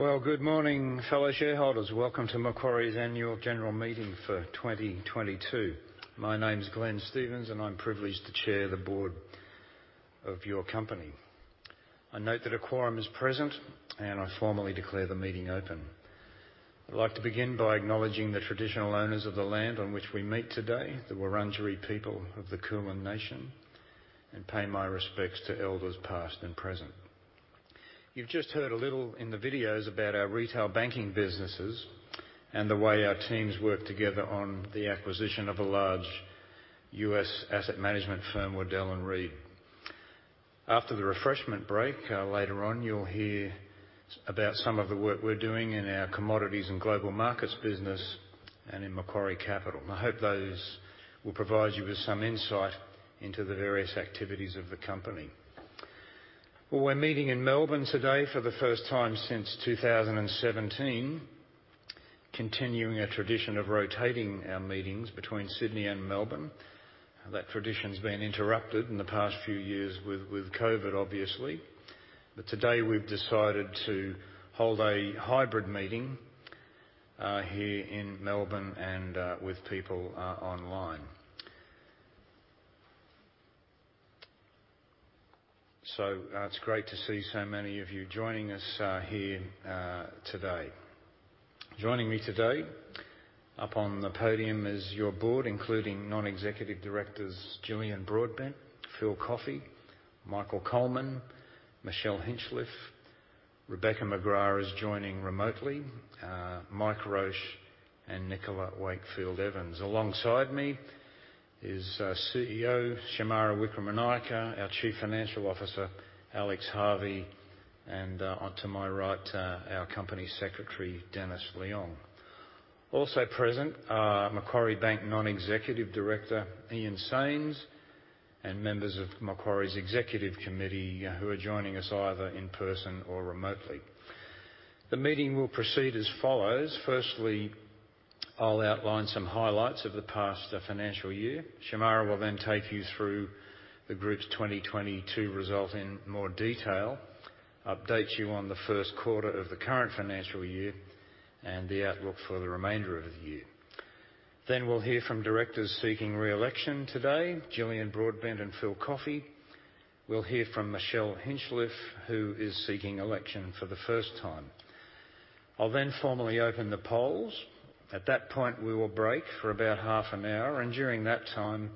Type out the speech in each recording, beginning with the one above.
Well, good morning, fellow shareholders. Welcome to Macquarie's Annual General Meeting for 2022. My name's Glenn Stevens, and I'm privileged to chair the board of your company. I note that a quorum is present, and I formally declare the meeting open. I'd like to begin by acknowledging the traditional owners of the land on which we meet today, the Wurundjeri people of the Kulin Nation, and pay my respects to elders past and present. You've just heard a little in the videos about our retail banking businesses and the way our teams worked together on the acquisition of a large U.S. asset management firm, Waddell & Reed. After the refreshment break, later on, you'll hear about some of the work we're doing in our commodities and global markets business and in Macquarie Capital. I hope those will provide you with some insight into the various activities of the company. Well, we're meeting in Melbourne today for the first time since 2017, continuing a tradition of rotating our meetings between Sydney and Melbourne. That tradition's been interrupted in the past few years with COVID, obviously. Today, we've decided to hold a hybrid meeting here in Melbourne and with people online. It's great to see so many of you joining us here today. Joining me today up on the podium is your board, including non-executive directors Jillian Broadbent, Philip Coffey, Michael Coleman, Michelle Hinchliffe. Rebecca McGrath is joining remotely, Mike Roche and Nicola Wakefield Evans. Alongside me is our CEO, Shemara Wikramanayake, our Chief Financial Officer, Alex Harvey, and on to my right, our Company Secretary, Dennis Leong. Also present are Macquarie Bank Non-Executive Director, Ian Saines, and members of Macquarie's Executive Committee, who are joining us either in person or remotely. The meeting will proceed as follows. Firstly, I'll outline some highlights of the past financial year. Shemara will then take you through the group's 2022 result in more detail, update you on the first quarter of the current financial year, and the outlook for the remainder of the year. Then we'll hear from directors seeking re-election today, Jillian Broadbent and Philip Coffey. We'll hear from Michelle Hinchliffe, who is seeking election for the first time. I'll then formally open the polls. At that point, we will break for about half an hour, and during that time,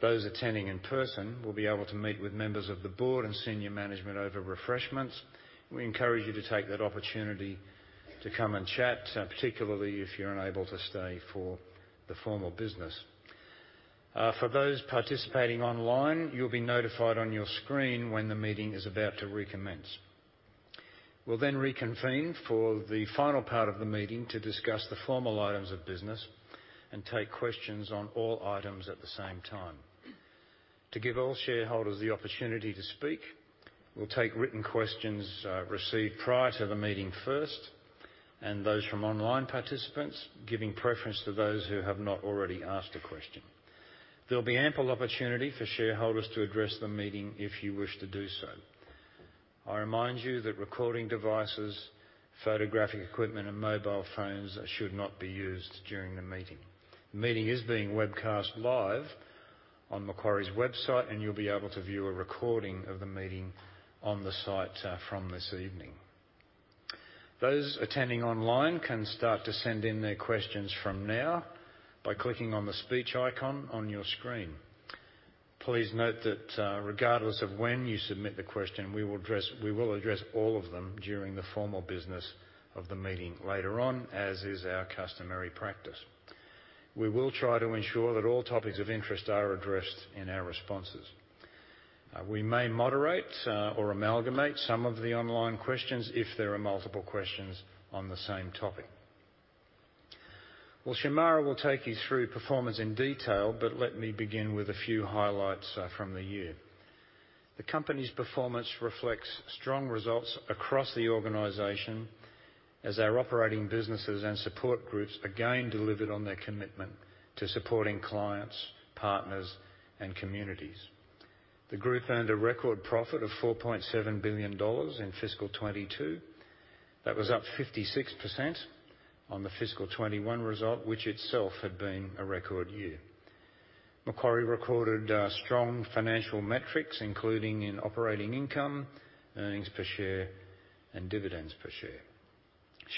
those attending in person will be able to meet with members of the board and senior management over refreshments. We encourage you to take that opportunity to come and chat, particularly if you're unable to stay for the formal business. For those participating online, you'll be notified on your screen when the meeting is about to recommence. We'll then reconvene for the final part of the meeting to discuss the formal items of business and take questions on all items at the same time. To give all shareholders the opportunity to speak, we'll take written questions, received prior to the meeting first, and those from online participants, giving preference to those who have not already asked a question. There'll be ample opportunity for shareholders to address the meeting if you wish to do so. I remind you that recording devices, photographic equipment, and mobile phones should not be used during the meeting. The meeting is being webcast live on Macquarie's website, and you'll be able to view a recording of the meeting on the site, from this evening. Those attending online can start to send in their questions from now by clicking on the speech icon on your screen. Please note that, regardless of when you submit the question, we will address all of them during the formal business of the meeting later on, as is our customary practice. We will try to ensure that all topics of interest are addressed in our responses. We may moderate, or amalgamate some of the online questions if there are multiple questions on the same topic. Well, Shemara will take you through performance in detail, but let me begin with a few highlights, from the year. The company's performance reflects strong results across the organization as our operating businesses and support groups again delivered on their commitment to supporting clients, partners, and communities. The group earned a record profit of 4.7 billion dollars in fiscal 2022. That was up 56% on the fiscal 2021 result, which itself had been a record year. Macquarie recorded strong financial metrics, including in operating income, earnings per share, and dividends per share.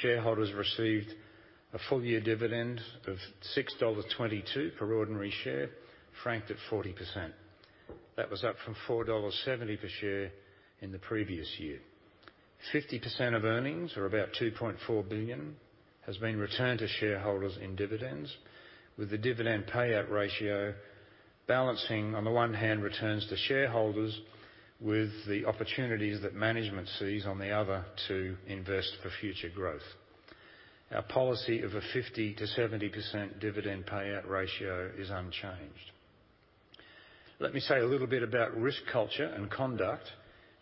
Shareholders received a full-year dividend of 6.22 dollars per ordinary share, franked at 40%. That was up from 4.70 dollars per share in the previous year. 50% of earnings, or about 2.4 billion, has been returned to shareholders in dividends, with the dividend payout ratio balancing, on the one hand, returns to shareholders with the opportunities that management sees on the other to invest for future growth. Our policy of a 50%-70% dividend payout ratio is unchanged. Let me say a little bit about risk culture and conduct,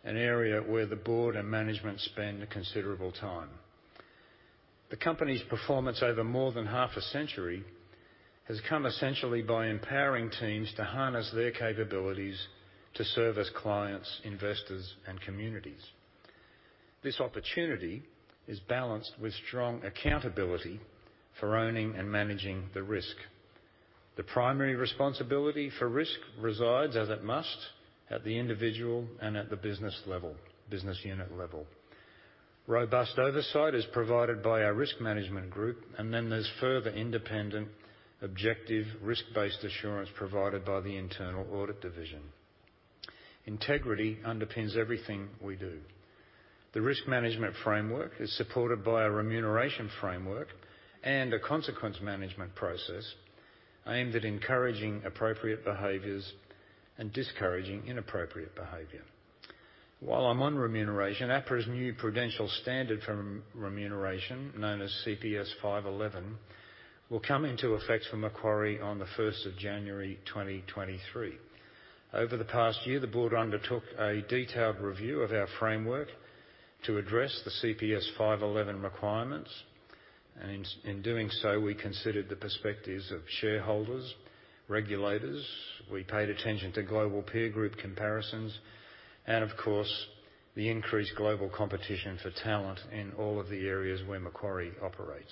an area where the board and management spend considerable time. The company's performance over more than half a century has come essentially by empowering teams to harness their capabilities to service clients, investors, and communities. This opportunity is balanced with strong accountability for owning and managing the risk. The primary responsibility for risk resides, as it must, at the individual and at the business level, business unit level. Robust oversight is provided by our risk management group, and then there's further independent, objective, risk-based assurance provided by the internal audit division. Integrity underpins everything we do. The risk management framework is supported by a remuneration framework and a consequence management process aimed at encouraging appropriate behaviors and discouraging inappropriate behavior. While I'm on remuneration, APRA's new Prudential Standard for Remuneration, known as CPS 511, will come into effect for Macquarie on the 1st of January, 2023. Over the past year, the board undertook a detailed review of our framework to address the CPS 511 requirements. In doing so, we considered the perspectives of shareholders, regulators, we paid attention to global peer group comparisons, and of course, the increased global competition for talent in all of the areas where Macquarie operates.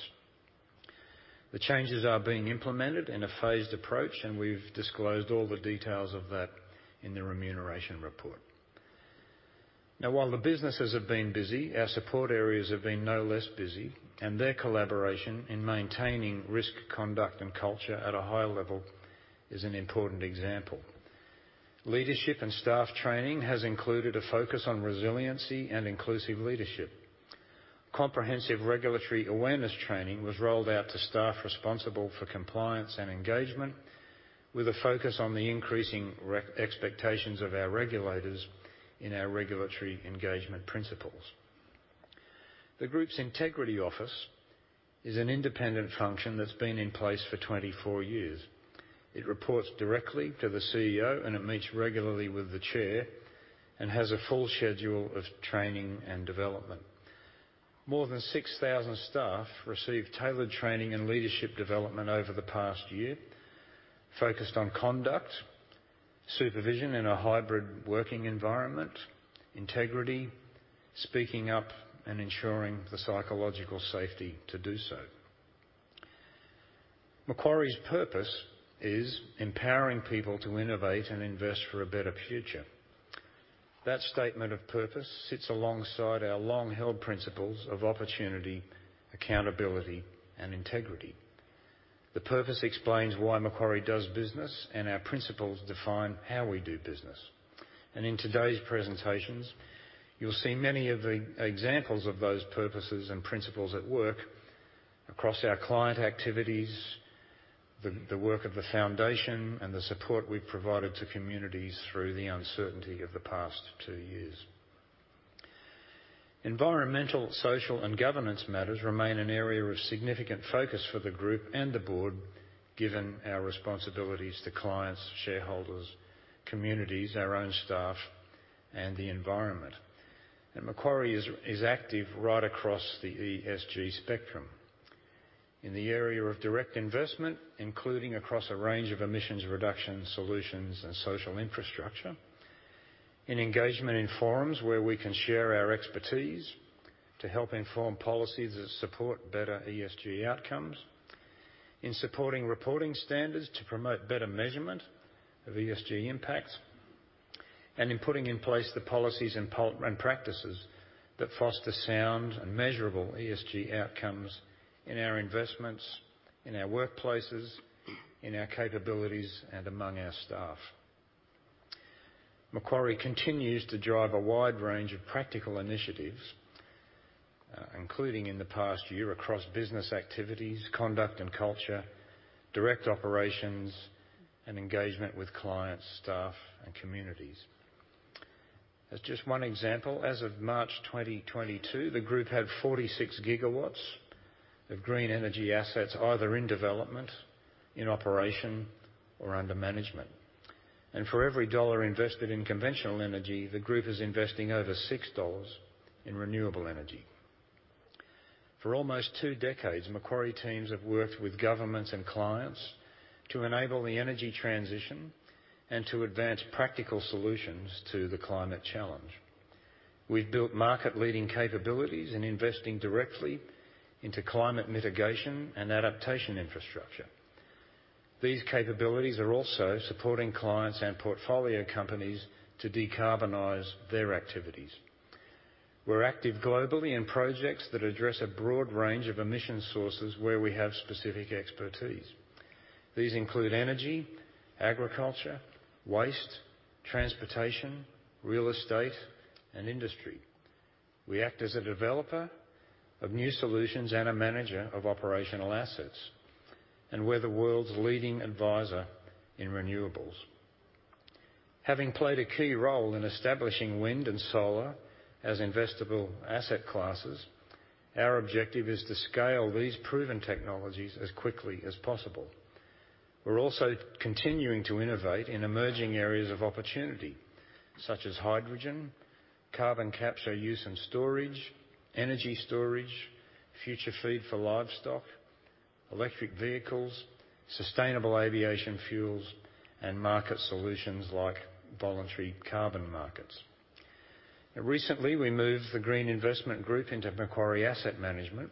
The changes are being implemented in a phased approach, and we've disclosed all the details of that in the remuneration report. Now, while the businesses have been busy, our support areas have been no less busy, and their collaboration in maintaining risk, conduct, and culture at a high level is an important example. Leadership and staff training has included a focus on resiliency and inclusive leadership. Comprehensive regulatory awareness training was rolled out to staff responsible for compliance and engagement, with a focus on the increasing expectations of our regulators in our regulatory engagement principles. The group's integrity office is an independent function that's been in place for 24 years. It reports directly to the CEO, and it meets regularly with the chair and has a full schedule of training and development. More than 6,000 staff received tailored training and leadership development over the past year, focused on conduct, supervision in a hybrid working environment, integrity, speaking up, and ensuring the psychological safety to do so. Macquarie's purpose is empowering people to innovate and invest for a better future. That statement of purpose sits alongside our long-held principles of opportunity, accountability, and integrity. The purpose explains why Macquarie does business, and our principles define how we do business. In today's presentations, you'll see many of the examples of those purposes and principles at work across our client activities, the work of the foundation, and the support we've provided to communities through the uncertainty of the past two years. Environmental, social, and governance matters remain an area of significant focus for the Group and the Board, given our responsibilities to clients, shareholders, communities, our own staff, and the environment. Macquarie is active right across the ESG spectrum. In the area of direct investment, including across a range of emissions reduction solutions and social infrastructure, in engagement in forums where we can share our expertise to help inform policies that support better ESG outcomes, in supporting reporting standards to promote better measurement of ESG impacts, and in putting in place the policies and practices that foster sound and measurable ESG outcomes in our investments, in our workplaces, in our capabilities, and among our staff. Macquarie continues to drive a wide range of practical initiatives, including in the past year across business activities, conduct and culture, direct operations, and engagement with clients, staff, and communities. As just one example, as of March 2022, the group had 46 GW of green energy assets either in development, in operation, or under management. For every dollar invested in conventional energy, the group is investing over 6 dollars in renewable energy. For almost two decades, Macquarie teams have worked with governments and clients to enable the energy transition and to advance practical solutions to the climate challenge. We've built market-leading capabilities in investing directly into climate mitigation and adaptation infrastructure. These capabilities are also supporting clients and portfolio companies to decarbonize their activities. We're active globally in projects that address a broad range of emission sources where we have specific expertise. These include energy, agriculture, waste, transportation, real estate, and industry. We act as a developer of new solutions and a manager of operational assets, and we're the world's leading advisor in renewables. Having played a key role in establishing wind and solar as investable asset classes, our objective is to scale these proven technologies as quickly as possible. We're also continuing to innovate in emerging areas of opportunity, such as hydrogen, carbon capture use and storage, energy storage, future feed for livestock, electric vehicles, sustainable aviation fuels, and market solutions like voluntary carbon markets. Now recently, we moved the Green Investment Group into Macquarie Asset Management,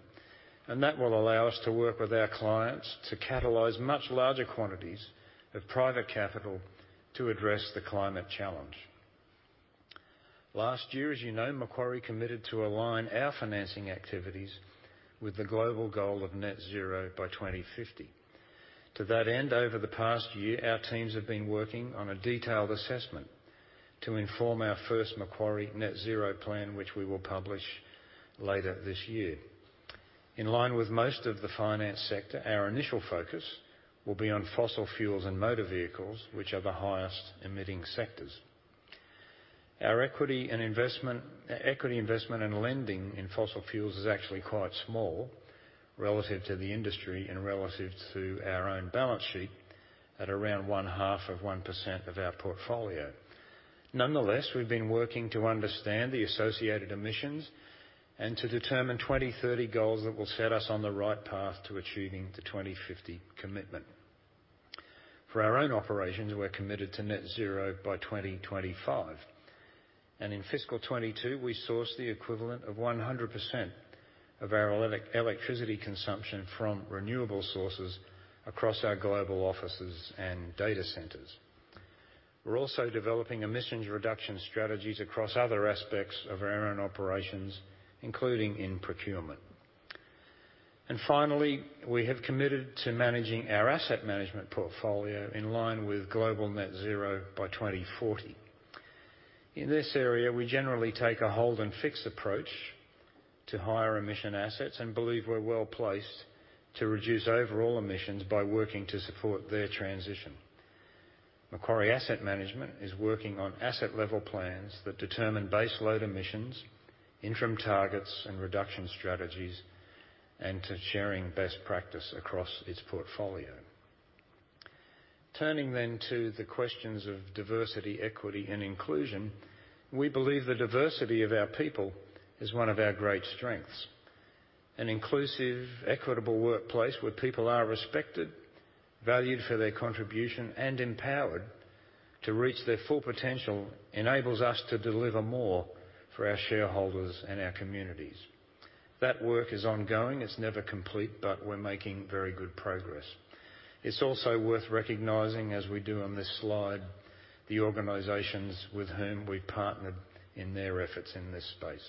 and that will allow us to work with our clients to catalyze much larger quantities of private capital to address the climate challenge. Last year, as you know, Macquarie committed to align our financing activities with the global goal of net zero by 2050. To that end, over the past year, our teams have been working on a detailed assessment to inform our first Macquarie net zero plan, which we will publish later this year. In line with most of the finance sector, our initial focus will be on fossil fuels and motor vehicles, which are the highest emitting sectors. Our equity investment and lending in fossil fuels is actually quite small relative to the industry and relative to our own balance sheet at around 0.5% of our portfolio. Nonetheless, we've been working to understand the associated emissions and to determine 2030 goals that will set us on the right path to achieving the 2050 commitment. For our own operations, we're committed to net zero by 2025. In fiscal 2022, we sourced the equivalent of 100% of our electricity consumption from renewable sources across our global offices and data centers. We're also developing emissions reduction strategies across other aspects of our own operations, including in procurement. Finally, we have committed to managing our asset management portfolio in line with global net zero by 2040. In this area, we generally take a hold and fix approach to higher emission assets and believe we're well-placed to reduce overall emissions by working to support their transition. Macquarie Asset Management is working on asset-level plans that determine baseload emissions, interim targets, and reduction strategies, and to sharing best practice across its portfolio. Turning to the questions of diversity, equity, and inclusion, we believe the diversity of our people is one of our great strengths. An inclusive, equitable workplace where people are respected, valued for their contribution, and empowered to reach their full potential enables us to deliver more for our shareholders and our communities. That work is ongoing. It's never complete, but we're making very good progress. It's also worth recognizing, as we do on this slide, the organizations with whom we partnered in their efforts in this space.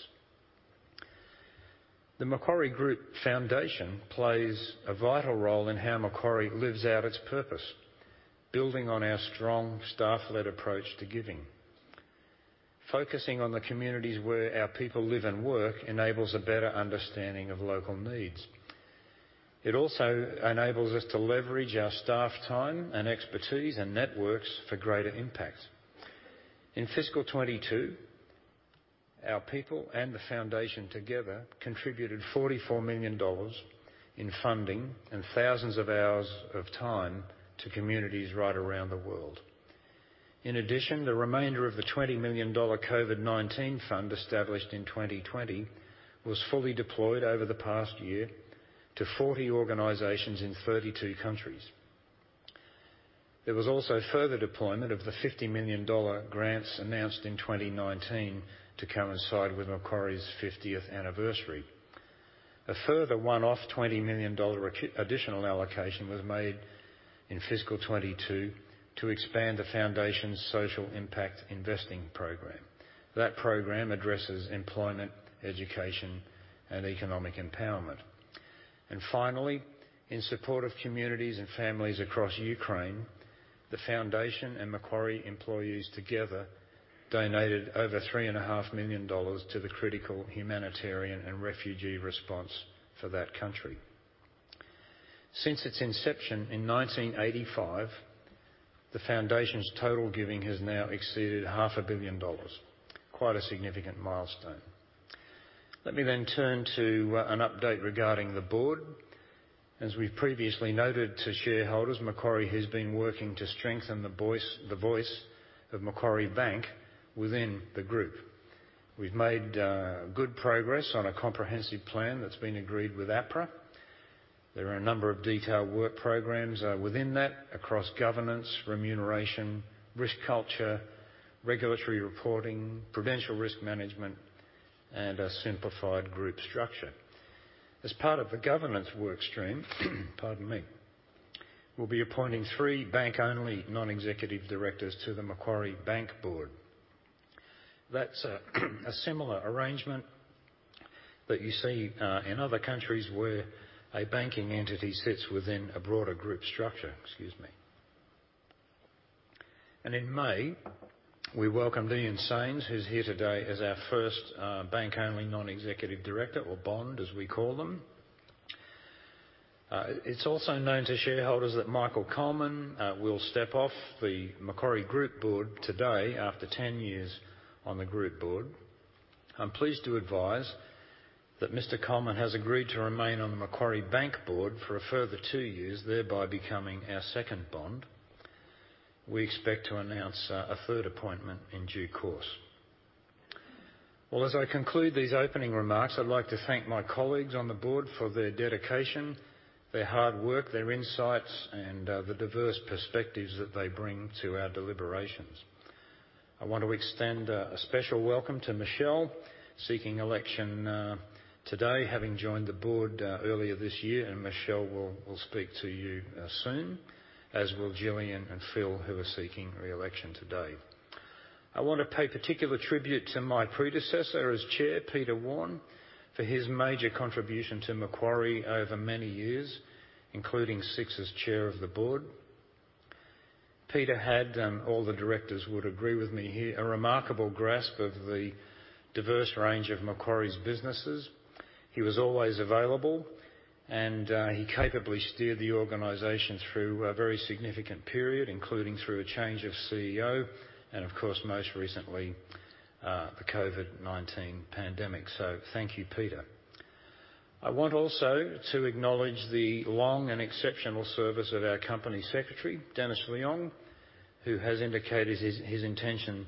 The Macquarie Group Foundation plays a vital role in how Macquarie lives out its purpose, building on our strong staff-led approach to giving. Focusing on the communities where our people live and work enables a better understanding of local needs. It also enables us to leverage our staff time and expertise and networks for greater impact. In fiscal 2022, our people and the foundation together contributed 44 million dollars in funding and thousands of hours of time to communities right around the world. In addition, the remainder of the 20 million dollar COVID-19 fund established in 2020 was fully deployed over the past year to 40 organizations in 32 countries. There was also further deployment of the 50 million dollar grants announced in 2019 to coincide with Macquarie's 50th anniversary. A further one-off 20 million dollar additional allocation was made in fiscal 2022 to expand the foundation's social impact investing program. That program addresses employment, education, and economic empowerment. Finally, in support of communities and families across Ukraine, the foundation and Macquarie employees together donated over 3.5 million dollars to the critical humanitarian and refugee response for that country. Since its inception in 1985, the foundation's total giving has now exceeded AUD half a billion. Quite a significant milestone. Let me turn to an update regarding the board. As we've previously noted to shareholders, Macquarie has been working to strengthen the voice of Macquarie Bank within the group. We've made good progress on a comprehensive plan that's been agreed with APRA. There are a number of detailed work programs within that across governance, remuneration, risk culture, regulatory reporting, prudential risk management, and a simplified group structure. As part of the governance work stream, we'll be appointing three bank-only non-executive directors to the Macquarie Bank Board. That's a similar arrangement that you see in other countries where a banking entity sits within a broader group structure. In May, we welcomed Ian Saines, who's here today, as our first bank-only non-executive director or BOND, as we call them. It's also known to shareholders that Michael Coleman will step off the Macquarie Group Board today after 10 years on the group board. I'm pleased to advise that Mr. Coleman has agreed to remain on the Macquarie Bank board for a further two years, thereby becoming our second non-exec. We expect to announce a third appointment in due course. Well, as I conclude these opening remarks, I'd like to thank my colleagues on the board for their dedication, their hard work, their insights, and the diverse perspectives that they bring to our deliberations. I want to extend a special welcome to Michelle, seeking election today, having joined the board earlier this year, and Michelle will speak to you soon, as will Jillian and Philip, who are seeking re-election today. I wanna pay particular tribute to my predecessor as chair, Peter Warne, for his major contribution to Macquarie over many years, including six as chair of the board. Peter had, and all the directors would agree with me here, a remarkable grasp of the diverse range of Macquarie's businesses. He was always available, and he capably steered the organization through a very significant period, including through a change of CEO and of course, most recently, the COVID-19 pandemic. Thank you, Peter. I want also to acknowledge the long and exceptional service of our company secretary, Dennis Leong, who has indicated his intention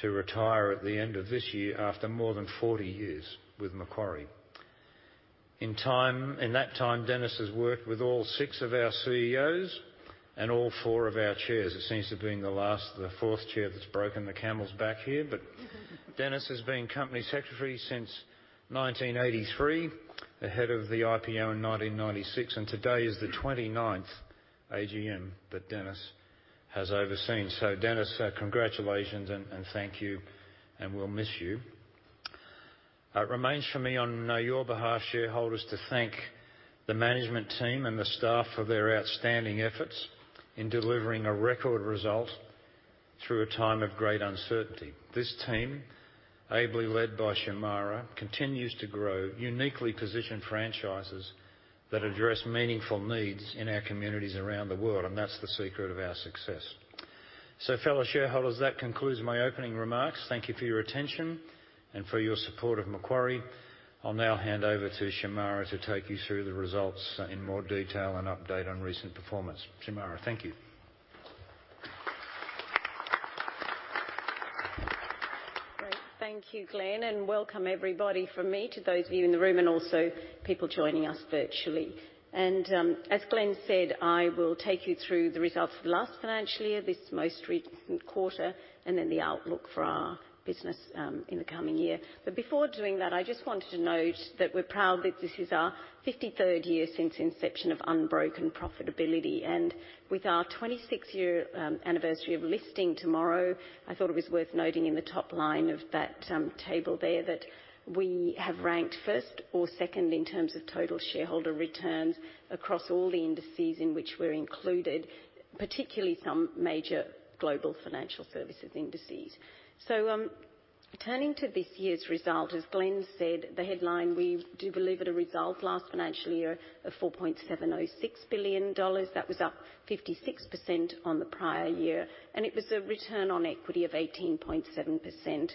to retire at the end of this year after more than 40 years with Macquarie. In that time, Dennis has worked with all six of our CEOs and all four of our chairs. It seems to have been the last, the fourth chair that's broken the camel's back here. Dennis has been company secretary since 1983, ahead of the IPO in 1996, and today is the 29th AGM that Dennis has overseen. Dennis, congratulations and thank you, and we'll miss you. It remains for me on your behalf, shareholders, to thank the management team and the staff for their outstanding efforts in delivering a record result through a time of great uncertainty. This team, ably led by Shemara, continues to grow uniquely positioned franchises that address meaningful needs in our communities around the world, and that's the secret of our success. Fellow shareholders, that concludes my opening remarks. Thank you for your attention and for your support of Macquarie. I'll now hand over to Shemara to take you through the results in more detail and update on recent performance. Shemara, thank you. Great. Thank you, Glenn, and welcome everybody from me to those of you in the room and also people joining us virtually. As Glenn said, I will take you through the results for the last financial year, this most recent quarter, and then the outlook for our business in the coming year. Before doing that, I just wanted to note that we're proud that this is our 53rd year since inception of unbroken profitability. With our 26th year anniversary of listing tomorrow, I thought it was worth noting in the top line of that table there that we have ranked first or second in terms of total shareholder returns across all the indices in which we're included, particularly some major global financial services indices. Turning to this year's result, as Glenn said, the headline, we delivered a result last financial year of 4.706 billion dollars. That was up 56% on the prior year, and it was a return on equity of 18.7%,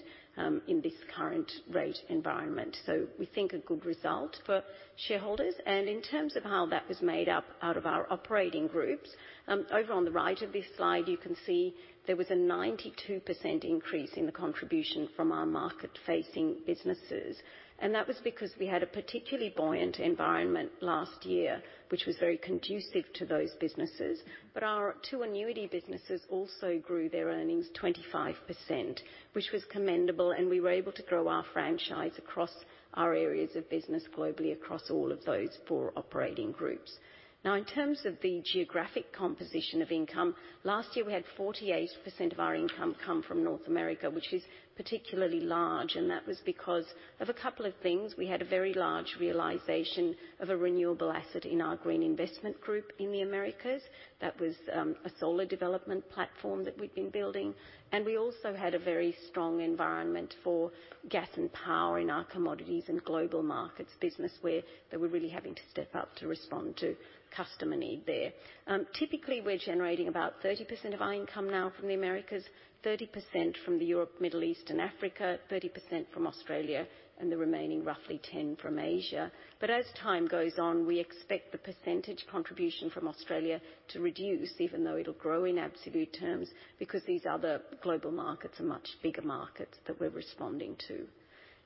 in this current rate environment. We think a good result for shareholders. In terms of how that was made up out of our operating groups, over on the right of this slide, you can see there was a 92% increase in the contribution from our market-facing businesses. That was because we had a particularly buoyant environment last year, which was very conducive to those businesses. Our two annuity businesses also grew their earnings 25%, which was commendable, and we were able to grow our franchise across our areas of business globally across all of those four operating groups. Now, in terms of the geographic composition of income, last year we had 48% of our income come from North America, which is particularly large, and that was because of a couple of things. We had a very large realization of a renewable asset in our Green Investment Group in the Americas. That was a solar development platform that we've been building. We also had a very strong environment for gas and power in our Commodities and Global Markets business, where they were really having to step up to respond to customer need there. Typically, we're generating about 30% of our income now from the Americas, 30% from the Europe, Middle East and Africa, 30% from Australia, and the remaining roughly 10% from Asia. As time goes on, we expect the percentage contribution from Australia to reduce, even though it'll grow in absolute terms, because these other global markets are much bigger markets that we're responding to.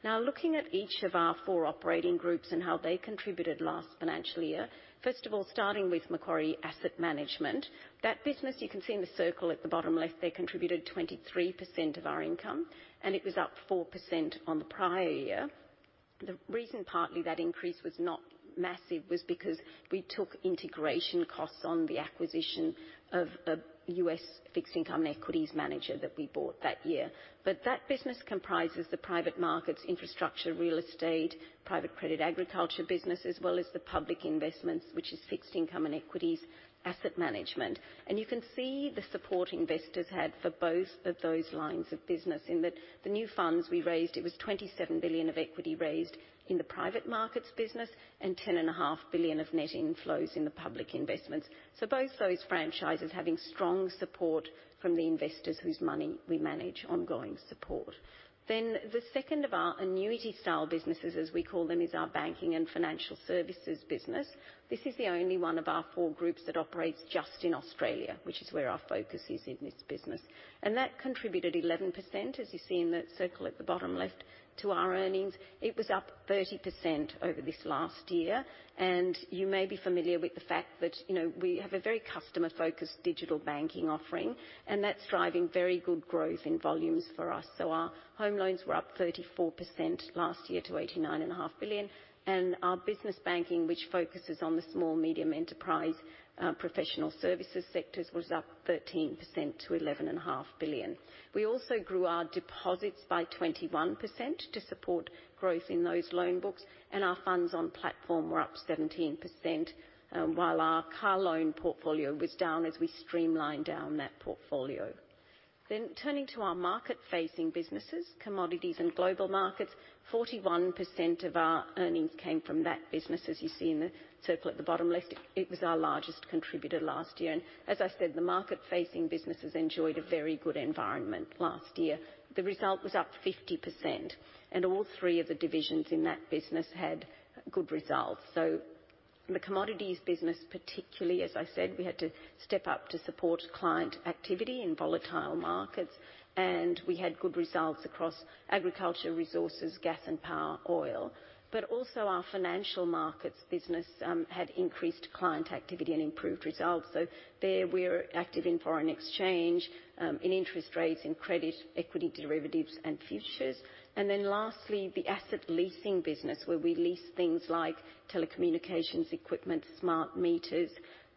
Now, looking at each of our four operating groups and how they contributed last financial year. First of all, starting with Macquarie Asset Management. That business, you can see in the circle at the bottom left there, contributed 23% of our income, and it was up 4% on the prior year. The reason partly that increase was not massive was because we took integration costs on the acquisition of a U.S. fixed income equities manager that we bought that year. That business comprises the private markets, infrastructure, real estate, private credit, agriculture business, as well as the public investments, which is fixed income and equities asset management. You can see the support investors had for both of those lines of business in that the new funds we raised, it was 27 billion of equity raised in the private markets business and 10.5 billion of net inflows in the public investments. Both those franchises having strong support from the investors whose money we manage, ongoing support. The second of our annuity style businesses, as we call them, is our banking and financial services business. This is the only one of our four groups that operates just in Australia, which is where our focus is in this business. That contributed 11%, as you see in that circle at the bottom left, to our earnings. It was up 30% over this last year. You may be familiar with the fact that, you know, we have a very customer-focused digital banking offering, and that's driving very good growth in volumes for us. Our home loans were up 34% last year to 89.5 billion. Our business banking, which focuses on the small medium enterprise, professional services sectors, was up 13% to 11.5 billion. We also grew our deposits by 21% to support growth in those loan books, and our funds on platform were up 17%, while our car loan portfolio was down as we streamlined down that portfolio. Turning to our market-facing businesses, Commodities and Global Markets, 41% of our earnings came from that business, as you see in the circle at the bottom left. It was our largest contributor last year, and as I said, the market-facing businesses enjoyed a very good environment last year. The result was up 50% and all three of the divisions in that business had good results. The Commodities business, particularly, as I said, we had to step up to support client activity in volatile markets, and we had good results across agriculture, resources, gas and power, oil. Our financial markets business had increased client activity and improved results. There we are active in foreign exchange, in interest rates, in credit, equity derivatives and futures. Then lastly, the asset leasing business where we lease things like telecommunications equipment, smart meters.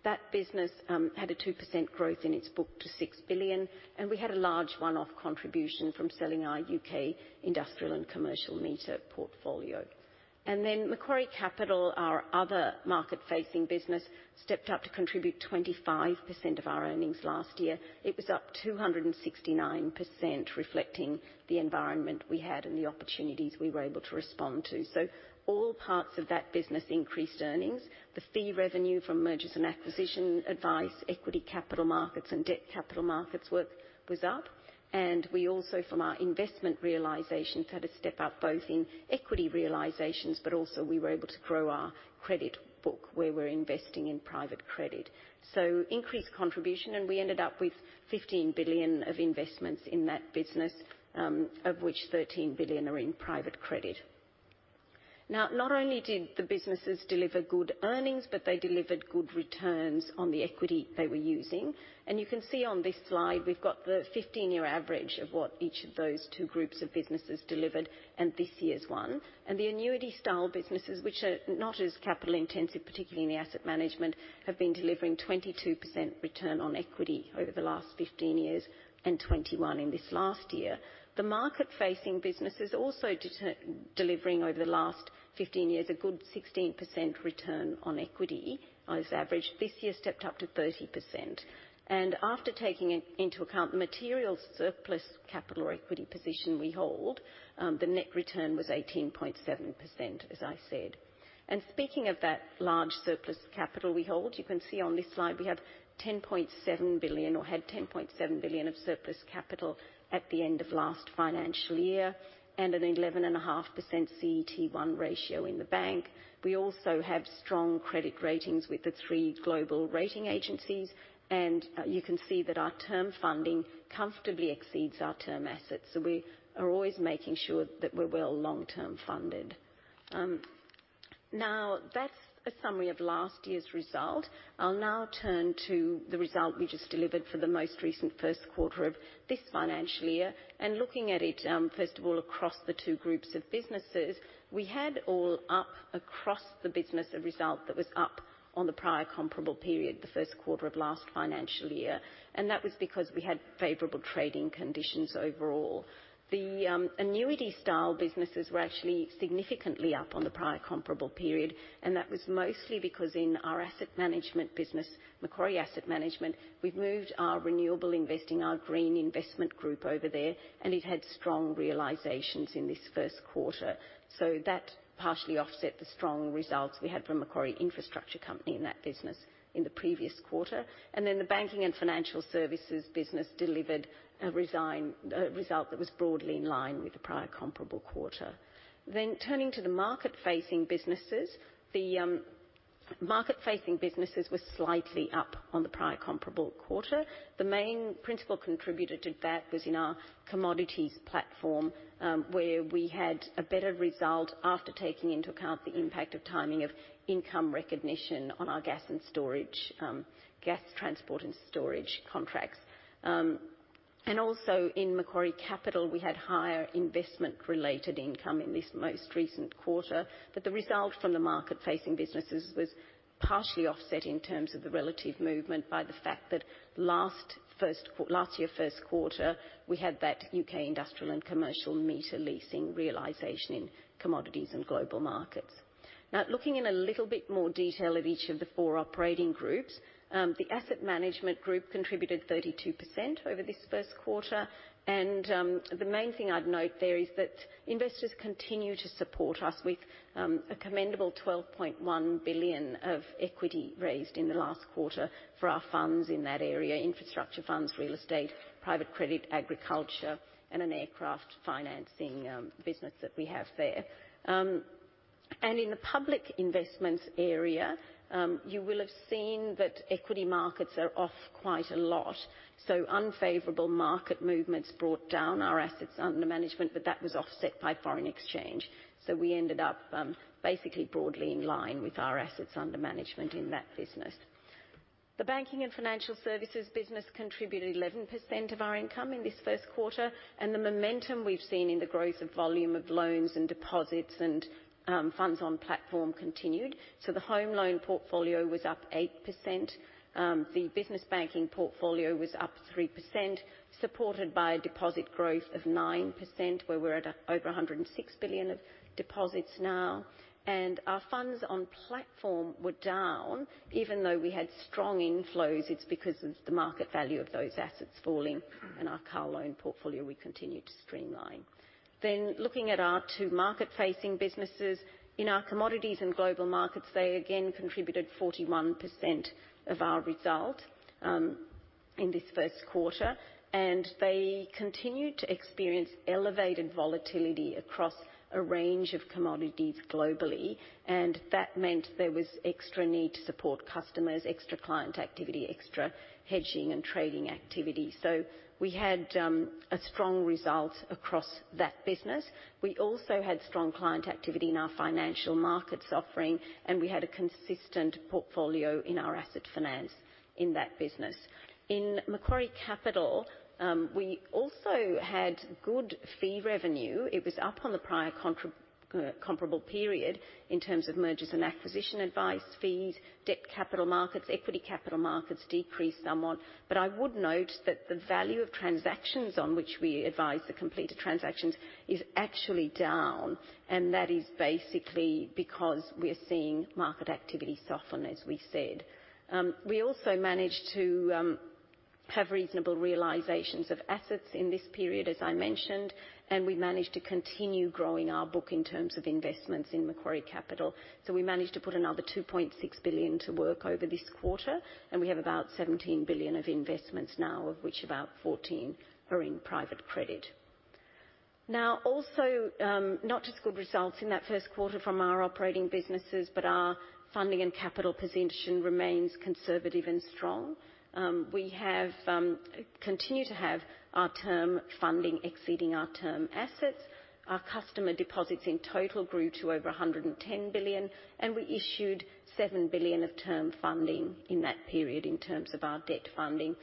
That business had a 2% growth in its book to 6 billion, and we had a large one-off contribution from selling our U.K. industrial and commercial meter portfolio. Macquarie Capital, our other market-facing business, stepped up to contribute 25% of our earnings last year. It was up 269%, reflecting the environment we had and the opportunities we were able to respond to. All parts of that business increased earnings. The fee revenue from mergers and acquisitions advice, equity capital markets and debt capital markets work was up. We also from our investment realizations had a step up both in equity realizations, but also we were able to grow our credit book where we're investing in private credit. Increased contribution, and we ended up with 15 billion of investments in that business, of which 13 billion are in private credit. Now, not only did the businesses deliver good earnings, but they delivered good returns on the equity they were using. You can see on this slide we've got the 15-year average of what each of those two groups of businesses delivered and this year's one. The annuity style businesses, which are not as capital intensive, particularly in the asset management, have been delivering 22% return on equity over the last 15 years and 21 in this last year. The market-facing businesses also delivering over the last 15 years, a good 16% return on equity as averaged. This year stepped up to 30%. After taking it into account the material surplus capital or equity position we hold, the net return was 18.7%, as I said. Speaking of that large surplus capital we hold, you can see on this slide we have 10.7 billion or had 10.7 billion of surplus capital at the end of last financial year and an 11.5% CET1 ratio in the bank. We also have strong credit ratings with the three global rating agencies, and you can see that our term funding comfortably exceeds our term assets. We are always making sure that we're well long-term funded. Now that's a summary of last year's result. I'll now turn to the result we just delivered for the most recent first quarter of this financial year. Looking at it, first of all across the two groups of businesses, we had all up across the business, a result that was up on the prior comparable period, the first quarter of last financial year, and that was because we had favorable trading conditions overall. The annuity style businesses were actually significantly up on the prior comparable period, and that was mostly because in our asset management business, Macquarie Asset Management, we've moved our renewable investing, our Green Investment Group over there, and it had strong realizations in this first quarter. So that partially offset the strong results we had from Macquarie Infrastructure Corporation in that business in the previous quarter. The Banking and Financial Services business delivered a result that was broadly in line with the prior comparable quarter. Turning to the market-facing businesses. The market-facing businesses were slightly up on the prior comparable quarter. The main principal contributor to that was in our commodities platform, where we had a better result after taking into account the impact of timing of income recognition on our gas and storage, gas transport and storage contracts. Also in Macquarie Capital, we had higher investment-related income in this most recent quarter. The result from the market-facing businesses was partially offset in terms of the relative movement by the fact that last year first quarter, we had that U.K. industrial and commercial meter leasing realization in Commodities and Global Markets. Now, looking in a little bit more detail of each of the four operating groups. The Asset Management Group contributed 32% over this first quarter. The main thing I'd note there is that investors continue to support us with a commendable 12.1 billion of equity raised in the last quarter for our funds in that area, infrastructure funds, real estate, private credit, agriculture, and an aircraft financing business that we have there. In the public investments area, you will have seen that equity markets are off quite a lot, so unfavorable market movements brought down our assets under management, but that was offset by foreign exchange. We ended up basically broadly in line with our assets under management in that business. The banking and financial services business contributed 11% of our income in this first quarter, and the momentum we've seen in the growth of volume of loans and deposits and funds on platform continued. The home loan portfolio was up 8%. The business banking portfolio was up 3%, supported by a deposit growth of 9%, where we're at over 106 billion of deposits now. Our funds on platform were down. Even though we had strong inflows, it's because of the market value of those assets falling and our car loan portfolio, we continued to streamline. Looking at our two market-facing businesses. In our Commodities and Global Markets, they again contributed 41% of our result in this first quarter, and they continued to experience elevated volatility across a range of commodities globally. That meant there was extra need to support customers, extra client activity, extra hedging and trading activity. We had a strong result across that business. We also had strong client activity in our financial markets offering, and we had a consistent portfolio in our asset finance in that business. In Macquarie Capital, we also had good fee revenue. It was up on the prior comparable period in terms of mergers and acquisition advice, fees, debt capital markets. Equity capital markets decreased somewhat. I would note that the value of transactions on which we advise the completed transactions is actually down, and that is basically because we're seeing market activity soften, as we said. We also managed to have reasonable realizations of assets in this period, as I mentioned, and we managed to continue growing our book in terms of investments in Macquarie Capital. We managed to put another 2.6 billion to work over this quarter, and we have about 17 billion of investments now, of which about 14 billion are in private credit. Now, also, not just good results in that first quarter from our operating businesses, but our funding and capital position remains conservative and strong. We have continue to have our term funding exceeding our term assets. Our customer deposits in total grew to over 110 billion, and we issued 7 billion of term funding in that period in terms of our debt funding.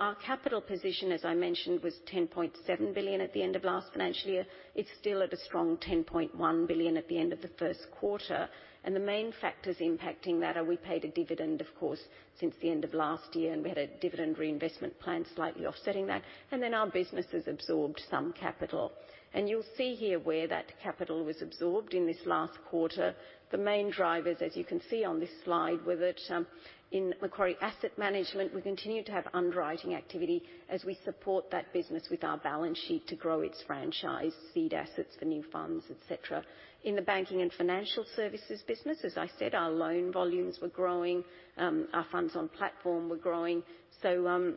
Our capital position, as I mentioned, was 10.7 billion at the end of last financial year. It's still at a strong 10.1 billion at the end of the first quarter. The main factors impacting that are we paid a dividend, of course, since the end of last year, and we had a dividend reinvestment plan slightly offsetting that, and then our businesses absorbed some capital. You'll see here where that capital was absorbed in this last quarter. The main drivers, as you can see on this slide, were that, in Macquarie Asset Management, we continued to have underwriting activity as we support that business with our balance sheet to grow its franchise, seed assets for new funds, et cetera. In the Banking and Financial Services business, as I said, our loan volumes were growing, our funds on platform were growing. So,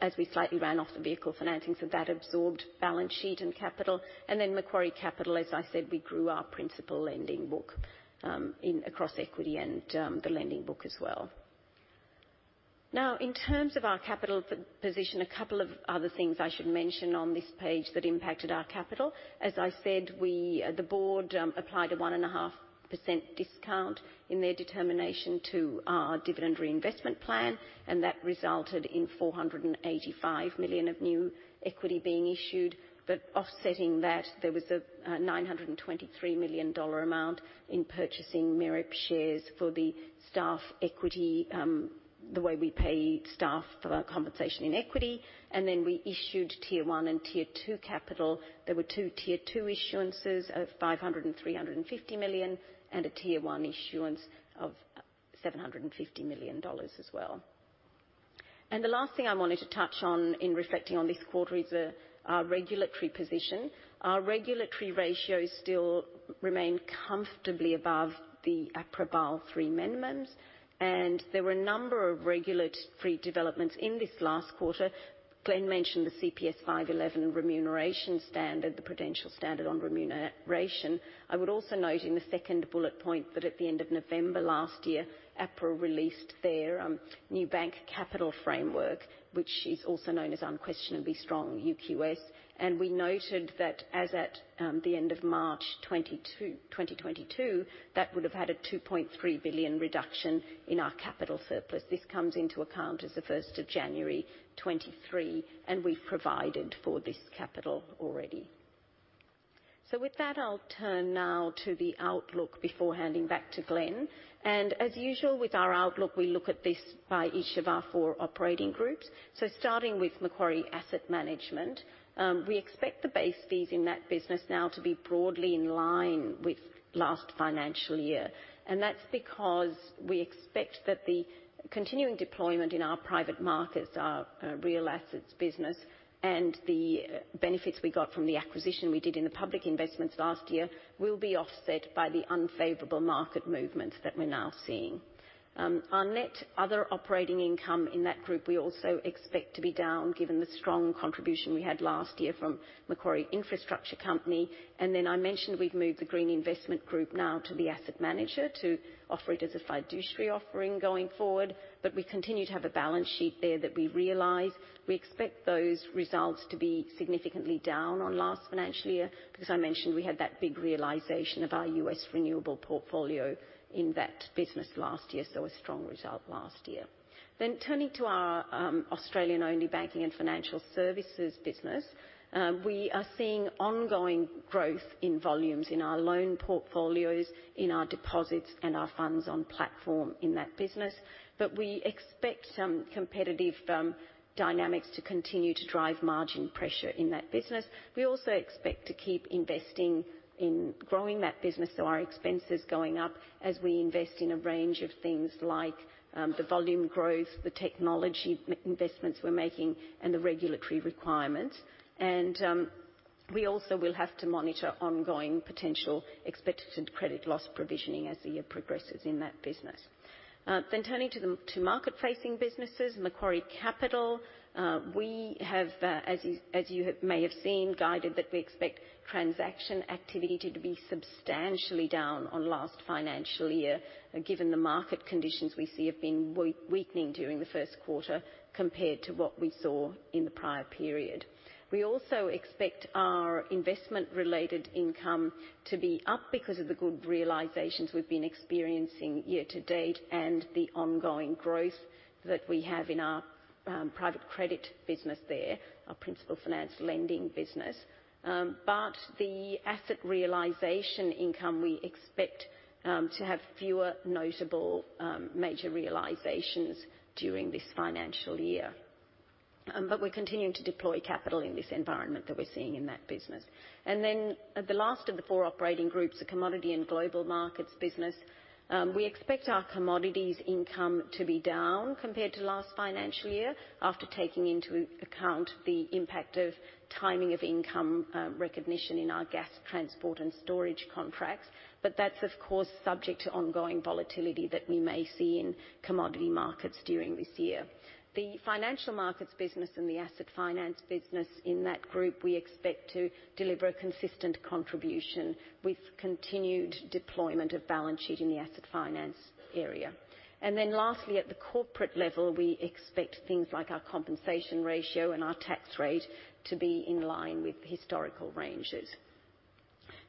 as we slightly ran off the vehicle financings, so that absorbed balance sheet and capital. Macquarie Capital, as I said, we grew our principal lending book in equities and the lending book as well. Now, in terms of our capital position, a couple of other things I should mention on this page that impacted our capital. As I said, we, the board, applied a 1.5% discount in their determination to our dividend reinvestment plan, and that resulted in 485 million of new equity being issued. Offsetting that, there was a 923 million dollar amount in purchasing MEREP shares for the staff equity, the way we pay staff for our compensation in equity. We issued Tier 1 and Tier 2 capital. There were two Tier 2 issuances of 500 million and 350 million, and a Tier 1 issuance of 750 million dollars as well. The last thing I wanted to touch on in reflecting on this quarter is our regulatory position. Our regulatory ratios still remain comfortably above the APRA Basel III minimums, and there were a number of regulatory developments in this last quarter. Glenn mentioned the CPS 511 remuneration standard, the Prudential Standard on Remuneration. I would also note in the second bullet point that at the end of November last year, APRA released their new bank capital framework, which is also known as Unquestionably Strong, UQS. We noted that as at the end of March 2022, that would have had a 2.3 billion reduction in our capital surplus. This comes into account as of first of January 2023, and we've provided for this capital already. With that, I'll turn now to the outlook before handing back to Glenn. As usual, with our outlook, we look at this by each of our four operating groups. Starting with Macquarie Asset Management, we expect the base fees in that business now to be broadly in line with last financial year. That's because we expect that the continuing deployment in our private markets, our real assets business and the benefits we got from the acquisition we did in the public investments last year will be offset by the unfavorable market movements that we're now seeing. Our net other operating income in that group, we also expect to be down given the strong contribution we had last year from Macquarie Infrastructure Corporation. I mentioned we've moved the Green Investment Group now to the asset manager to offer it as a fiduciary offering going forward. We continue to have a balance sheet there that we realize. We expect those results to be significantly down on last financial year, because I mentioned we had that big realization of our U.S. renewable portfolio in that business last year. A strong result last year. Turning to our Australian-only Banking and Financial Services business, we are seeing ongoing growth in volumes in our loan portfolios, in our deposits, and our funds on platform in that business. We expect some competitive dynamics to continue to drive margin pressure in that business. We also expect to keep investing in growing that business. Our expenses going up as we invest in a range of things like the volume growth, the technology investments we're making, and the regulatory requirements. We also will have to monitor ongoing potential expected credit loss provisioning as the year progresses in that business. Turning to market-facing businesses, Macquarie Capital, we have guided that we expect transaction activity to be substantially down on last financial year, given the market conditions we see have been weakening during the first quarter compared to what we saw in the prior period. We also expect our investment-related income to be up because of the good realizations we've been experiencing year to date and the ongoing growth that we have in our private credit business there, our principal finance lending business. The asset realization income, we expect, to have fewer notable, major realizations during this financial year. We're continuing to deploy capital in this environment that we're seeing in that business. The last of the four operating groups, the Commodities and Global Markets business, we expect our commodities income to be down compared to last financial year after taking into account the impact of timing of income, recognition in our gas transport and storage contracts. That's of course subject to ongoing volatility that we may see in commodity markets during this year. The financial markets business and the asset finance business in that group, we expect to deliver a consistent contribution with continued deployment of balance sheet in the asset finance area. Lastly, at the corporate level, we expect things like our compensation ratio and our tax rate to be in line with historical ranges.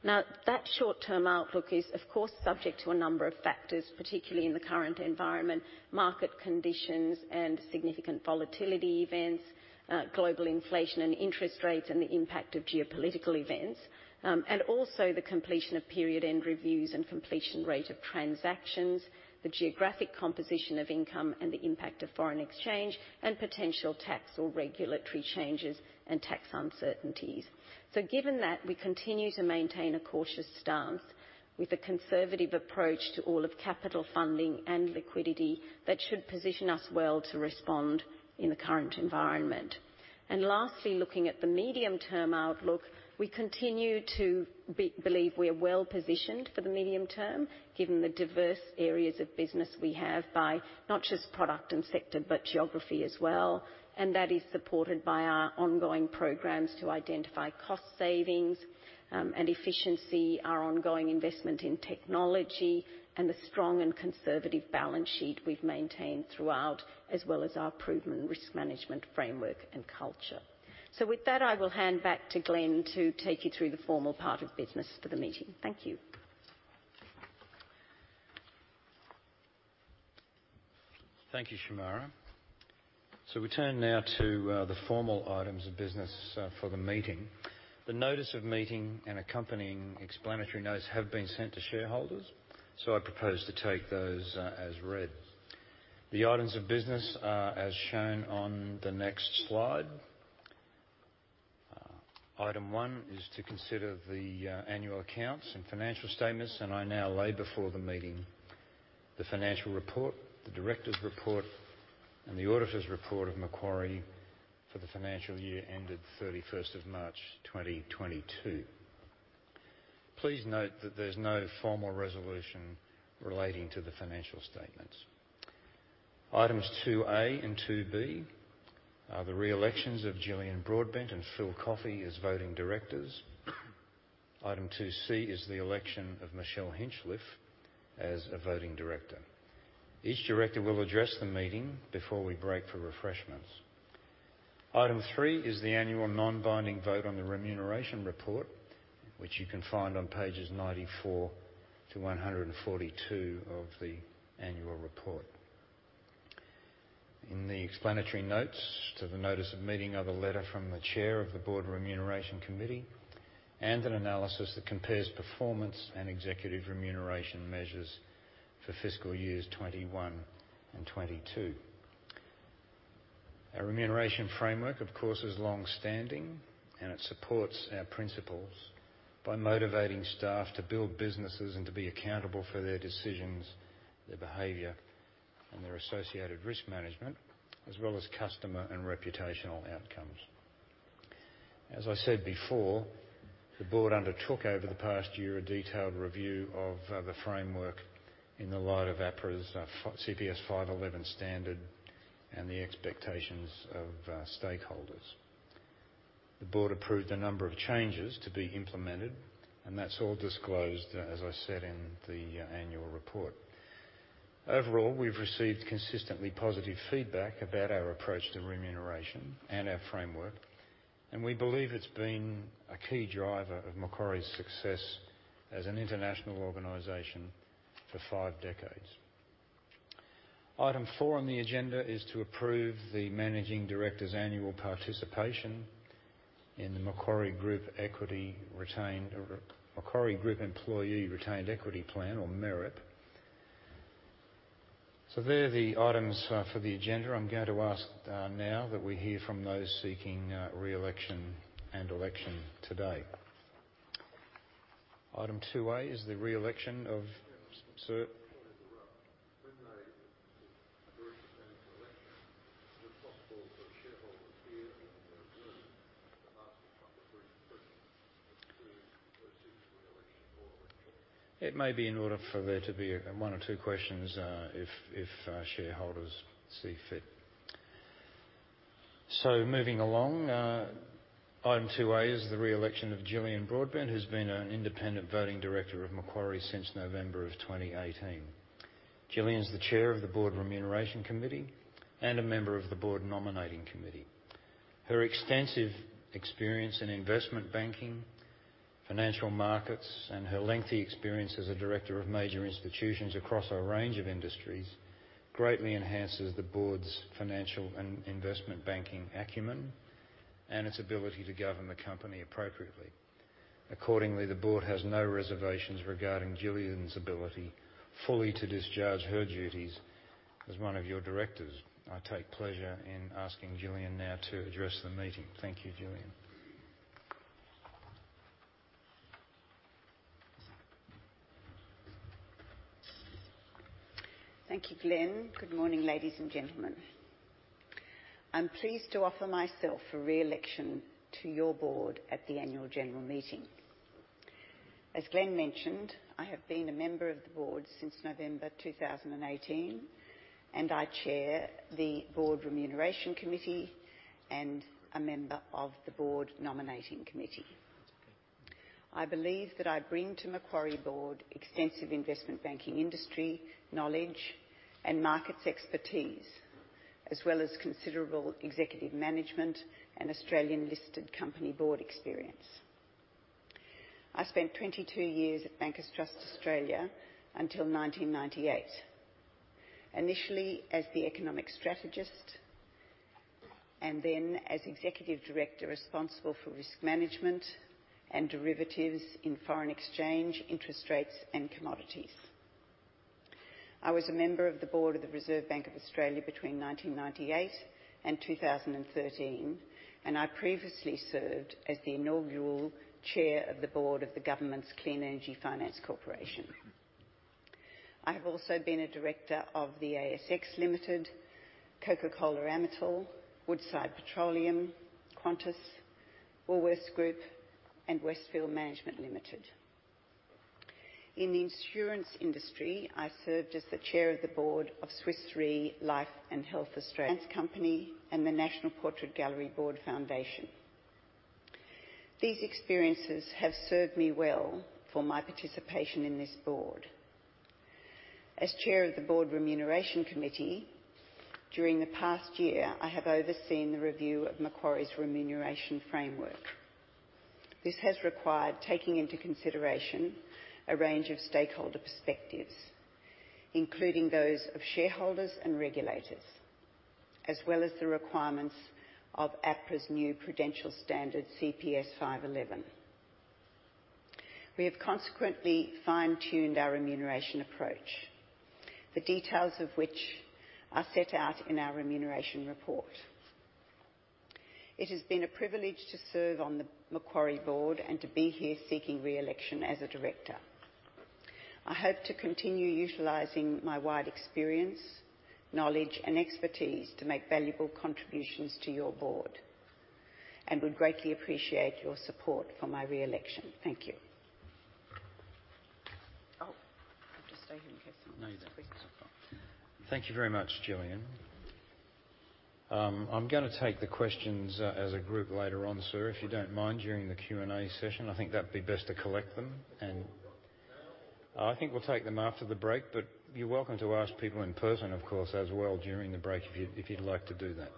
Now, that short-term outlook is of course subject to a number of factors, particularly in the current environment, market conditions and significant volatility events, global inflation and interest rates and the impact of geopolitical events, and also the completion of period end reviews and completion rate of transactions, the geographic composition of income and the impact of foreign exchange, and potential tax or regulatory changes and tax uncertainties. Given that, we continue to maintain a cautious stance with a conservative approach to all of capital funding and liquidity that should position us well to respond in the current environment. Lastly, looking at the medium-term outlook, we continue to believe we are well-positioned for the medium term, given the diverse areas of business we have by not just product and sector, but geography as well. That is supported by our ongoing programs to identify cost savings, and efficiency, our ongoing investment in technology, and the strong and conservative balance sheet we've maintained throughout, as well as our proven risk management framework and culture. With that, I will hand back to Glenn to take you through the formal part of business for the meeting. Thank you. Thank you, Shemara. We turn now to the formal items of business for the meeting. The notice of meeting and accompanying explanatory notes have been sent to shareholders. I propose to take those as read. The items of business are as shown on the next slide. Item one is to consider the annual accounts and financial statements, and I now lay before the meeting the financial report, the director's report, and the auditor's report of Macquarie for the financial year ended 31st March 2022. Please note that there's no formal resolution relating to the financial statements. Items 2A and 2B are the re-elections of Jillian Broadbent and Philip Coffey as voting directors. Item 2C is the election of Michelle Hinchliffe as a voting director. Each director will address the meeting before we break for refreshments. Item three is the annual non-binding vote on the remuneration report, which you can find on pages 94 to 142 of the annual report. In the explanatory notes to the notice of meeting of a letter from the chair of the Board Remuneration Committee and an analysis that compares performance and executive remuneration measures for fiscal years 2021 and 2022. Our remuneration framework, of course, is long-standing, and it supports our principles by motivating staff to build businesses and to be accountable for their decisions, their behavior, and their associated risk management, as well as customer and reputational outcomes. As I said before, the board undertook over the past year a detailed review of the framework in the light of APRA's CPS 511 standard and the expectations of stakeholders. The board approved a number of changes to be implemented, and that's all disclosed, as I said, in the annual report. Overall, we've received consistently positive feedback about our approach to remuneration and our framework, and we believe it's been a key driver of Macquarie's success as an international organization for five decades. Item four on the agenda is to approve the Managing Director's annual participation in the Macquarie Group Employee Retained Equity Plan or MEREP. They're the items for the agenda. I'm going to ask now that we hear from those seeking re-election and election today. Item 2-A is the re-election of sir? When they stand for election, is it possible for the shareholders here in the room to ask a couple of brief questions during the proceedings for election? It may be in order for there to be one or two questions, if shareholders see fit. Moving along, item 2-A is the re-election of Jillian Broadbent, who's been an independent non-executive director of Macquarie since November 2018. Jillian is the chair of the Board Remuneration Committee and a member of the Board Nominating Committee. Her extensive experience in investment banking, financial markets, and her lengthy experience as a director of major institutions across a range of industries greatly enhances the board's financial and investment banking acumen and its ability to govern the company appropriately. Accordingly, the board has no reservations regarding Jillian's ability fully to discharge her duties as one of your directors. I take pleasure in asking Jillian now to address the meeting. Thank you, Jillian. Thank you, Glenn. Good morning, ladies and gentlemen. I'm pleased to offer myself for re-election to your board at the annual general meeting. As Glenn mentioned, I have been a member of the board since November 2018, and I chair the Board Remuneration Committee and a member of the Board Nominating Committee. I believe that I bring to Macquarie board extensive investment banking industry knowledge and markets expertise, as well as considerable executive management and Australian-listed company board experience. I spent 22 years at Bankers Trust Australia until 1998, initially as the economic strategist and then as executive director responsible for risk management and derivatives in foreign exchange, interest rates, and commodities. I was a member of the board of the Reserve Bank of Australia between 1998 and 2013, and I previously served as the inaugural chair of the board of the government's Clean Energy Finance Corporation. I have also been a director of the ASX Limited, Coca-Cola Amatil, Woodside Petroleum, Qantas, Woolworths Group, and Westfield Management Limited. In the insurance industry, I served as the chair of the board of Swiss Re Life & Health Australia and the National Portrait Gallery of Australia Foundation. These experiences have served me well for my participation in this board. As chair of the Board Remuneration Committee, during the past year, I have overseen the review of Macquarie's remuneration framework. This has required taking into consideration a range of stakeholder perspectives, including those of shareholders and regulators, as well as the requirements of APRA's new Prudential Standard CPS 511. We have consequently fine-tuned our remuneration approach, the details of which are set out in our remuneration report. It has been a privilege to serve on the Macquarie board and to be here seeking re-election as a director. I hope to continue utilizing my wide experience, knowledge, and expertise to make valuable contributions to your board and would greatly appreciate your support for my re-election. Thank you. Oh, I'll just stay here in case someone has questions. No, you don't. Thank you very much, Jillian. I'm gonna take the questions as a group later on, sir, if you don't mind, during the Q and A session. I think that'd be best to collect them and now? I think we'll take them after the break, but you're welcome to ask people in person, of course, as well during the break if you'd like to do that.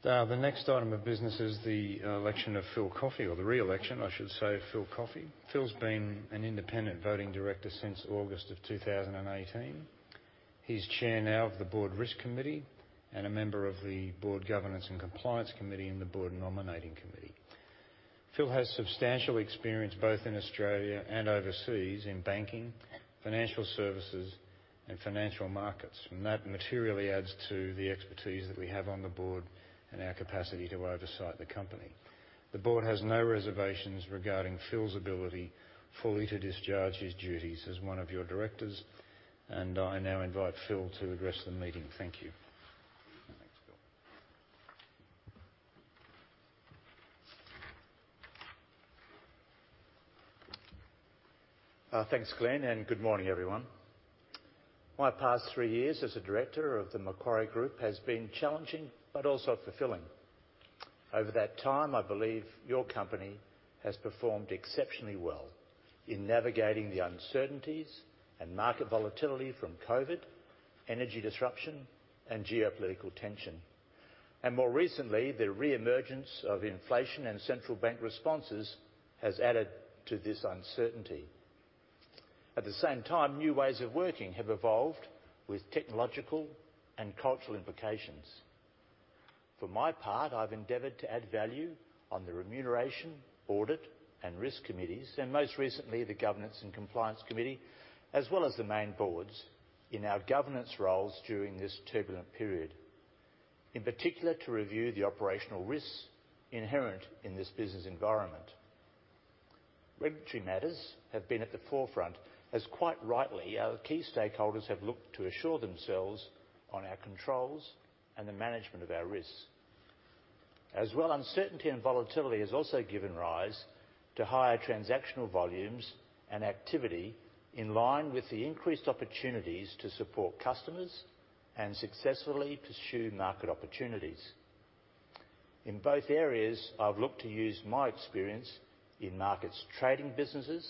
The next item of business is the election of Philip Coffey, or the re-election, I should say, of Philip Coffey. Philip's been an Independent Director since August of 2018. He's chair now of the Board Risk Committee and a member of the Board Governance and Compliance Committee and the Board Nominating Committee. Philip has substantial experience both in Australia and overseas in banking, financial services and financial markets, and that materially adds to the expertise that we have on the board and our capacity to oversee the company. The board has no reservations regarding Philip's ability fully to discharge his duties as one of your directors, and I now invite Philip to address the meeting. Thank you. Thanks, Philip. Thanks, Glenn, and good morning, everyone. My past three years as a director of the Macquarie Group has been challenging but also fulfilling. Over that time, I believe your company has performed exceptionally well in navigating the uncertainties and market volatility from COVID, energy disruption and geopolitical tension. More recently, the re-emergence of inflation and central bank responses has added to this uncertainty. At the same time, new ways of working have evolved with technological and cultural implications. For my part, I've endeavored to add value on the Remuneration, Audit and Risk Committees and, most recently, the Governance and Compliance Committee, as well as the main boards in our governance roles during this turbulent period. In particular, to review the operational risks inherent in this business environment. Regulatory matters have been at the forefront as, quite rightly, our key stakeholders have looked to assure themselves on our controls and the management of our risks. As well, uncertainty and volatility has also given rise to higher transactional volumes and activity in line with the increased opportunities to support customers and successfully pursue market opportunities. In both areas, I've looked to use my experience in markets trading businesses,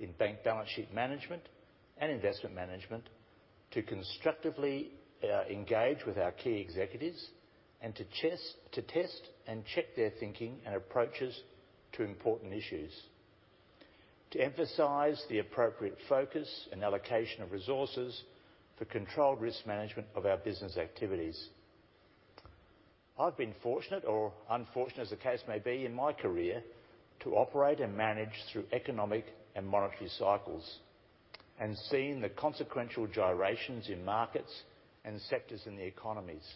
in bank balance sheet management and investment management to constructively engage with our key executives and to test and check their thinking and approaches to important issues. To emphasize the appropriate focus and allocation of resources for controlled risk management of our business activities. I've been fortunate, or unfortunate as the case may be, in my career to operate and manage through economic and monetary cycles and seen the consequential gyrations in markets and sectors in the economies.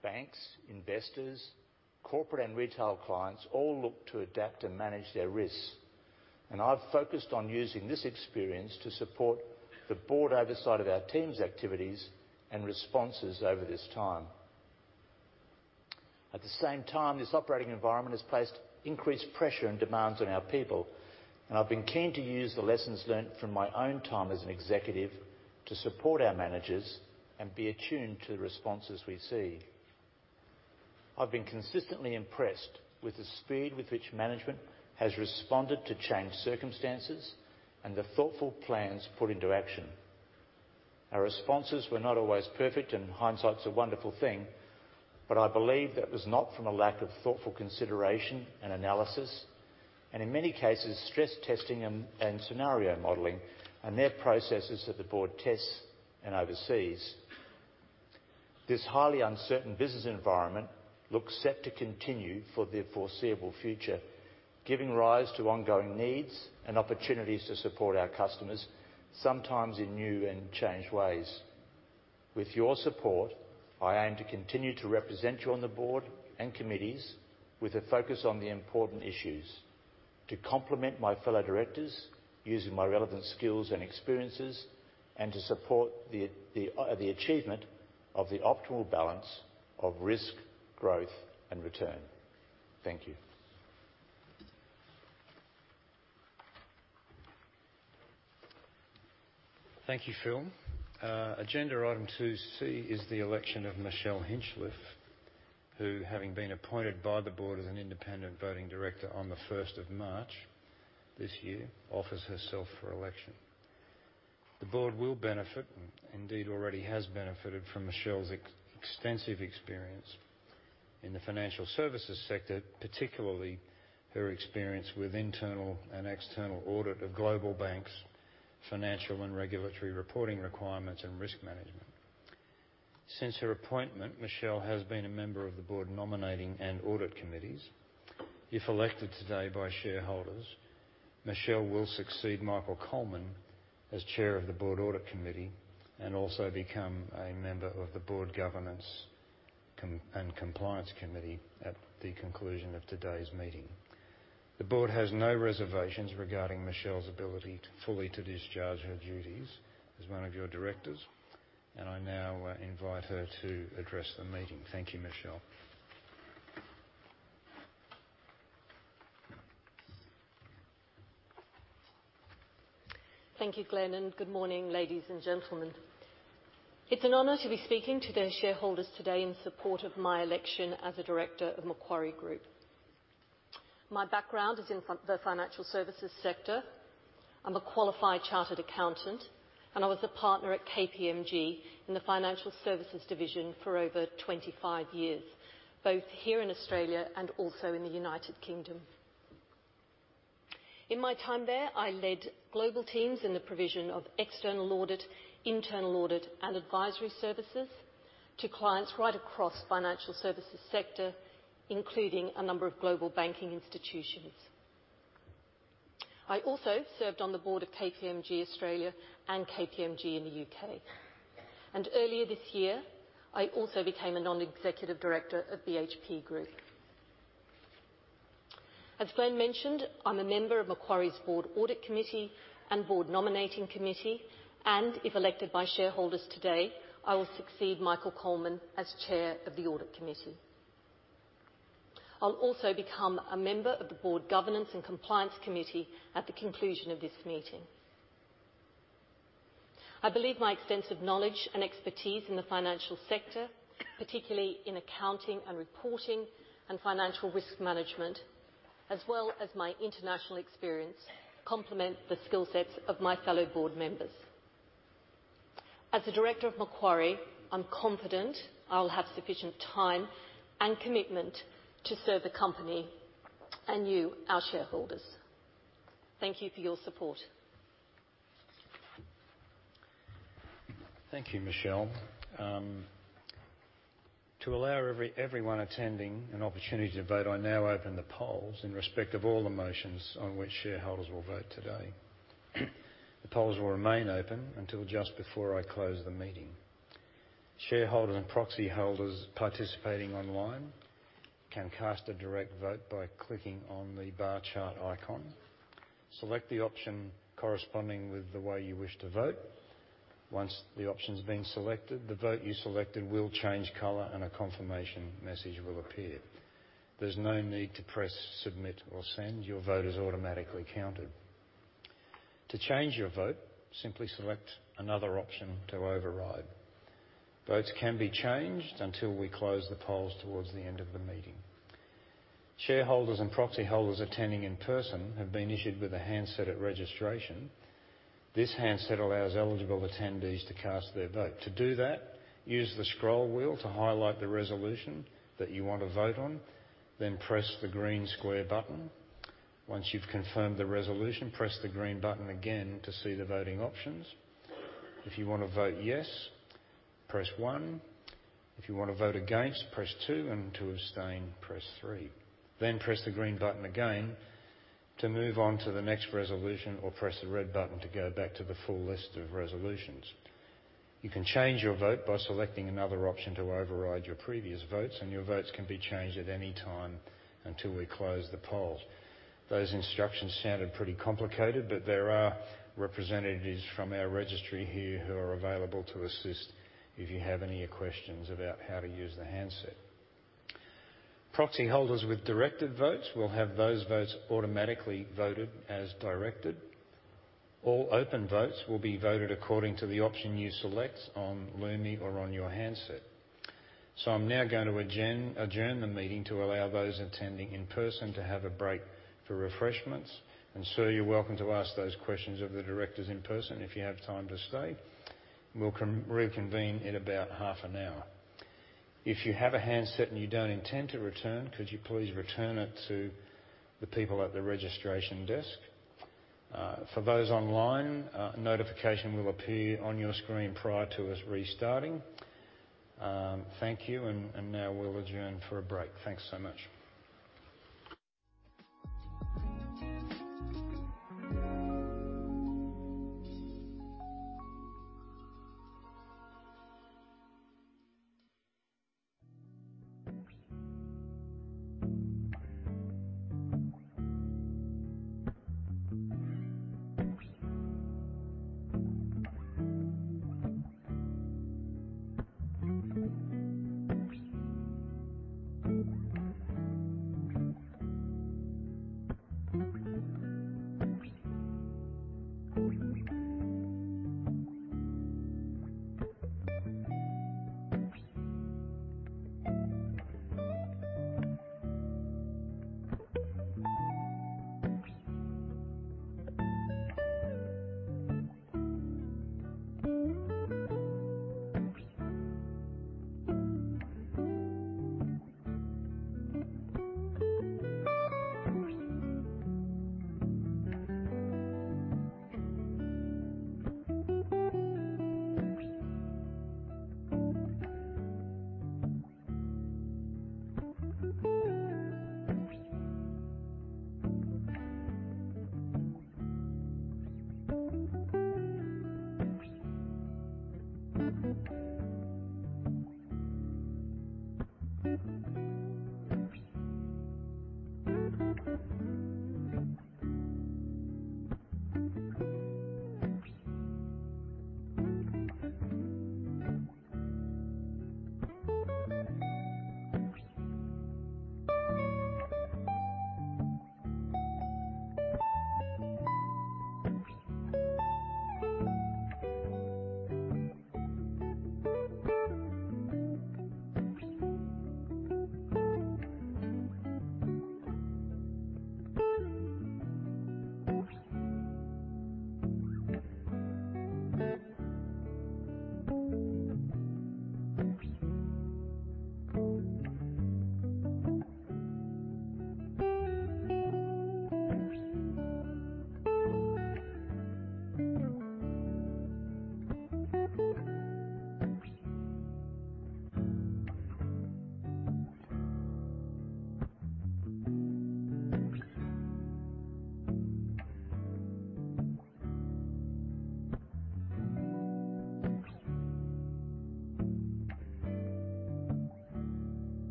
Banks, investors, corporate and retail clients all look to adapt and manage their risks, and I've focused on using this experience to support the board oversight of our team's activities and responses over this time. At the same time, this operating environment has placed increased pressure and demands on our people, and I've been keen to use the lessons learned from my own time as an executive to support our managers and be attuned to the responses we see. I've been consistently impressed with the speed with which management has responded to changed circumstances and the thoughtful plans put into action. Our responses were not always perfect, and hindsight's a wonderful thing, but I believe that was not from a lack of thoughtful consideration and analysis and, in many cases, stress testing and scenario modeling and their processes that the board tests and oversees. This highly uncertain business environment looks set to continue for the foreseeable future, giving rise to ongoing needs and opportunities to support our customers, sometimes in new and changed ways. With your support, I aim to continue to represent you on the board and committees with a focus on the important issues, to complement my fellow directors, using my relevant skills and experiences, and to support the achievement of the optimal balance of risk, growth and return. Thank you. Thank you, Philip. Agenda item 2C is the election of Michelle Hinchliffe, who, having been appointed by the Board as an independent director on the 1st of March this year, offers herself for election. The Board will benefit and indeed already has benefited from Michelle's extensive experience in the financial services sector, particularly her experience with internal and external audit of global banks, financial and regulatory reporting requirements and risk management. Since her appointment, Michelle has been a member of the Board Nominating and Audit Committees. If elected today by shareholders, Michelle will succeed Michael Coleman as Chair of the Board Audit Committee and also become a member of the Board Governance and Compliance Committee at the conclusion of today's meeting. The board has no reservations regarding Michelle's ability to fully discharge her duties as one of your directors, and I now invite her to address the meeting. Thank you, Michelle. Thank you, Glenn, and good morning, ladies and gentlemen. It's an honor to be speaking to the shareholders today in support of my election as a director of Macquarie Group. My background is in the financial services sector. I'm a qualified chartered accountant, and I was a partner at KPMG in the financial services division for over 25 years, both here in Australia and also in the United Kingdom. In my time there, I led global teams in the provision of external audit, internal audit, and advisory services to clients right across financial services sector, including a number of global banking institutions. I also served on the board of KPMG Australia and KPMG in the U.K. Earlier this year, I also became a non-executive director of BHP Group. As Glenn mentioned, I'm a member of Macquarie's audit committee and board nominating committee, and if elected by shareholders today, I will succeed Michael Coleman as chair of the audit committee. I'll also become a member of the board governance and compliance committee at the conclusion of this meeting. I believe my extensive knowledge and expertise in the financial sector, particularly in accounting and reporting and financial risk management, as well as my international experience, complement the skill sets of my fellow board members. As a director of Macquarie, I'm confident I'll have sufficient time and commitment to serve the company and you, our shareholders. Thank you for your support. Thank you, Michelle. To allow everyone attending an opportunity to vote, I now open the polls in respect of all the motions on which shareholders will vote today. The polls will remain open until just before I close the meeting. Shareholders and proxy holders participating online can cast a direct vote by clicking on the bar chart icon. Select the option corresponding with the way you wish to vote. Once the option's been selected, the vote you selected will change color, and a confirmation message will appear. There's no need to press submit or send. Your vote is automatically counted. To change your vote, simply select another option to override. Votes can be changed until we close the polls towards the end of the meeting. Shareholders and proxy holders attending in person have been issued with a handset at registration. This handset allows eligible attendees to cast their vote. To do that, use the scroll wheel to highlight the resolution that you want to vote on, then press the green square button. Once you've confirmed the resolution, press the green button again to see the voting options. If you wanna vote yes, press one. If you wanna vote against, press two. To abstain, press three. Press the green button again to move on to the next resolution, or press the red button to go back to the full list of resolutions. You can change your vote by selecting another option to override your previous votes, and your votes can be changed at any time until we close the polls. Those instructions sounded pretty complicated, but there are representatives from our registry here who are available to assist if you have any questions about how to use the handset. Proxy holders with directed votes will have those votes automatically voted as directed. All open votes will be voted according to the option you select on Lumi or on your handset. I'm now going to adjourn the meeting to allow those attending in person to have a break for refreshments. Sir, you're welcome to ask those questions of the directors in person if you have time to stay. We'll reconvene in about half an hour. If you have a handset and you don't intend to return, could you please return it to the people at the registration desk? For those online, a notification will appear on your screen prior to us restarting. Thank you, and now we'll adjourn for a break. Thanks so much.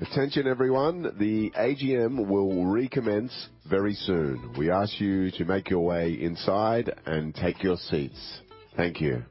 Attention everyone. The AGM will recommence very soon. We ask you to make your way inside and take your seats. Thank you.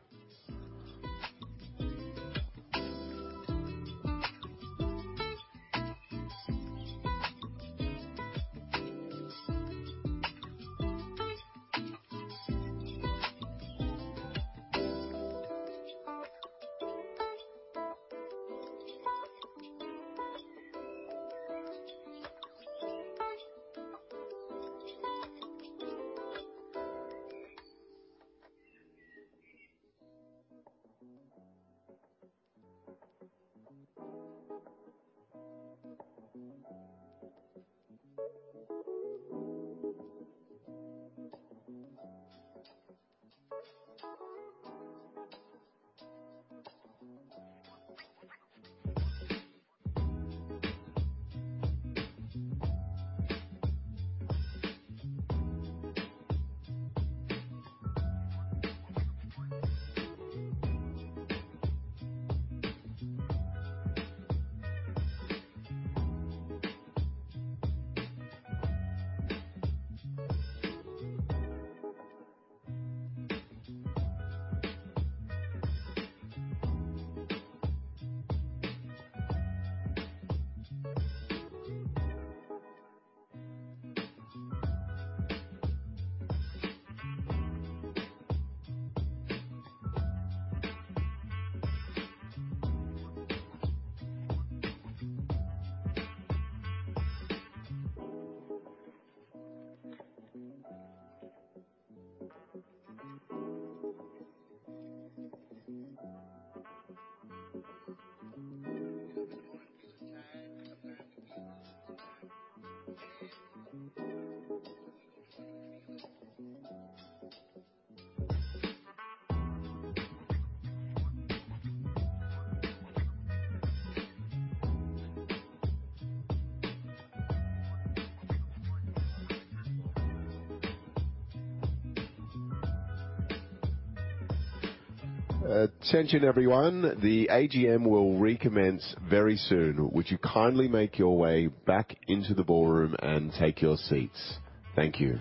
Attention everyone. The AGM will recommence very soon. Would you kindly make your way back into the ballroom and take your seats? Thank you.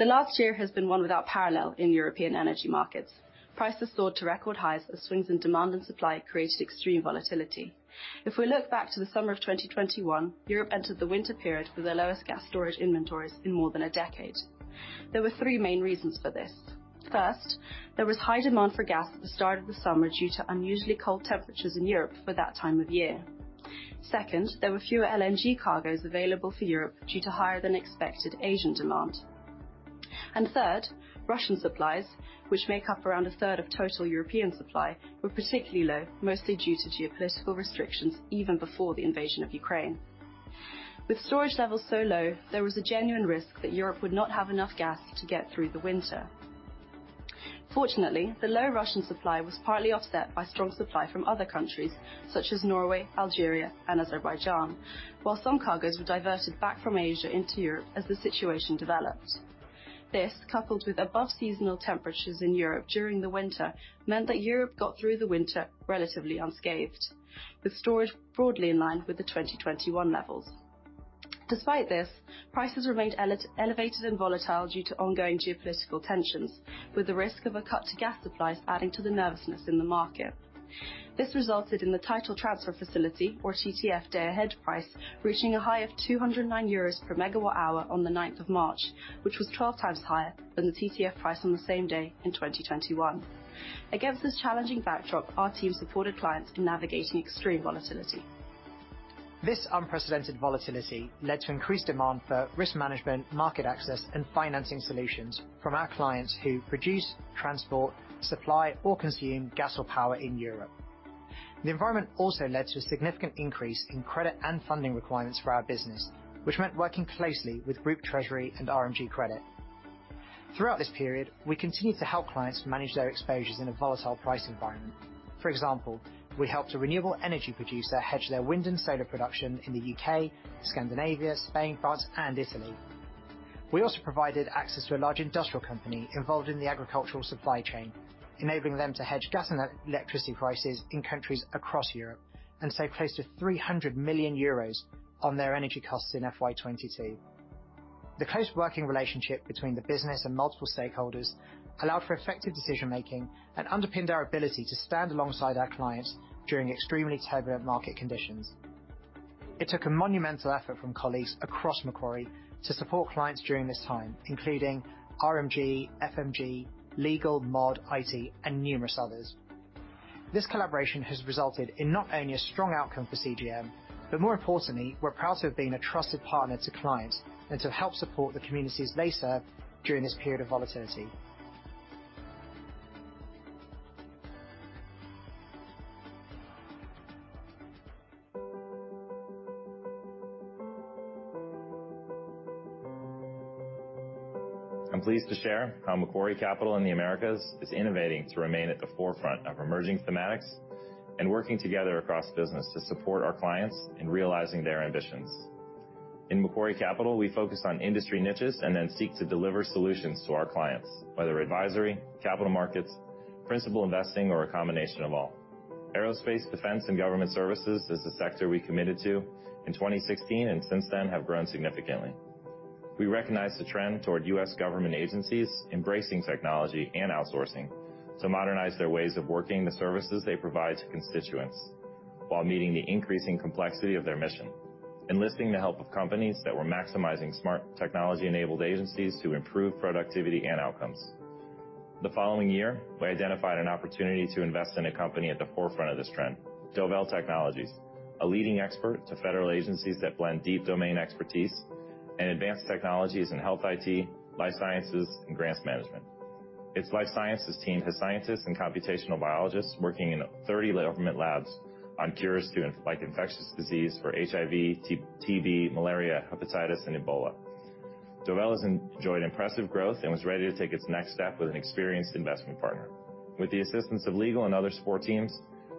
The last year has been one without parallel in European energy markets. Prices soared to record highs as swings in demand and supply created extreme volatility. If we look back to the summer of 2021, Europe entered the winter period with their lowest gas storage inventories in more than a decade. There were three main reasons for this. First, there was high demand for gas at the start of the summer due to unusually cold temperatures in Europe for that time of year. Second, there were fewer LNG cargoes available for Europe due to higher than expected Asian demand. Third, Russian supplies, which make up around a third of total European supply, were particularly low, mostly due to geopolitical restrictions even before the invasion of Ukraine. With storage levels so low, there was a genuine risk that Europe would not have enough gas to get through the winter. Fortunately, the low Russian supply was partly offset by strong supply from other countries such as Norway, Algeria and Azerbaijan. While some cargoes were diverted back from Asia into Europe as the situation developed. This, coupled with above seasonal temperatures in Europe during the winter, meant that Europe got through the winter relatively unscathed, with storage broadly in line with the 2021 levels. Despite this, prices remained elevated and volatile due to ongoing geopolitical tensions, with the risk of a cut to gas supplies adding to the nervousness in the market. This resulted in the Title Transfer Facility, or TTF day ahead price, reaching a high of 209 euros per megawatt hour on the 9th of March, which was 12 times higher than the TTF price on the same day in 2021. Against this challenging backdrop, our team supported clients in navigating extreme volatility. This unprecedented volatility led to increased demand for risk management, market access and financing solutions from our clients who produce, transport, supply or consume gas or power in Europe. The environment also led to a significant increase in credit and funding requirements for our business, which meant working closely with Group Treasury and RMG Credit. Throughout this period, we continued to help clients manage their exposures in a volatile price environment. For example, we helped a renewable energy producer hedge their wind and solar production in the U.K., Scandinavia, Spain, France and Italy. We also provided access to a large industrial company involved in the agricultural supply chain, enabling them to hedge gas and electricity prices in countries across Europe and save close to 300 million euros on their energy costs in FY 2022. The close working relationship between the business and multiple stakeholders allowed for effective decision making and underpinned our ability to stand alongside our clients during extremely turbulent market conditions. It took a monumental effort from colleagues across Macquarie to support clients during this time, including RMG, FMG, Legal, MOD, IT and numerous others. This collaboration has resulted in not only a strong outcome for CGM, but more importantly, we're proud to have been a trusted partner to clients and to help support the communities they serve during this period of volatility. I'm pleased to share how Macquarie Capital in the Americas is innovating to remain at the forefront of emerging thematics and working together across business to support our clients in realizing their ambitions. In Macquarie Capital, we focus on industry niches and then seek to deliver solutions to our clients, whether advisory, capital markets, principal investing, or a combination of all. Aerospace, defense, and government services is the sector we committed to in 2016, and since then have grown significantly. We recognize the trend toward U.S. government agencies embracing technology and outsourcing to modernize their ways of working the services they provide to constituents while meeting the increasing complexity of their mission. Enlisting the help of companies that were maximizing smart technology-enabled agencies to improve productivity and outcomes. The following year, we identified an opportunity to invest in a company at the forefront of this trend, Dovel Technologies, a leading expert to federal agencies that blend deep domain expertise and advanced technologies in health IT, life sciences, and grants management. Its life sciences team has scientists and computational biologists working in 30 government labs on cures for infectious diseases like HIV, TB, malaria, hepatitis, and Ebola. Dovel has enjoyed impressive growth and was ready to take its next step with an experienced investment partner. With the assistance of legal and other support teams,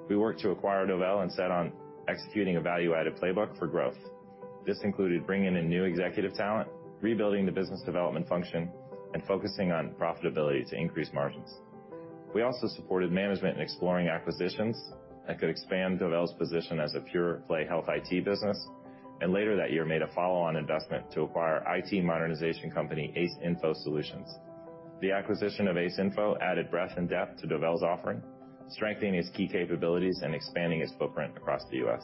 we worked to acquire Dovel and set on executing a value-added playbook for growth. This included bringing in new executive talent, rebuilding the business development function, and focusing on profitability to increase margins. We also supported management in exploring acquisitions that could expand Dovel's position as a pure play health IT business, and later that year made a follow-on investment to acquire IT modernization company, AceInfo Solutions. The acquisition of AceInfo added breadth and depth to Dovel's offering, strengthening its key capabilities and expanding its footprint across the U.S.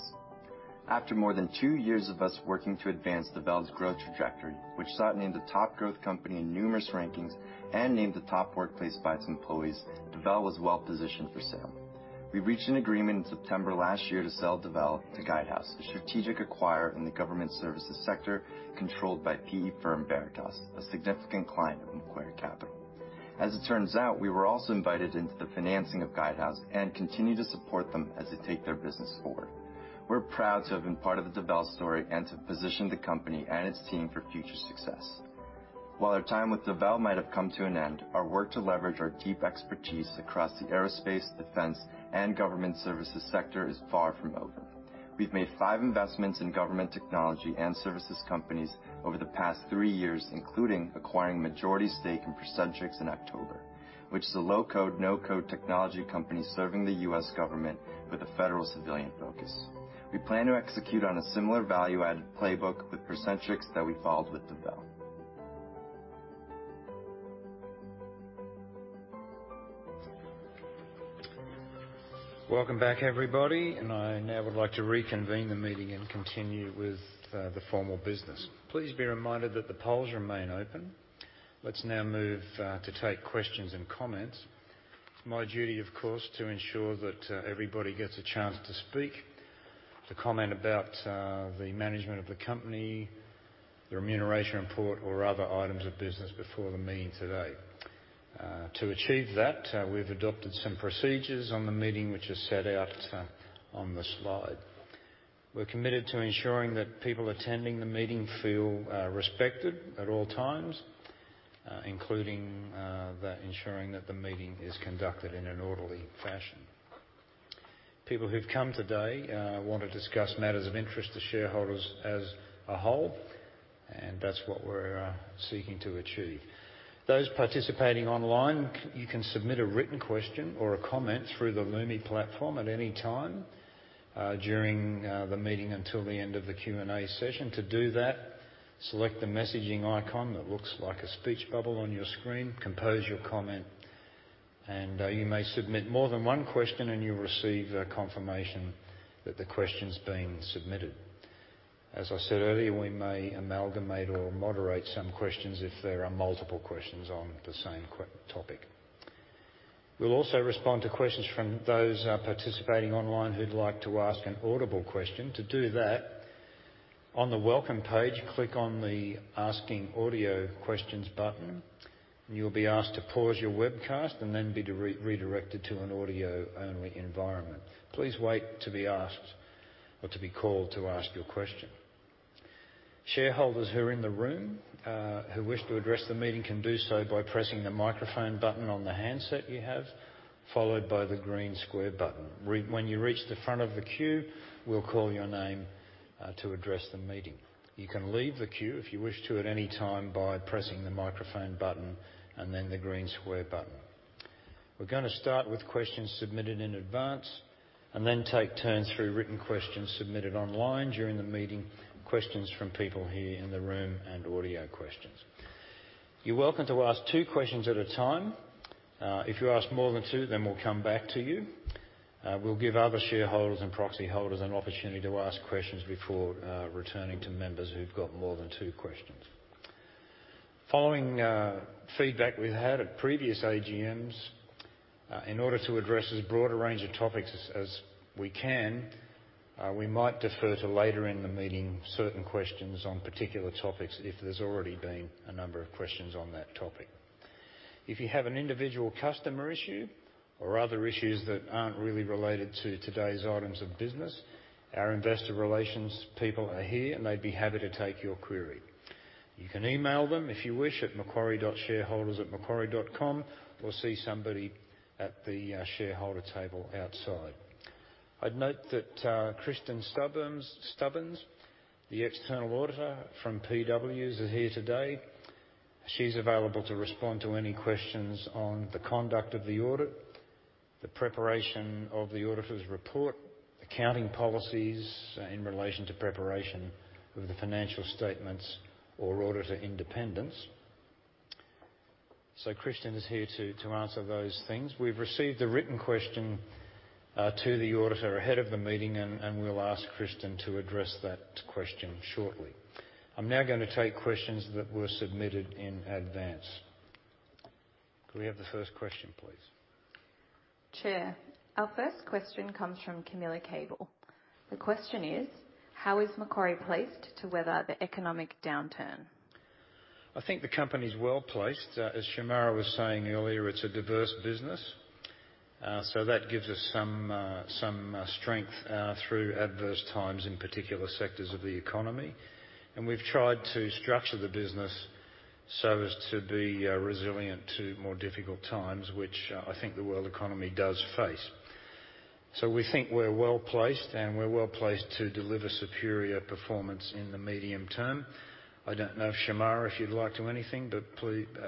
After more than two years of us working to advance Dovel's growth trajectory, which saw it named the top growth company in numerous rankings and named the top workplace by its employees, Dovel was well-positioned for sale. We reached an agreement in September last year to sell Dovel to Guidehouse, a strategic acquirer in the government services sector controlled by PE firm Veritas, a significant client of Macquarie Capital. As it turns out, we were also invited into the financing of Guidehouse and continue to support them as they take their business forward. We're proud to have been part of the Dovel story and to position the company and its team for future success. While our time with Dovel might have come to an end, our work to leverage our deep expertise across the aerospace, defense, and government services sector is far from over. We've made five investments in government technology and services companies over the past three years, including acquiring majority stake in Procentrix in October, which is a low-code, no-code technology company serving the U.S. government with a federal civilian focus. We plan to execute on a similar value-added playbook with Procentrix that we followed with Dovel. Welcome back, everybody, and I now would like to reconvene the meeting and continue with the formal business. Please be reminded that the polls remain open. Let's now move to take questions and comments. It's my duty, of course, to ensure that everybody gets a chance to speak, to comment about the management of the company, the remuneration report or other items of business before the meeting today. To achieve that, we've adopted some procedures on the meeting which are set out on the slide. We're committed to ensuring that people attending the meeting feel respected at all times, including ensuring that the meeting is conducted in an orderly fashion. People who've come today want to discuss matters of interest to shareholders as a whole, and that's what we're seeking to achieve. Those participating online, you can submit a written question or a comment through the Lumi platform at any time during the meeting until the end of the Q and A session. To do that, select the messaging icon that looks like a speech bubble on your screen, compose your comment, and you may submit more than one question and you'll receive a confirmation that the question's been submitted. As I said earlier, we may amalgamate or moderate some questions if there are multiple questions on the same topic. We'll also respond to questions from those participating online who'd like to ask an audible question. To do that, on the welcome page, click on the asking audio questions button. You'll be asked to pause your webcast and then be redirected to an audio-only environment. Please wait to be asked or to be called to ask your question. Shareholders who are in the room, who wish to address the meeting can do so by pressing the microphone button on the handset you have, followed by the green square button. When you reach the front of the queue, we'll call your name to address the meeting. You can leave the queue if you wish to at any time by pressing the microphone button and then the green square button. We're gonna start with questions submitted in advance and then take turns through written questions submitted online during the meeting, questions from people here in the room and audio questions. You're welcome to ask two questions at a time. If you ask more than two, then we'll come back to you. We'll give other shareholders and proxy holders an opportunity to ask questions before returning to members who've got more than two questions. Following feedback we've had at previous AGMs, in order to address as broad a range of topics as we can, we might defer to later in the meeting certain questions on particular topics if there's already been a number of questions on that topic. If you have an individual customer issue or other issues that aren't really related to today's items of business, our investor relations people are here, and they'd be happy to take your query. You can email them if you wish at macquarie.shareholders@macquarie.com or see somebody at the shareholder table outside. I'd note that Kristin Stubbins, the external auditor from PwC is here today. She's available to respond to any questions on the conduct of the audit, the preparation of the auditor's report, accounting policies in relation to preparation of the financial statements or auditor independence. Kristin is here to answer those things. We've received a written question to the auditor ahead of the meeting, and we'll ask Kristin to address that question shortly. I'm now gonna take questions that were submitted in advance. Could we have the first question, please? Chair, our first question comes from Camilla Cable. The question is: How is Macquarie placed to weather the economic downturn? I think the company's well-placed. As Shemara was saying earlier, it's a diverse business. That gives us some strength through adverse times in particular sectors of the economy. We've tried to structure the business so as to be resilient to more difficult times, which I think the world economy does face. We think we're well-placed, and we're well-placed to deliver superior performance in the medium term. I don't know if, Shemara, you'd like to add anything, but please do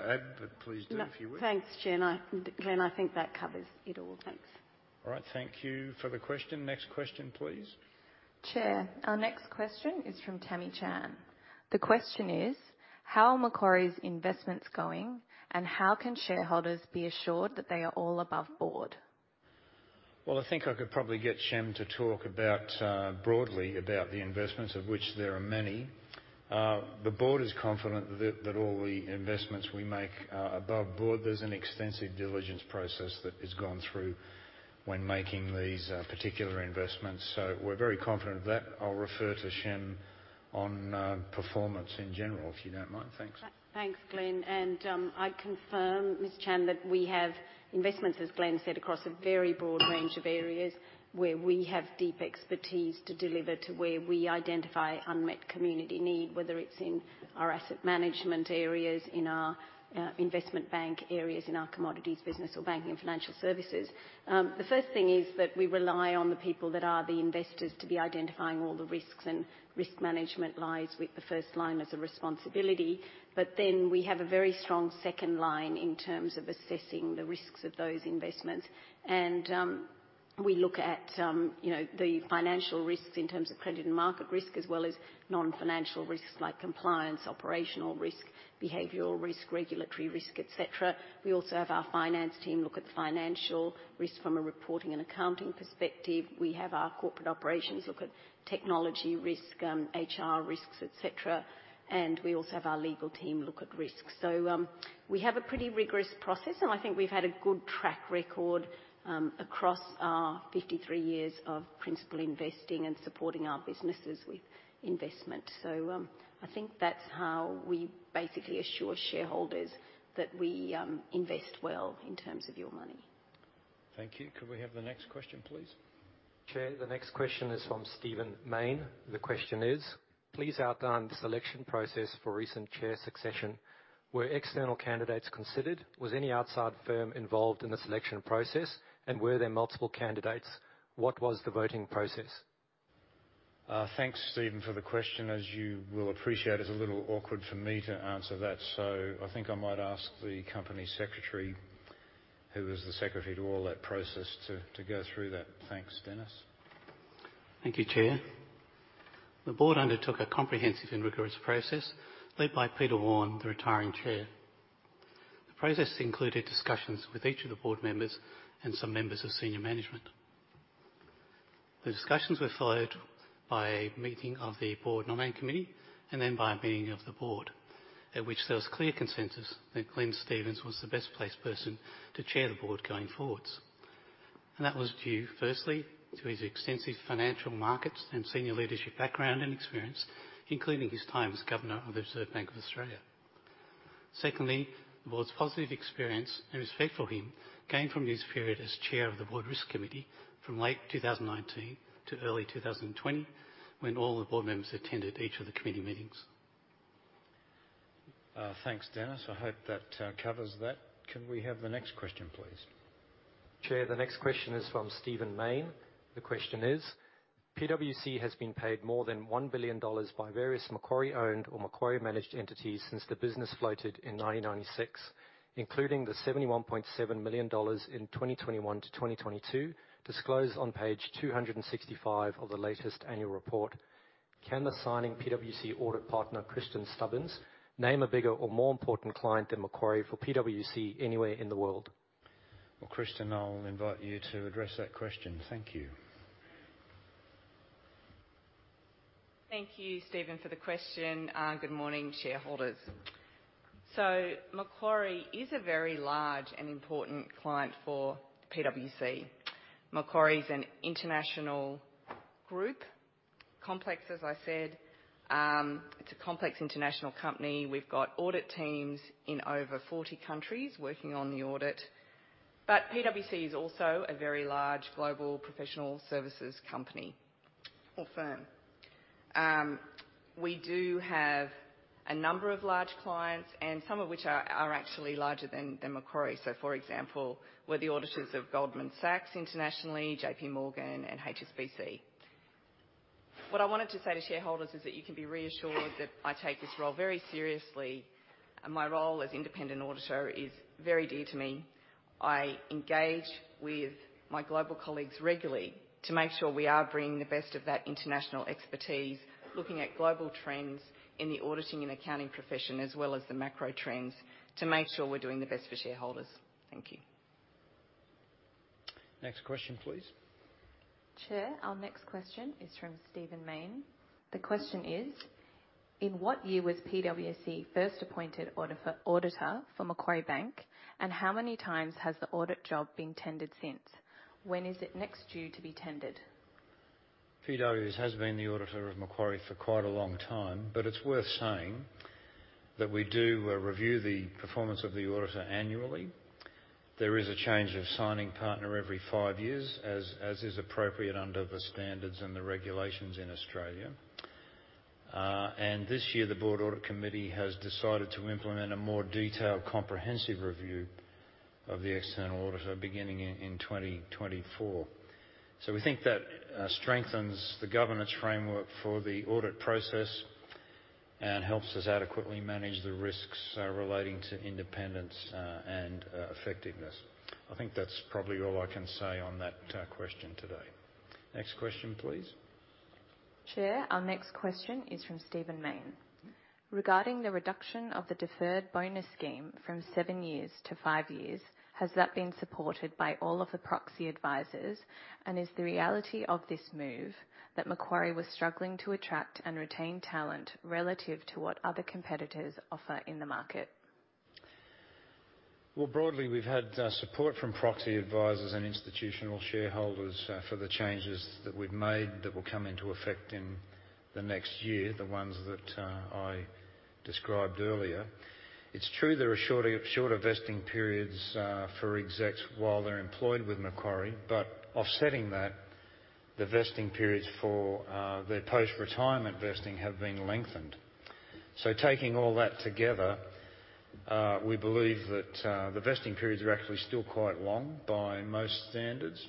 if you would. No. Thanks, Chair. And I and Glenn, I think that covers it all. Thanks. All right. Thank you for the question. Next question, please. Chair, our next question is from Tammy Chan. The question is: How are Macquarie's investments going, and how can shareholders be assured that they are all above board? Well, I think I could probably get Shemara to talk about broadly about the investments, of which there are many. The board is confident that that all the investments we make are above board. There's an extensive diligence process that is gone through when making these particular investments, so we're very confident of that. I'll refer to Shemara on performance in general, if you don't mind. Thanks. Thanks, Glenn. I confirm, Ms. Chan, that we have investments, as Glenn said, across a very broad range of areas where we have deep expertise to deliver to where we identify unmet community need, whether it's in our asset management areas, in our investment bank areas, in our commodities business or banking and financial services. The first thing is that we rely on the people that are the investors to be identifying all the risks, and risk management lies with the first line as a responsibility. We have a very strong second line in terms of assessing the risks of those investments. We look at, you know, the financial risks in terms of credit and market risk, as well as non-financial risks like compliance, operational risk, behavioral risk, regulatory risk, et cetera. We also have our finance team look at financial risk from a reporting and accounting perspective. We have our corporate operations look at technology risk, HR risks, et cetera. We also have our legal team look at risks. We have a pretty rigorous process, and I think we've had a good track record across our 53 years of principal investing and supporting our businesses with investment. I think that's how we basically assure shareholders that we invest well in terms of your money. Thank you. Could we have the next question, please? Chair, the next question is from Stephen Mayne. The question is: Please outline the selection process for recent chair succession. Were external candidates considered? Was any outside firm involved in the selection process? Were there multiple candidates? What was the voting process? Thanks, Stephen, for the question. As you will appreciate, it's a little awkward for me to answer that. I think I might ask the company secretary, who was the secretary to all that process, to go through that. Thanks. Dennis? Thank you, Chair. The board undertook a comprehensive and rigorous process led by Peter Warne, the retiring chair. The process included discussions with each of the board members and some members of senior management. The discussions were followed by a meeting of the board nominating committee and then by a meeting of the board, at which there was clear consensus that Glenn Stevens was the best placed person to chair the board going forwards. That was due, firstly, to his extensive financial markets and senior leadership background and experience, including his time as Governor of the Reserve Bank of Australia. Secondly, the board's positive experience and respect for him gained from his period as chair of the Board Risk Committee from late 2019 to early 2020, when all the board members attended each of the committee meetings. Thanks, Dennis. I hope that covers that. Can we have the next question, please? Chair, the next question is from Stephen Mayne. The question is: PwC has been paid more than 1 billion dollars by various Macquarie-owned or Macquarie-managed entities since the business floated in 1996, including the 71.7 million dollars in 2021 to 2022 disclosed on page 265 of the latest annual report. Can the signing PwC audit partner, Kristin Stubbins, name a bigger or more important client than Macquarie for PwC anywhere in the world? Well, Kristin, I'll invite you to address that question. Thank you. Thank you, Stephen, for the question. Good morning, shareholders. Macquarie is a very large and important client for PwC. Macquarie is an international group, complex, as I said. It's a complex international company. We've got audit teams in over 40 countries working on the audit. PwC is also a very large global professional services company or firm. We do have a number of large clients, and some of which are actually larger than Macquarie. For example, we're the auditors of Goldman Sachs internationally, JPMorgan and HSBC. What I wanted to say to shareholders is that you can be reassured that I take this role very seriously, and my role as independent auditor is very dear to me. I engage with my global colleagues regularly to make sure we are bringing the best of that international expertise, looking at global trends in the auditing and accounting profession, as well as the macro trends to make sure we're doing the best for shareholders. Thank you. Next question, please. Chair, our next question is from Stephen Mayne. The question is: In what year was PwC first appointed auditor for Macquarie Bank, and how many times has the audit job been tendered since? When is it next due to be tendered? PwC has been the auditor of Macquarie for quite a long time, but it's worth saying that we do review the performance of the auditor annually. There is a change of signing partner every five years, as is appropriate under the standards and the regulations in Australia. This year, the Board Audit Committee has decided to implement a more detailed comprehensive review of the external auditor beginning in 2024. We think that strengthens the governance framework for the audit process and helps us adequately manage the risks relating to independence and effectiveness. I think that's probably all I can say on that question today. Next question, please. Chair, our next question is from Stephen Mayne: Regarding the reduction of the deferred bonus scheme from seven years to five years, has that been supported by all of the proxy advisors? Is the reality of this move that Macquarie was struggling to attract and retain talent relative to what other competitors offer in the market? Well, broadly, we've had support from proxy advisors and institutional shareholders for the changes that we've made that will come into effect in the next year, the ones that I described earlier. It's true there are shorter vesting periods for execs while they're employed with Macquarie, but offsetting that, the vesting periods for their post-retirement vesting have been lengthened. Taking all that together, we believe that the vesting periods are actually still quite long by most standards.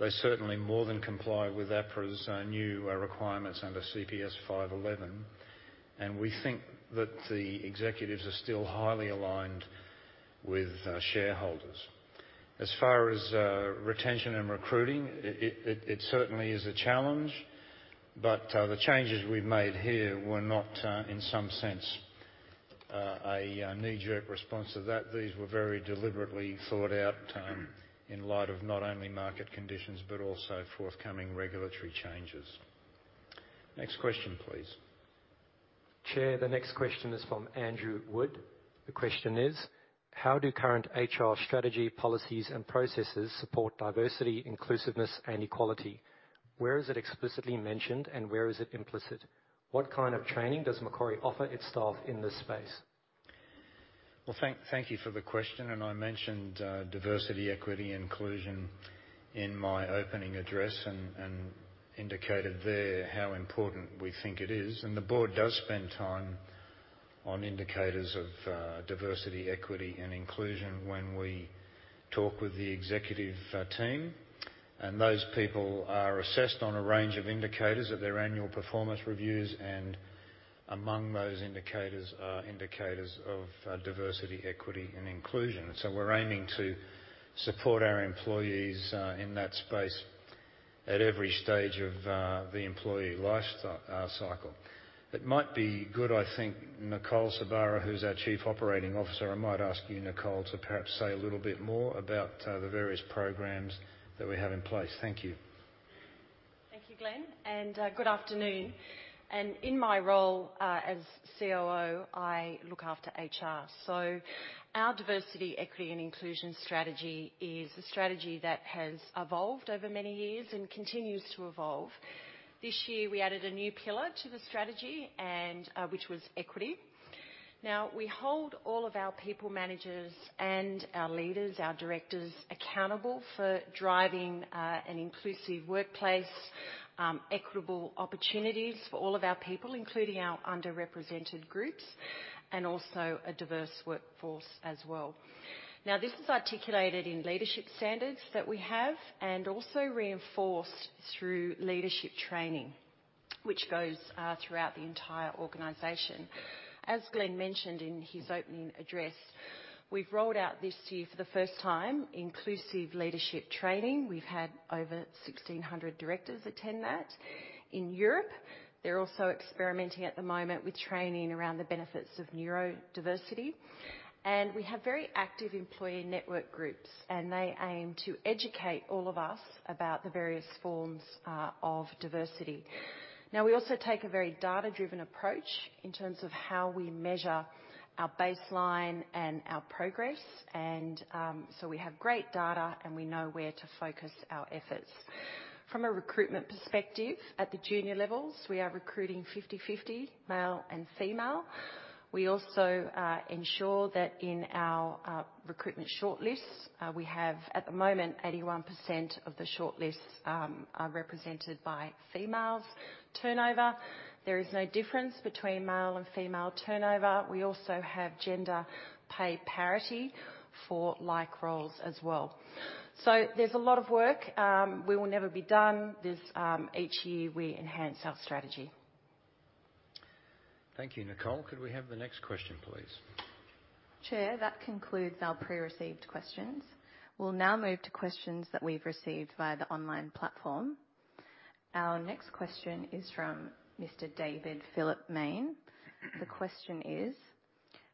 They certainly more than comply with APRA's new requirements under CPS 511, and we think that the executives are still highly aligned with shareholders. As far as retention and recruiting, it certainly is a challenge, but the changes we've made here were not in some sense a knee-jerk response to that. These were very deliberately thought out, in light of not only market conditions but also forthcoming regulatory changes. Next question, please. Chair, the next question is from Andrew Wood. The question is: How do current HR strategy, policies, and processes support diversity, inclusiveness, and equality? Where is it explicitly mentioned, and where is it implicit? What kind of training does Macquarie offer its staff in this space? Thank you for the question. I mentioned diversity, equity, and inclusion in my opening address and indicated there how important we think it is. The board does spend time on indicators of diversity, equity, and inclusion when we talk with the executive team. Those people are assessed on a range of indicators at their annual performance reviews, and among those indicators are indicators of diversity, equity, and inclusion. We're aiming to support our employees in that space at every stage of the employee life cycle. It might be good, I think, Nicole Sorbara, who's our Chief Operating Officer, I might ask you, Nicole, to perhaps say a little bit more about the various programs that we have in place. Thank you. Thank you, Glenn, and good afternoon. In my role as COO, I look after HR. Our diversity, equity, and inclusion strategy is a strategy that has evolved over many years and continues to evolve. This year, we added a new pillar to the strategy and which was equity. Now, we hold all of our people managers and our leaders, our directors, accountable for driving an inclusive workplace, equitable opportunities for all of our people, including our underrepresented groups, and also a diverse workforce as well. Now, this is articulated in leadership standards that we have and also reinforced through leadership training, which goes throughout the entire organization. As Glenn mentioned in his opening address, we've rolled out this year for the first time inclusive leadership training. We've had over 1,600 directors attend that. In Europe, they're also experimenting at the moment with training around the benefits of neurodiversity. We have very active employee network groups, and they aim to educate all of us about the various forms of diversity. Now, we also take a very data-driven approach in terms of how we measure our baseline and our progress. We have great data, and we know where to focus our efforts. From a recruitment perspective, at the junior levels, we are recruiting 50/50 male and female. We also ensure that in our recruitment shortlists, we have at the moment 81% of the shortlists are represented by females. Turnover, there is no difference between male and female turnover. We also have gender pay parity for like roles as well. There's a lot of work. We will never be done. There's each year we enhance our strategy. Thank you, Nicole. Could we have the next question, please? Chair, that concludes our pre-received questions. We'll now move to questions that we've received via the online platform. Our next question is from Mr. David Philip Mayne. The question is: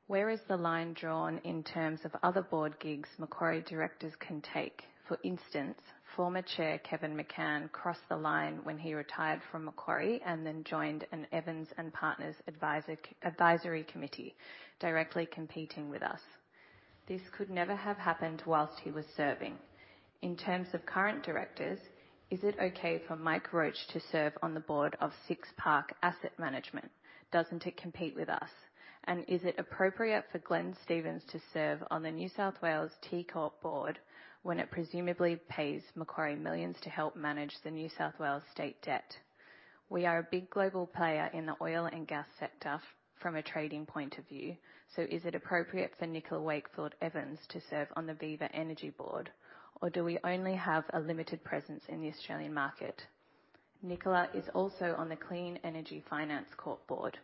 Where is the line drawn in terms of other board gigs Macquarie directors can take? For instance, former chair Kevin McCann crossed the line when he retired from Macquarie and then joined an Evans & Partners Advisory Committee directly competing with us. This could never have happened while he was serving. In terms of current directors, is it okay for Mike Roche to serve on the board of Six Park Asset Management? Doesn't it compete with us? And is it appropriate for Glenn Stevens to serve on the New South Wales Treasury Corporation board when it presumably pays Macquarie millions to help manage the New South Wales state debt? We are a big global player in the oil and gas sector from a trading point of view, so is it appropriate for Nicola Wakefield-Evans to serve on the Viva Energy board, or do we only have a limited presence in the Australian market? Nicola is also on the Clean Energy Finance Corporation board.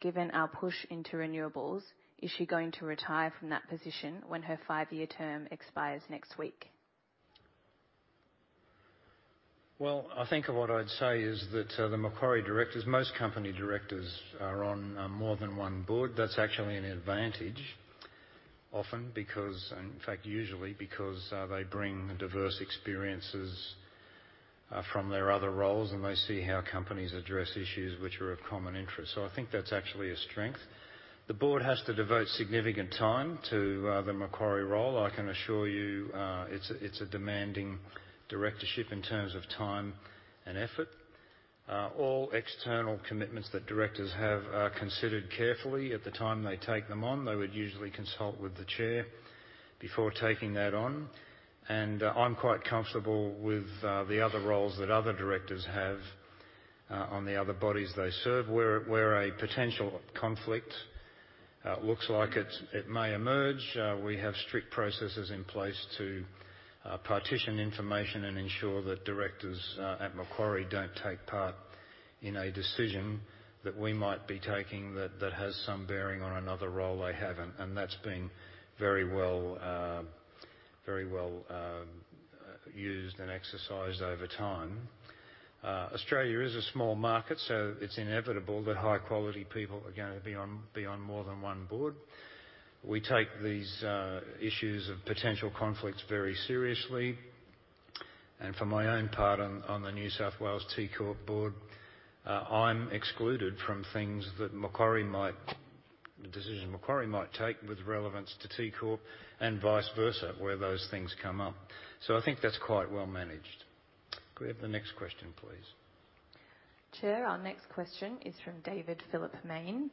Given our push into renewables, is she going to retire from that position when her five-year term expires next week? Well, I think what I'd say is that, the Macquarie directors, most company directors are on, more than one board. That's actually an advantage often because, in fact, usually because, they bring diverse experiences, from their other roles, and they see how companies address issues which are of common interest. I think that's actually a strength. The board has to devote significant time to, the Macquarie role. I can assure you, it's a demanding directorship in terms of time and effort. All external commitments that directors have are considered carefully at the time they take them on. They would usually consult with the chair before taking that on, and I'm quite comfortable with, the other roles that other directors have, on the other bodies they serve. Where a potential conflict looks like it may emerge, we have strict processes in place to partition information and ensure that directors at Macquarie don't take part in a decision that we might be taking that has some bearing on another role they have, and that's been very well used and exercised over time. Australia is a small market, so it's inevitable that high-quality people are gonna be on more than one board. We take these issues of potential conflicts very seriously, and for my own part on the New South Wales Treasury Corporation board, I'm excluded from the decision Macquarie might take with relevance to TCorp and vice versa, where those things come up. I think that's quite well managed. Could we have the next question, please? Chair, our next question is from David Philip Main.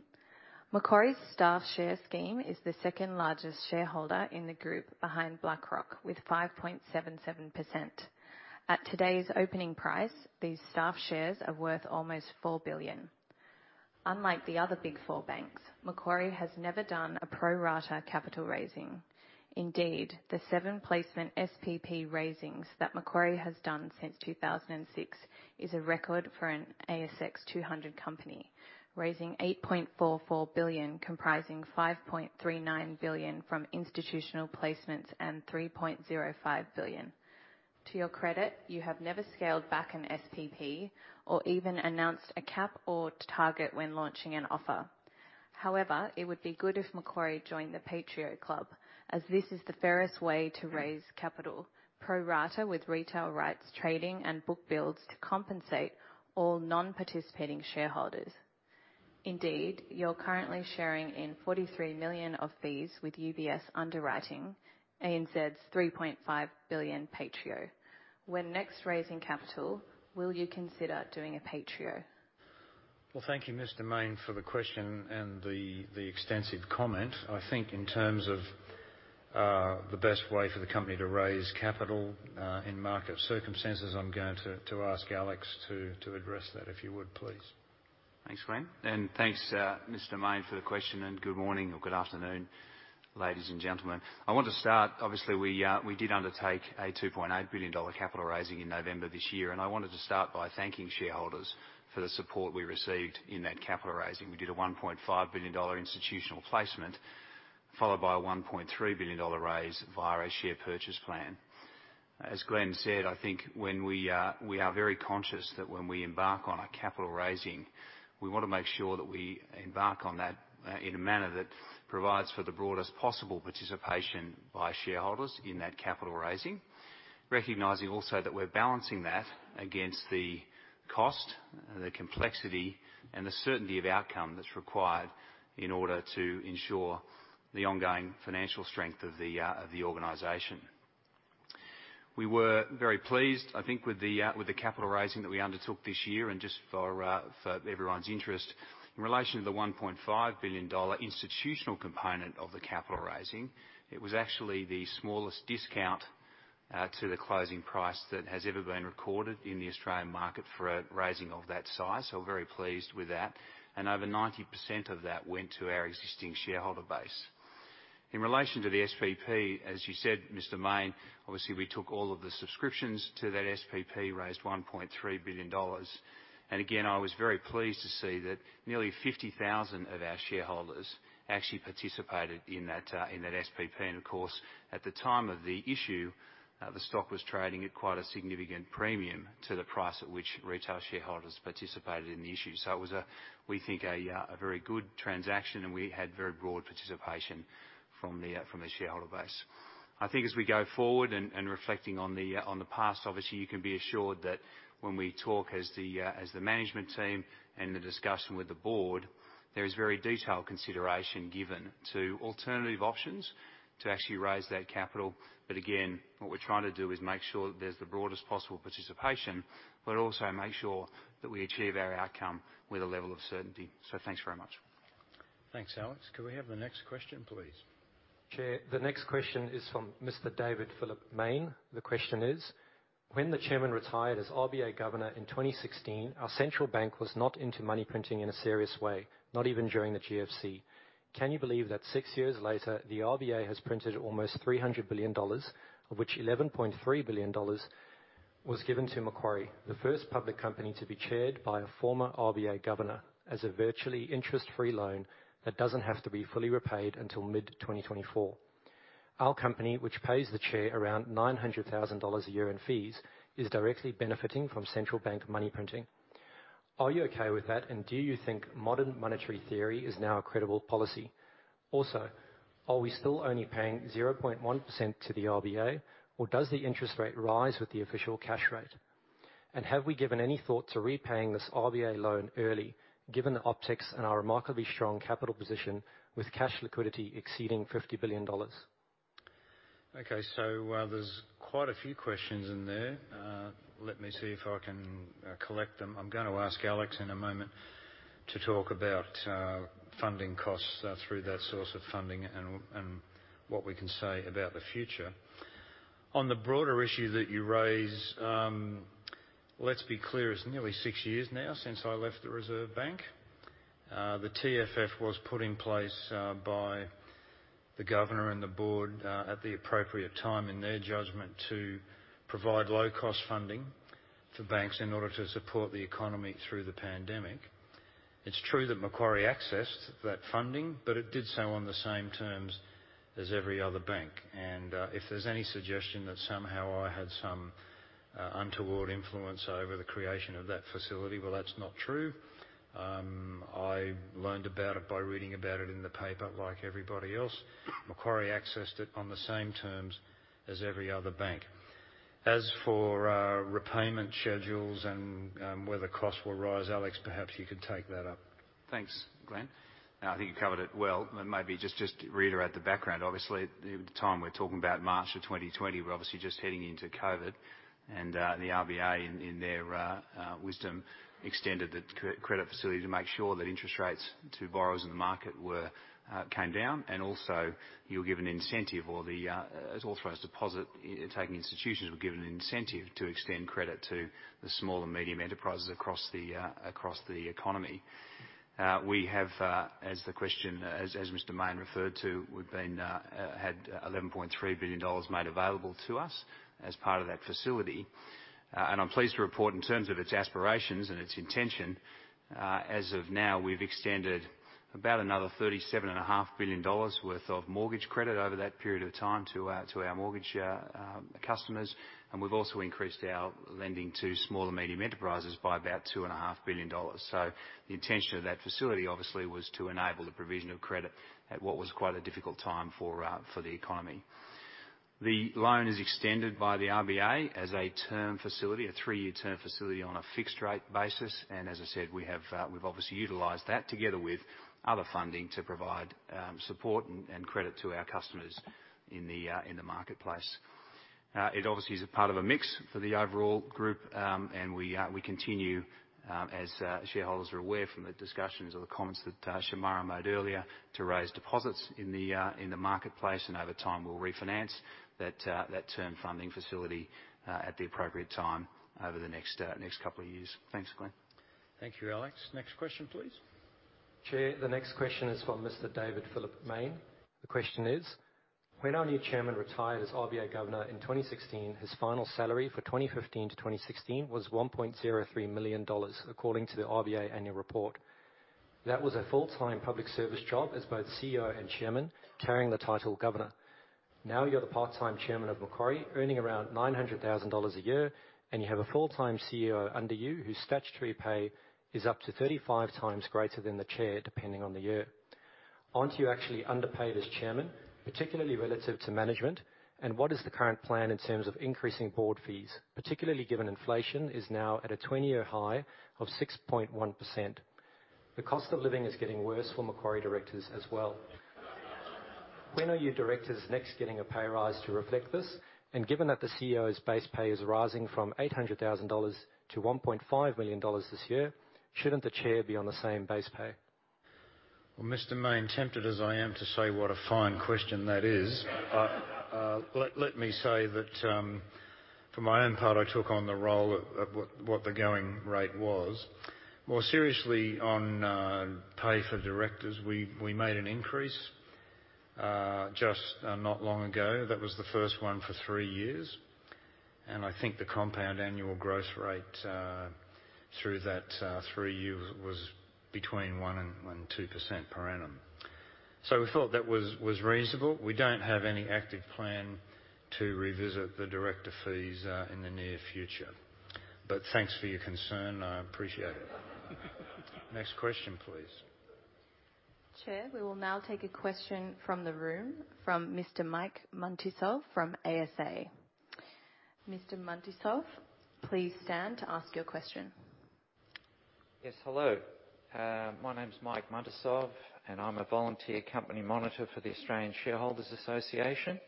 Macquarie's staff share scheme is the second largest shareholder in the group behind BlackRock with 5.77%. At today's opening price, these staff shares are worth almost 4 billion. Unlike the other Big Four banks, Macquarie has never done a pro rata capital raising. Indeed, the seven placement SPP raisings that Macquarie has done since 2006 is a record for an ASX 200 company, raising AUD 8.44 billion, comprising AUD 5.39 billion from institutional placements and AUD 3.05 billion. To your credit, you have never scaled back an SPP or even announced a cap or target when launching an offer. However, it would be good if Macquarie joined the PAITREO Club as this is the fairest way to raise capital pro rata with retail rights, trading, and book builds to compensate all non-participating shareholders. Indeed, you're currently sharing in 43 million of fees with UBS underwriting ANZ's 3.5 billion PAITREO. When next raising capital, will you consider doing a PAITREO? Well, thank you, Mr. Main, for the question and the extensive comment. I think in terms of the best way for the company to raise capital in market circumstances, I'm going to ask Alex to address that. If you would, please. Thanks, Glenn. Thanks, Mr. Main, for the question, and good morning or good afternoon, ladies and gentlemen. I want to start. Obviously, we did undertake a 2.8 billion dollar capital raising in November this year, and I wanted to start by thanking shareholders for the support we received in that capital raising. We did a 1.5 billion dollar institutional placement followed by a 1.3 billion dollar raise via a share purchase plan. As Glenn said, I think when we are very conscious that when we embark on a capital raising, we wanna make sure that we embark on that in a manner that provides for the broadest possible participation by shareholders in that capital raising. Recognizing also that we're balancing that against the cost, the complexity, and the certainty of outcome that's required in order to ensure the ongoing financial strength of the organization. We were very pleased, I think, with the capital raising that we undertook this year. Just for everyone's interest, in relation to the 1.5 billion dollar institutional component of the capital raising, it was actually the smallest discount to the closing price that has ever been recorded in the Australian market for a raising of that size. Very pleased with that. Over 90% of that went to our existing shareholder base. In relation to the SPP, as you said, Mr. Main, obviously, we took all of the subscriptions to that SPP, raised 1.3 billion dollars. Again, I was very pleased to see that nearly 50,000 of our shareholders actually participated in that in that SPP. Of course, at the time of the issue, the stock was trading at quite a significant premium to the price at which retail shareholders participated in the issue. It was a we think a very good transaction, and we had very broad participation from the from the shareholder base. I think as we go forward and reflecting on the on the past, obviously you can be assured that when we talk as the as the management team and the discussion with the board, there is very detailed consideration given to alternative options to actually raise that capital. Again, what we're trying to do is make sure there's the broadest possible participation, but also make sure that we achieve our outcome with a level of certainty. Thanks very much. Thanks, Alex. Could we have the next question, please? Chair, the next question is from Mr. David Philip Main. The question is: When the chairman retired as RBA governor in 2016, our central bank was not into money printing in a serious way, not even during the GFC. Can you believe that six years later, the RBA has printed almost 300 billion dollars, of which 11.3 billion dollars was given to Macquarie, the first public company to be chaired by a former RBA governor as a virtually interest-free loan that doesn't have to be fully repaid until mid-2024? Our company, which pays the chair around 900,000 dollars a year in fees, is directly benefiting from central bank money printing. Are you okay with that? Do you think modern monetary theory is now a credible policy? Also, are we still only paying 0.1% to the RBA, or does the interest rate rise with the official cash rate? Have we given any thought to repaying this RBA loan early, given the optics and our remarkably strong capital position with cash liquidity exceeding AUD 50 billion? Okay, there's quite a few questions in there. Let me see if I can collect them. I'm gonna ask Alex in a moment to talk about funding costs through that source of funding and what we can say about the future. On the broader issue that you raise, let's be clear, it's nearly six years now since I left the Reserve Bank. The TFF was put in place by the governor and the board at the appropriate time in their judgment to provide low-cost funding for banks in order to support the economy through the pandemic. It's true that Macquarie accessed that funding, but it did so on the same terms as every other bank. If there's any suggestion that somehow I had some untoward influence over the creation of that facility, well, that's not true. I learned about it by reading about it in the paper, like everybody else. Macquarie accessed it on the same terms as every other bank. As for repayment schedules and whether costs will rise, Alex, perhaps you could take that up. Thanks, Glenn. I think you covered it well. Maybe just to reiterate the background. Obviously, the time we're talking about March of 2020, we're obviously just heading into COVID. The RBA in their wisdom extended the credit facility to make sure that interest rates to borrowers in the market came down. Also, authorized deposit taking institutions were given an incentive to extend credit to the small and medium enterprises across the economy. As Mr. Main referred to, we've had 11.3 billion dollars made available to us as part of that facility. I'm pleased to report in terms of its aspirations and its intention, as of now, we've extended about another 37.5 billion dollars worth of mortgage credit over that period of time to our mortgage customers. We've also increased our lending to small and medium enterprises by about 2.5 billion dollars. The intention of that facility obviously was to enable the provision of credit at what was quite a difficult time for the economy. The loan is extended by the RBA as a term facility, a three-year term facility on a fixed rate basis. As I said, we've obviously utilized that together with other funding to provide support and credit to our customers in the marketplace. It obviously is a part of a mix for the overall group. We continue, as shareholders are aware from the discussions or the comments that Shemara made earlier, to raise deposits in the marketplace and over time we'll refinance that term funding facility at the appropriate time over the next couple of years. Thanks, Glenn. Thank you, Alex. Next question, please. Chair, the next question is from Mr. David Philip Main. The question is: When our new chairman retired as RBA governor in 2016, his final salary for 2015 to 2016 was 1.03 million dollars according to the RBA annual report. That was a full-time public service job as both CEO and chairman carrying the title governor. Now you're the part-time chairman of Macquarie earning around 900,000 dollars a year, and you have a full-time CEO under you whose statutory pay is up to 35 times greater than the chair, depending on the year. Aren't you actually underpaid as chairman, particularly relative to management? What is the current plan in terms of increasing board fees, particularly given inflation is now at a 20-year high of 6.1%? The cost of living is getting worse for Macquarie directors as well. When are your directors next getting a pay raise to reflect this? Given that the CEO's base pay is rising from 800,000 dollars to 1.5 million dollars this year, shouldn't the chair be on the same base pay? Well, Mr. Main, tempted as I am to say what a fine question that is. Let me say that, for my own part, I took on the role at what the going rate was. More seriously on pay for directors, we made an increase just not long ago. That was the first one for three years. I think the compound annual growth rate through that three years was between 1% and 2% per annum. We thought that was reasonable. We don't have any active plan to revisit the director fees in the near future. Thanks for your concern. I appreciate it. Next question, please. Chair, we will now take a question from the room from Mr. Mike Muntisov from ASA. Mr. Mantisov, please stand to ask your question. Yes. Hello. My name is Mike Muntisov, and I'm a volunteer company monitor for the Australian Shareholders' Association.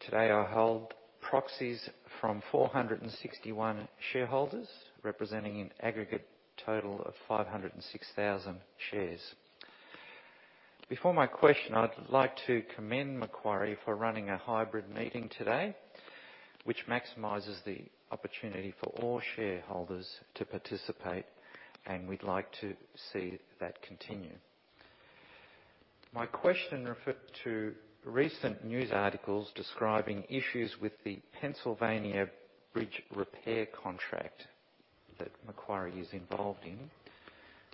Today, I hold proxies from 461 shareholders, representing an aggregate total of 506,000 shares. Before my question, I'd like to commend Macquarie for running a hybrid meeting today, which maximizes the opportunity for all shareholders to participate, and we'd like to see that continue. My question referred to recent news articles describing issues with the Pennsylvania bridge repair contract that Macquarie is involved in.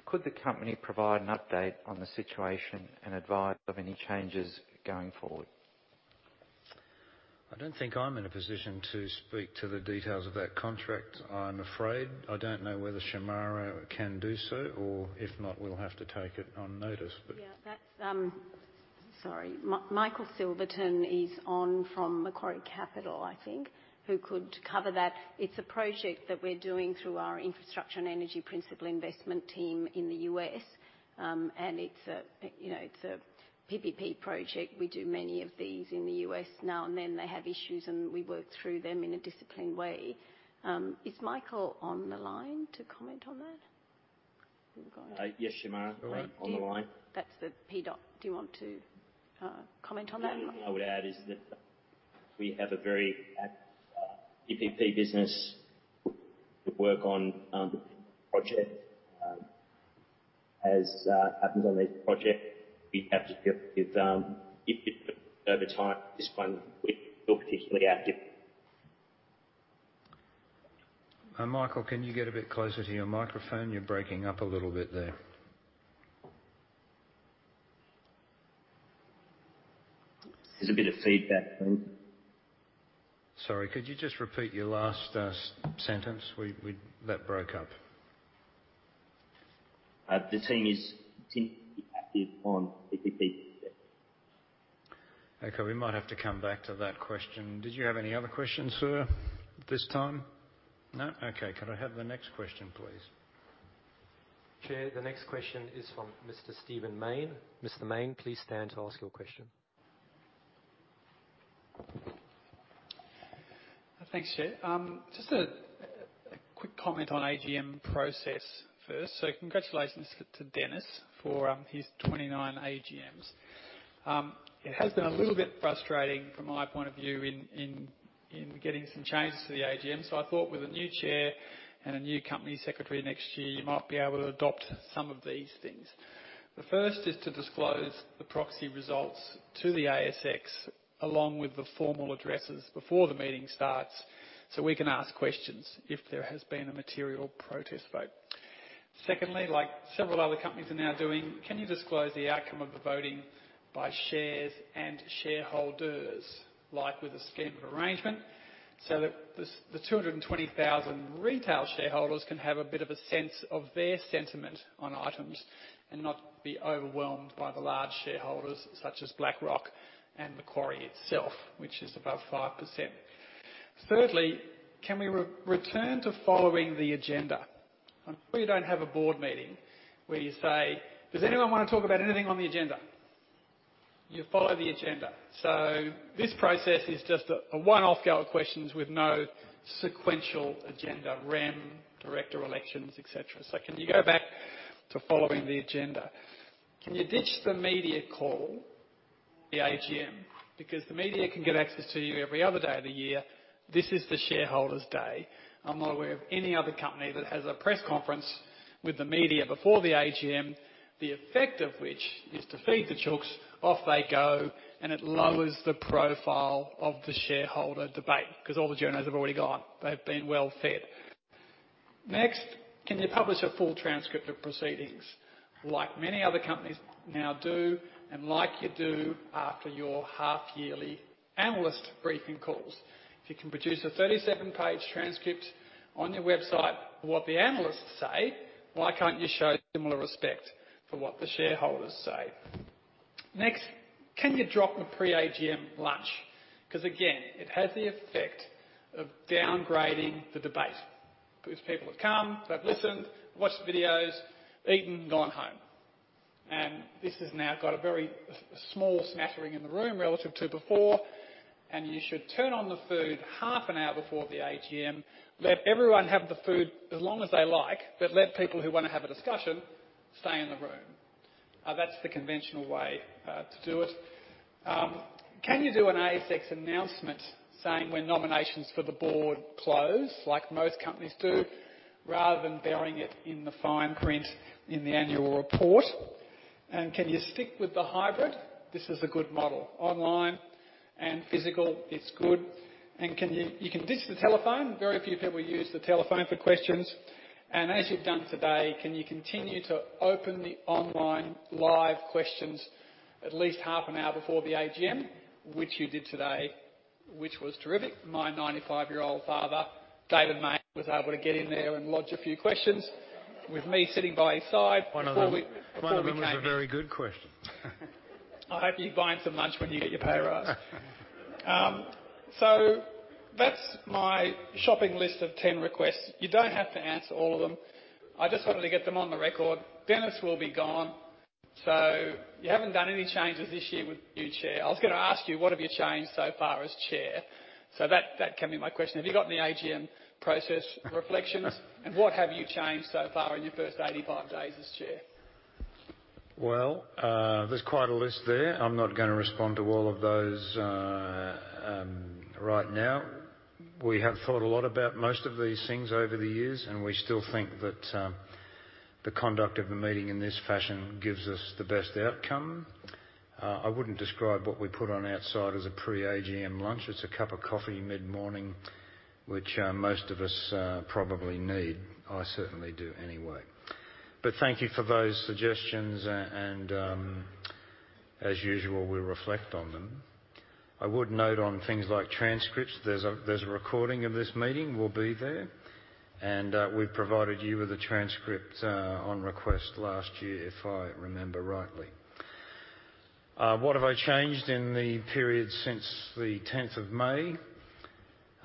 Could the company provide an update on the situation and advise of any changes going forward? I don't think I'm in a position to speak to the details of that contract, I'm afraid. I don't know whether Shemara can do so or if not, we'll have to take it on notice, but. Yeah, that's. Sorry. Michael Silverton is on from Macquarie Capital, I think, who could cover that. It's a project that we're doing through our infrastructure and energy principal investment team in the U.S., and it's a, you know, it's a PPP project. We do many of these in the U.S. now and then. They have issues, and we work through them in a disciplined way. Is Michael on the line to comment on that? We've got- Yes, Shemara. I'm on the line. That's the PDOP. Do you want to comment on that, Michael? The only thing I would add is that we have a very active PPP business to work on project. As it happens on these projects, we have to be able to give PPP over time. This one we're particularly active. Michael, can you get a bit closer to your microphone? You're breaking up a little bit there. There's a bit of feedback then. Sorry, could you just repeat your last sentence? That broke up. The team is actively on PPP. Okay. We might have to come back to that question. Did you have any other questions, sir, at this time? No? Okay. Could I have the next question, please? Chair, the next question is from Mr. Stephen Mayne. Mr. Mayne, please stand to ask your question. Thanks, Chair. Just a quick comment on AGM process first. Congratulations to Dennis for his 29th AGMs. It has been a little bit frustrating from my point of view in getting some changes to the AGM. I thought with a new chair and a new company secretary next year, you might be able to adopt some of these things. The first is to disclose the proxy results to the ASX along with the formal addresses before the meeting starts, so we can ask questions if there has been a material protest vote. Secondly, like several other companies are now doing, can you disclose the outcome of the voting by shares and shareholders, like with a scheme of arrangement, so that the 220,000 retail shareholders can have a bit of a sense of their sentiment on items and not be overwhelmed by the large shareholders such as BlackRock and Macquarie itself, which is above 5%. Thirdly, can we return to following the agenda? I'm sure you don't have a board meeting where you say, "Does anyone wanna talk about anything on the agenda?" You follow the agenda. This process is just a one-off go of questions with no sequential agenda, REM, director elections, et cetera. Can you go back to following the agenda? Can you ditch the media call at the AGM? The media can get access to you every other day of the year. This is the shareholders' day. I'm not aware of any other company that has a press conference with the media before the AGM, the effect of which is to feed the chooks, off they go, and it lowers the profile of the shareholder debate because all the journos have already gone. They've been well fed. Next, can you publish a full transcript of proceedings like many other companies now do and like you do after your half-yearly analyst briefing calls? If you can produce a 37-page transcript on your website for what the analysts say, why can't you show similar respect for what the shareholders say? Next, can you drop the pre-AGM lunch? Because, again, it has the effect of downgrading the debate. Because people have come, they've listened, watched the videos, eaten, gone home. This has now got a very small smattering in the room relative to before. You should turn on the food half an hour before the AGM, let everyone have the food as long as they like, but let people who wanna have a discussion stay in the room. That's the conventional way to do it. Can you do an ASX announcement saying when nominations for the board close, like most companies do, rather than burying it in the fine print in the annual report? Can you stick with the hybrid? This is a good model. Online and physical, it's good. You can ditch the telephone. Very few people use the telephone for questions. As you've done today, can you continue to open the online live questions at least half an hour before the AGM, which you did today, which was terrific. My 95-year-old father, David Mayne, was able to get in there and lodge a few questions with me sitting by his side. One of them was a very good question. I hope you buy him some lunch when you get your pay raise. That's my shopping list of 10 requests. You don't have to answer all of them. I just wanted to get them on the record. Dennis will be gone. You haven't done any changes this year with you, Chair. I was gonna ask you, what have you changed so far as chair? That can be my question. Have you got any AGM process reflections? What have you changed so far in your first 85 days as chair? Well, there's quite a list there. I'm not gonna respond to all of those right now. We have thought a lot about most of these things over the years, and we still think that the conduct of a meeting in this fashion gives us the best outcome. I wouldn't describe what we put on outside as a pre-AGM lunch. It's a cup of coffee mid-morning, which most of us probably need. I certainly do anyway. Thank you for those suggestions and, as usual, we'll reflect on them. I would note on things like transcripts, there's a recording of this meeting will be there, and we've provided you with a transcript on request last year, if I remember rightly. What have I changed in the period since the 10th of May?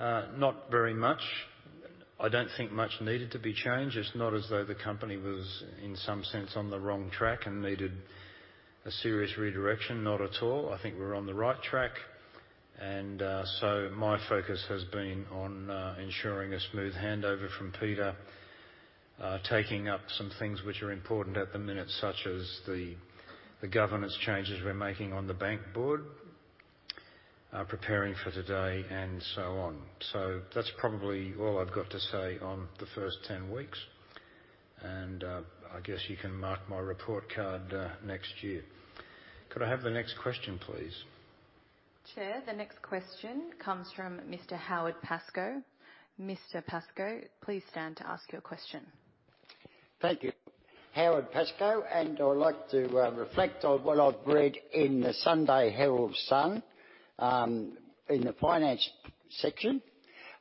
Not very much. I don't think much needed to be changed. It's not as though the company was, in some sense, on the wrong track and needed a serious redirection. Not at all. I think we're on the right track. My focus has been on ensuring a smooth handover from Peter, taking up some things which are important at the minute, such as the governance changes we're making on the bank board, preparing for today and so on. That's probably all I've got to say on the first 10 weeks, and I guess you can mark my report card next year. Could I have the next question, please? Chair, the next question comes from Mr. Howard Pascoe. Mr. Pascoe, please stand to ask your question. Thank you. Howard Pascoe, I would like to reflect on what I've read in the Sunday Herald Sun in the finance section.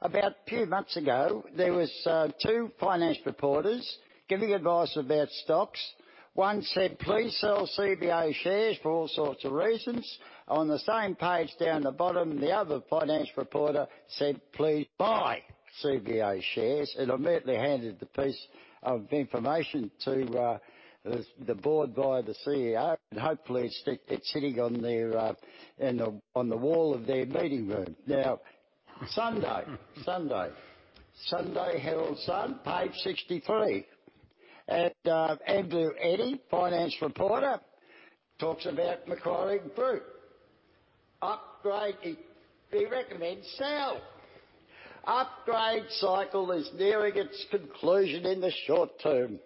A few months ago, there were two finance reporters giving advice about stocks. One said, "Please sell CBA shares for all sorts of reasons." On the same page down the bottom, the other finance reporter said, "Please buy CBA shares," and immediately handed the piece of information to the board via the CEO, and hopefully it's sitting on the wall of their meeting room. Sunday Herald Sun, page 63. Andrew Eddy, finance reporter, talks about Macquarie Group. He recommends sell. Upgrade cycle is nearing its conclusion in the short term,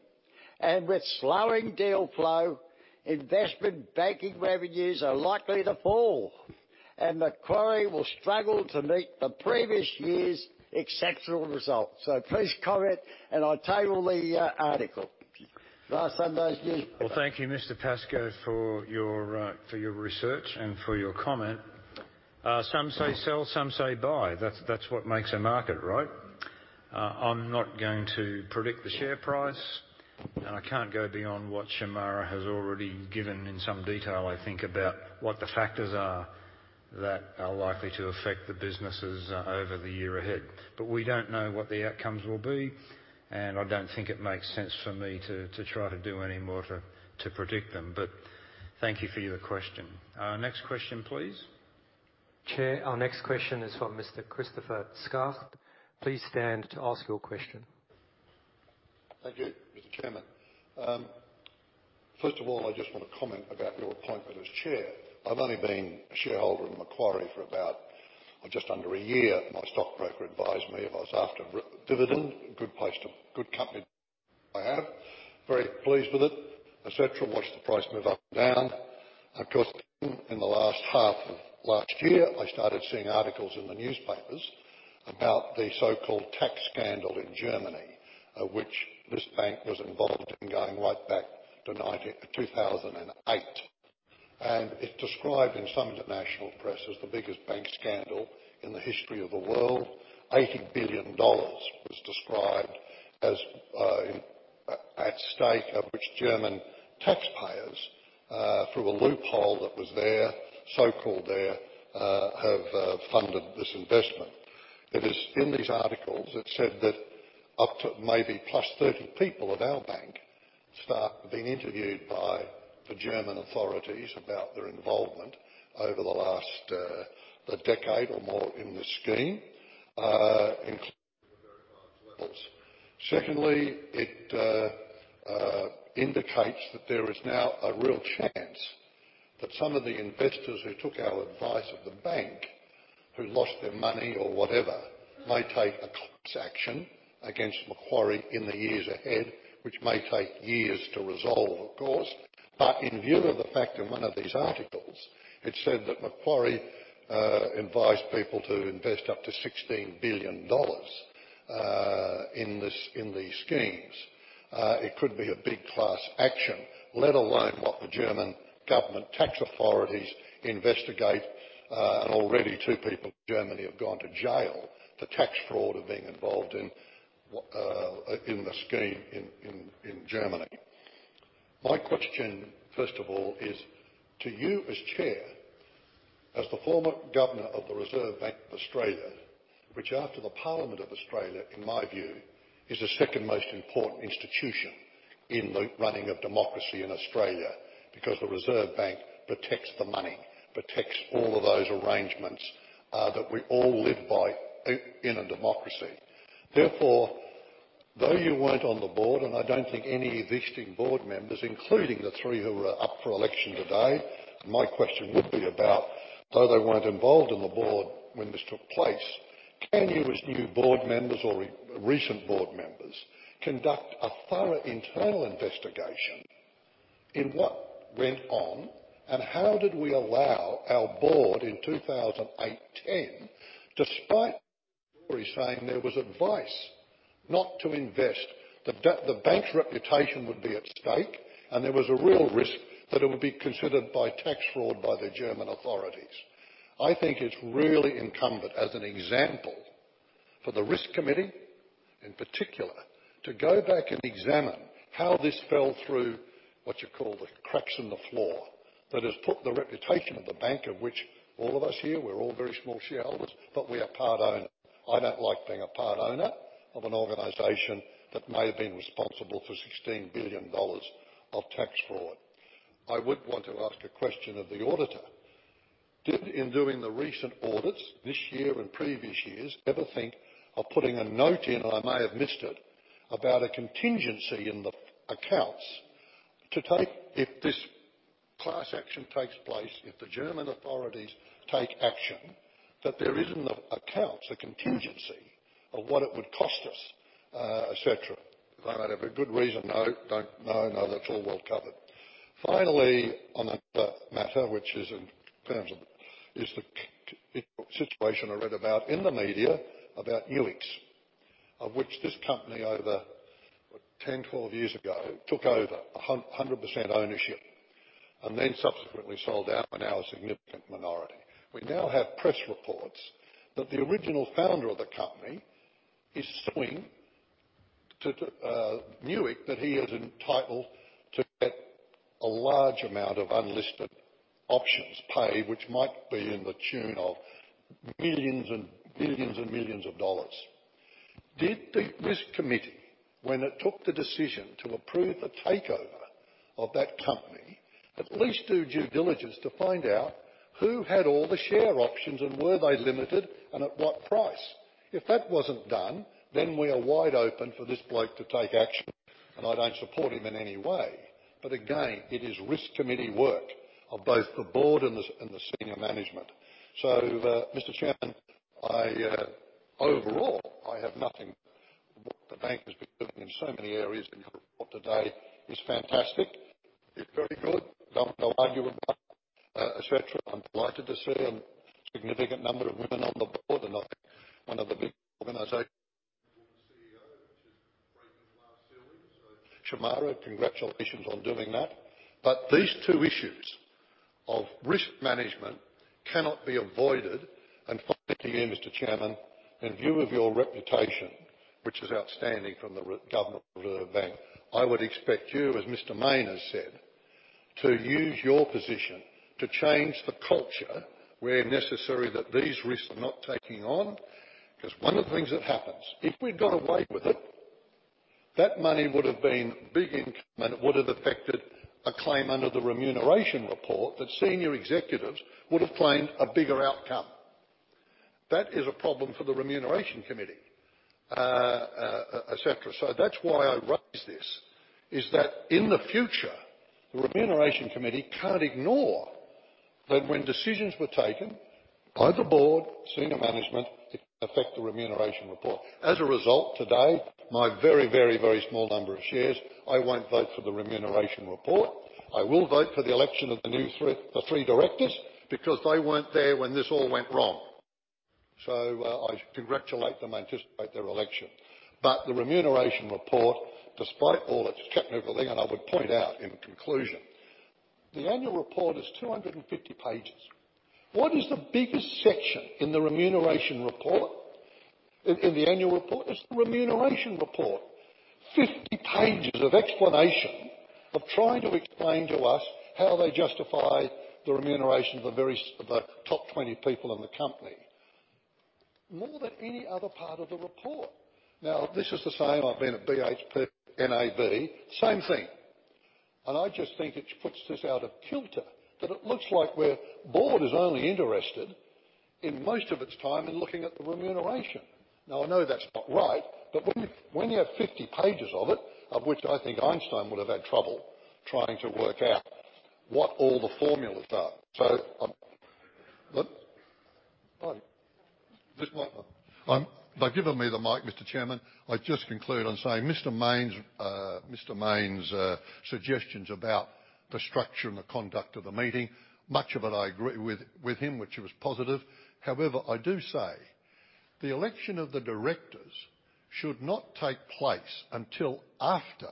and with slowing deal flow, investment banking revenues are likely to fall, and Macquarie will struggle to meet the previous year's exceptional results." Please comment, and I table the article. Last Sunday's news. Well, thank you, Mr. Pascoe, for your research and for your comment. Some say sell, some say buy. That's what makes a market, right? I'm not going to predict the share price, and I can't go beyond what Shemara has already given in some detail, I think, about what the factors are that are likely to affect the businesses over the year ahead. We don't know what the outcomes will be, and I don't think it makes sense for me to try to do any more to predict them. Thank you for your question. Next question, please. Chair, our next question is from Mr. Christopher Scarth. Please stand to ask your question. Thank you, Mr. Chairman. First of all, I just wanna comment about your appointment as chair. I've only been a shareholder of Macquarie for about just under a year. My stockbroker advised me if I was after a r-dividend, good company to buy it. Very pleased with it, et cetera. Watched the price move up and down. Of course, in the last half of last year, I started seeing articles in the newspapers about the so-called tax scandal in Germany, which this bank was involved in going right back to 2008. It described in some international press as the biggest bank scandal in the history of the world. $80 billion was described as at stake, of which German taxpayers through a loophole that was there, so-called there, have funded this investment. It is in these articles. It said that up to maybe plus 30 people at our bank start being interviewed by the German authorities about their involvement over the last decade or more in the scheme, including very high levels. Secondly, it indicates that there is now a real chance that some of the investors who took our advice from the bank, who lost their money or whatever, may take a class action against Macquarie in the years ahead, which may take years to resolve, of course. In view of the fact in one of these articles, it said that Macquarie advised people to invest up to 16 billion dollars in this, in these schemes. It could be a big class action, let alone what the German government tax authorities investigate. Already two people in Germany have gone to jail for tax fraud and being involved in what in the scheme in Germany. My question, first of all, is to you as chair, as the former governor of the Reserve Bank of Australia, which after the Parliament of Australia, in my view, is the second most important institution in the running of democracy in Australia. Because the Reserve Bank protects the money, protects all of those arrangements, that we all live by in a democracy. Therefore, though you weren't on the board, and I don't think any existing board members, including the three who are up for election today, my question would be about, though they weren't involved in the board when this took place, can you as new board members or recent board members conduct a thorough internal investigation in what went on, and how did we allow our board in 2008, 2010, despite Macquarie saying there was advice not to invest, the bank's reputation would be at stake, and there was a real risk that it would be considered by tax fraud by the German authorities? I think it's really incumbent as an example for the risk committee, in particular, to go back and examine how this fell through, what you call the cracks in the floor, that has put the reputation of the bank in which all of us here, we're all very small shareholders, but we are part owners. I don't like being a part owner of an organization that may have been responsible for 16 billion dollars of tax fraud. I would want to ask a question of the auditor. Did, in doing the recent audits this year and previous years, ever think of putting a note in, I may have missed it, about a contingency in the accounts to take if this class action takes place, if the German authorities take action, that there is in the accounts a contingency of what it would cost us, et cetera. If I might have a good reason, no, don't, no, that's all well covered. Finally, on another matter, which is in terms of the current situation I read about in the media about Eurex, of which this company over what 10, 12 years ago took over a 100% ownership and then subsequently sold down and now a significant minority. We now have press reports that the original founder of the company is suing Eurex that he is entitled to get a large amount of unlisted options paid, which might be to the tune of millions and billions and millions dollars. Did the risk committee, when it took the decision to approve the takeover of that company, at least do due diligence to find out who had all the share options, and were they limited and at what price? If that wasn't done, then we are wide open for this bloke to take action, and I don't support him in any way. Again, it is risk committee work of both the board and the senior management. Mr. Chairman, overall, I have nothing but what the bank has been doing in so many areas in your report today is fantastic. It's very good. Don't argue with that, et cetera. I'm delighted to see a significant number of women on the board and I think one of the big organizations CEO, which is breaking glass ceilings. Shemara, congratulations on doing that. These two issues of risk management cannot be avoided. Finally to you, Mr. Chairman, in view of your reputation, which is outstanding from the governor of the Reserve Bank, I would expect you, as Mr. Mayne has said to use your position to change the culture where necessary that these risks are not taking on. 'Cause one of the things that happens, if we'd got away with it, that money would've been big income and it would've affected a claim under the remuneration report that senior executives would've claimed a bigger outcome. That is a problem for the remuneration committee, et cetera. That's why I raise this, is that in the future, the remuneration committee can't ignore that when decisions were taken by the board, senior management, it affect the remuneration report. As a result today, my very small number of shares, I won't vote for the remuneration report. I will vote for the election of the new three, the three directors because they weren't there when this all went wrong. I congratulate them, anticipate their election. The remuneration report, despite all its check and everything, and I would point out in conclusion, the annual report is 250 pages. What is the biggest section in the remuneration report? In the annual report? It's the remuneration report. 50 pages of explanation, of trying to explain to us how they justify the remuneration of the top 20 people in the company. More than any other part of the report. Now this is the same, I've been at BHP, NAB, same thing. I just think it puts this out of kilter, that it looks like the board is only interested in most of its time in looking at the remuneration. Now, I know that's not right, but when you have 50 pages of it, of which I think Einstein would have had trouble trying to work out what all the formulas are. They've given me the mic, Mr. Chairman. I just conclude on saying Mr. Mayne's suggestions about the structure and the conduct of the meeting, much of it I agree with him, which was positive. However, I do say the election of the directors should not take place until after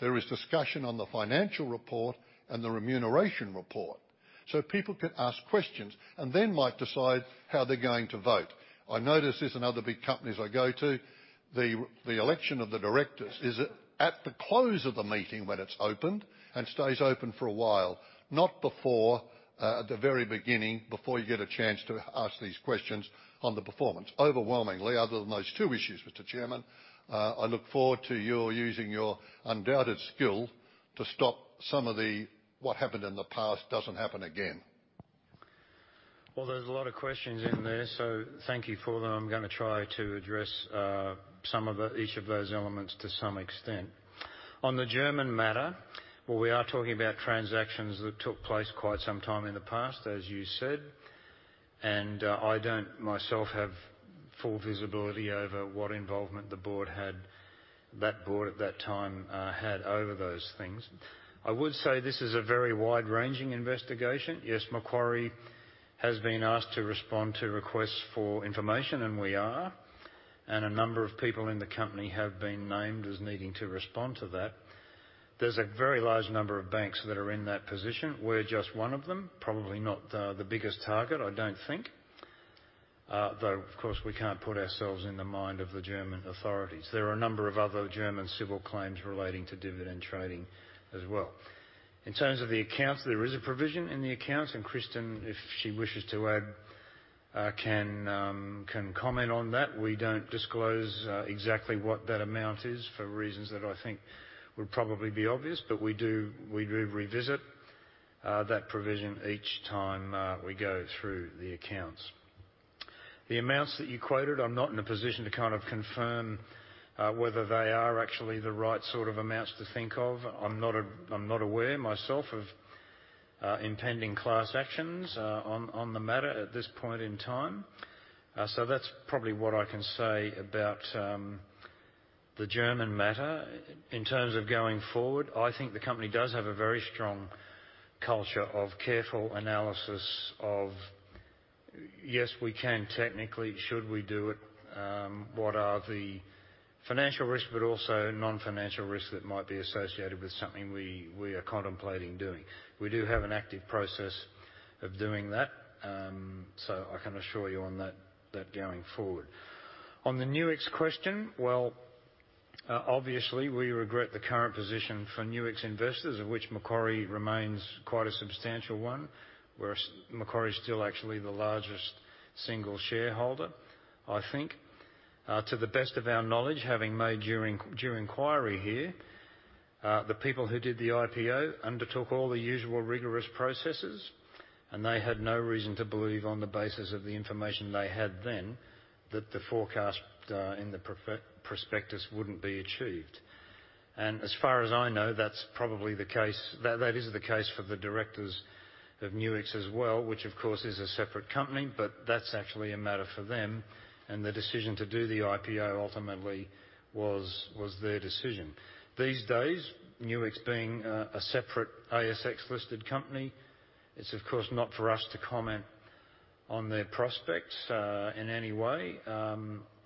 there is discussion on the financial report and the remuneration report, so people can ask questions and then might decide how they're going to vote. I notice this in other big companies I go to. The election of the directors is at the close of the meeting when it's opened and stays open for a while, not before, at the very beginning, before you get a chance to ask these questions on the performance. Overwhelmingly, other than those two issues, Mr. Chairman, I look forward to your using your undoubted skill to stop some of the what happened in the past doesn't happen again. Well, there's a lot of questions in there, so thank you for them. I'm gonna try to address some of each of those elements to some extent. On the German matter, well, we are talking about transactions that took place quite some time in the past, as you said, and I don't myself have full visibility over what involvement the board had, that board at that time had over those things. I would say this is a very wide-ranging investigation. Yes, Macquarie has been asked to respond to requests for information, and we are, and a number of people in the company have been named as needing to respond to that. There's a very large number of banks that are in that position. We're just one of them, probably not the biggest target, I don't think. Though, of course, we can't put ourselves in the mind of the German authorities. There are a number of other German civil claims relating to dividend trading as well. In terms of the accounts, there is a provision in the accounts, and Kristin, if she wishes to add, can comment on that. We don't disclose exactly what that amount is for reasons that I think would probably be obvious, but we do revisit that provision each time we go through the accounts. The amounts that you quoted, I'm not in a position to kind of confirm whether they are actually the right sort of amounts to think of. I'm not aware myself of impending class actions on the matter at this point in time. That's probably what I can say about the German matter. In terms of going forward, I think the company does have a very strong culture of careful analysis of, yes, we can technically, should we do it? What are the financial risks, but also non-financial risks that might be associated with something we are contemplating doing? We do have an active process of doing that, so I can assure you on that going forward. On the Nuixquestion, well, obviously we regret the current position for Nuix investors, of which Macquarie remains quite a substantial one. Macquarie's still actually the largest single shareholder, I think. To the best of our knowledge, having made due inquiry here, the people who did the IPO undertook all the usual rigorous processes, and they had no reason to believe on the basis of the information they had then that the forecast in the prospectus wouldn't be achieved. As far as I know, that's probably the case, that is the case for the directors of Nuix as well, which of course is a separate company, but that's actually a matter for them, and the decision to do the IPO ultimately was their decision. These days, Nuix being a separate ASX-listed company, it's of course not for us to comment on their prospects in any way.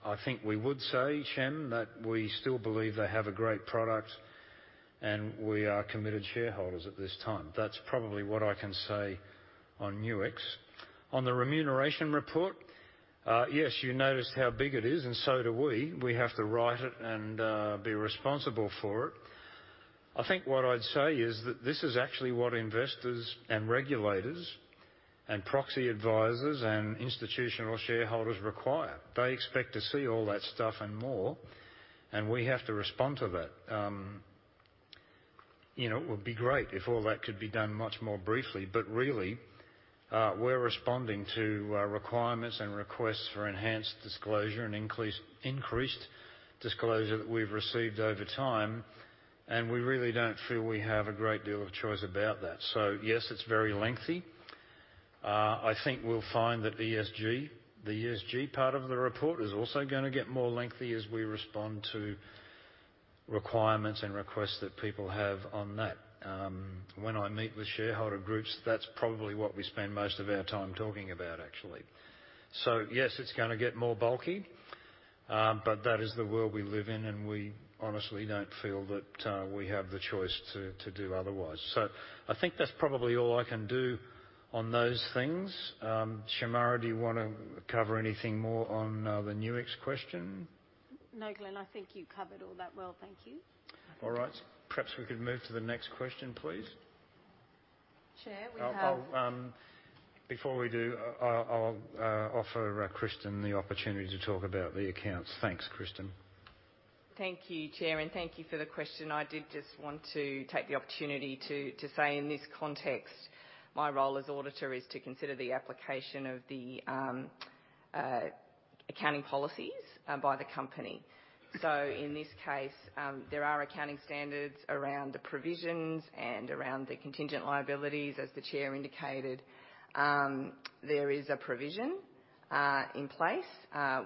I think we would say, Shemara, that we still believe they have a great product, and we are committed shareholders at this time. That's probably what I can say on Nuix. On the remuneration report, yes, you noticed how big it is, and so do we. We have to write it and be responsible for it. I think what I'd say is that this is actually what investors and regulators and proxy advisors and institutional shareholders require. They expect to see all that stuff and more, and we have to respond to that. You know, it would be great if all that could be done much more briefly, but really, we're responding to requirements and requests for enhanced disclosure and increased disclosure that we've received over time, and we really don't feel we have a great deal of choice about that. Yes, it's very lengthy. I think we'll find that ESG, the ESG part of the report is also gonna get more lengthy as we respond to requirements and requests that people have on that. When I meet with shareholder groups, that's probably what we spend most of our time talking about, actually. Yes, it's gonna get more bulky, but that is the world we live in, and we honestly don't feel that we have the choice to do otherwise. I think that's probably all I can do on those things. Shemara, do you wanna cover anything more on the Nuix question? No, Glenn, I think you covered all that well. Thank you. All right. Perhaps we could move to the next question, please. Chair. Before we do, I'll offer Kristin the opportunity to talk about the accounts. Thanks, Kristin. Thank you, Chair, and thank you for the question. I did just want to take the opportunity to say in this context, my role as auditor is to consider the application of the accounting policies by the company. In this case, there are accounting standards around the provisions and around the contingent liabilities, as the chair indicated. There is a provision in place.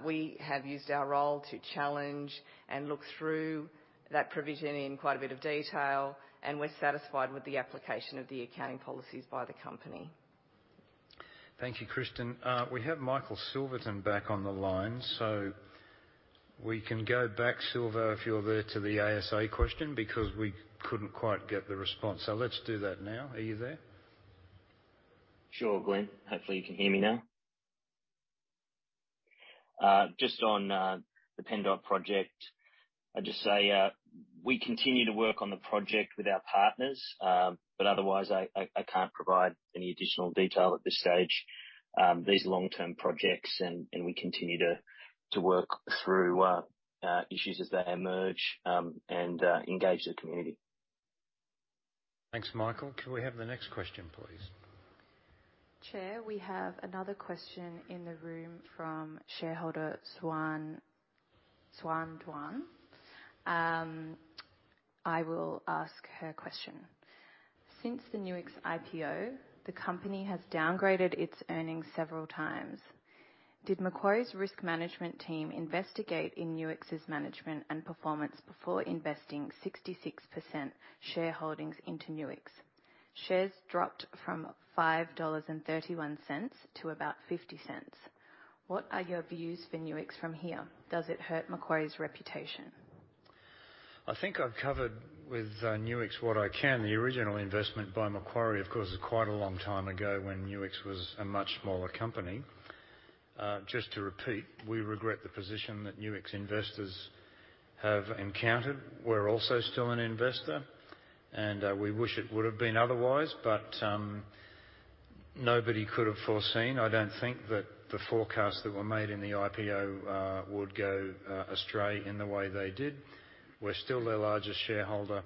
We have used our role to challenge and look through that provision in quite a bit of detail, and we're satisfied with the application of the accounting policies by the company. Thank you, Kristin. We have Michael Silverton back on the line, so we can go back, Silverton, if you're there, to the ASA question because we couldn't quite get the response. Let's do that now. Are you there? Sure, Glenn. Hopefully, you can hear me now. Just on the PennDOT project, I'd just say, we continue to work on the project with our partners, but otherwise I can't provide any additional detail at this stage. These are long-term projects and we continue to work through issues as they emerge, and engage the community. Thanks, Michael. Can we have the next question, please? Chair, we have another question in the room from shareholder Swan Duan. I will ask her question. Since the Nuix IPO, the company has downgraded its earnings several times. Did Macquarie's risk management team investigate into Nuix's management and performance before investing 66% shareholdings into Nuix? Shares dropped from 5.31 dollars to about 0.50. What are your views for Nuix from here? Does it hurt Macquarie's reputation? I think I've covered with Nuix what I can. The original investment by Macquarie, of course, was quite a long time ago when Nuix was a much smaller company. Just to repeat, we regret the position that Nuix investors have encountered. We're also still an investor and we wish it would have been otherwise, but nobody could have foreseen. I don't think that the forecasts that were made in the IPO would go astray in the way they did. We're still their largest shareholder,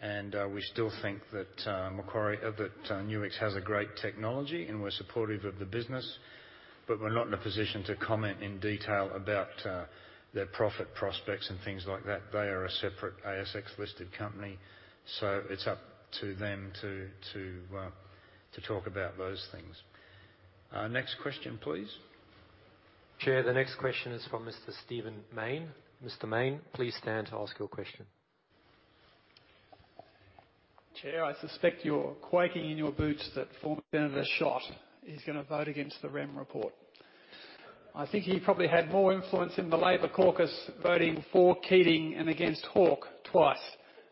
and we still think that Nuix has a great technology and we're supportive of the business, but we're not in a position to comment in detail about their profit prospects and things like that. They are a separate ASX-listed company, so it's up to them to talk about those things. Next question, please. Chair, the next question is from Mr. Stephen Mayne. Mr. Mayne, please stand to ask your question. Chair, I suspect you're quaking in your boots that former Senator Schacht is gonna vote against the REM report. I think he probably had more influence in the Labor caucus voting for Keating and against Hawke twice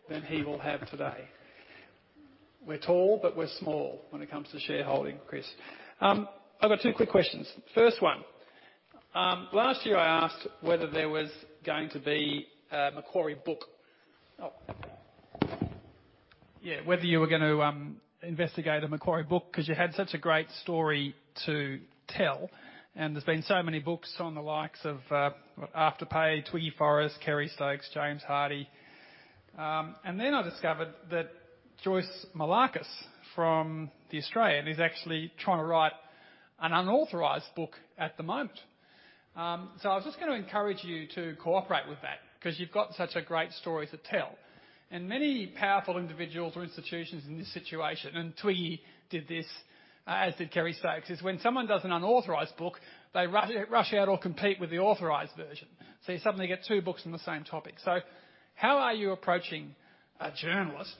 than he will have today. We're tall, but we're small when it comes to shareholding, Chris. I've got two quick questions. First one, last year, I asked whether there was going to be a Macquarie book, whether you were gonna investigate a Macquarie book because you had such a great story to tell, and there's been so many books on the likes of Afterpay, Andrew Forrest, Kerry Stokes, James Hardie. And then I discovered that Joyce Moullakis from The Australian is actually trying to write an unauthorized book at the moment. I was just gonna encourage you to cooperate with that because you've got such a great story to tell. Many powerful individuals or institutions in this situation, and Twiggy did this, as did Kerry Stokes, is when someone does an unauthorized book, they rush out or compete with the authorized version. You suddenly get two books on the same topic. How are you approaching a journalist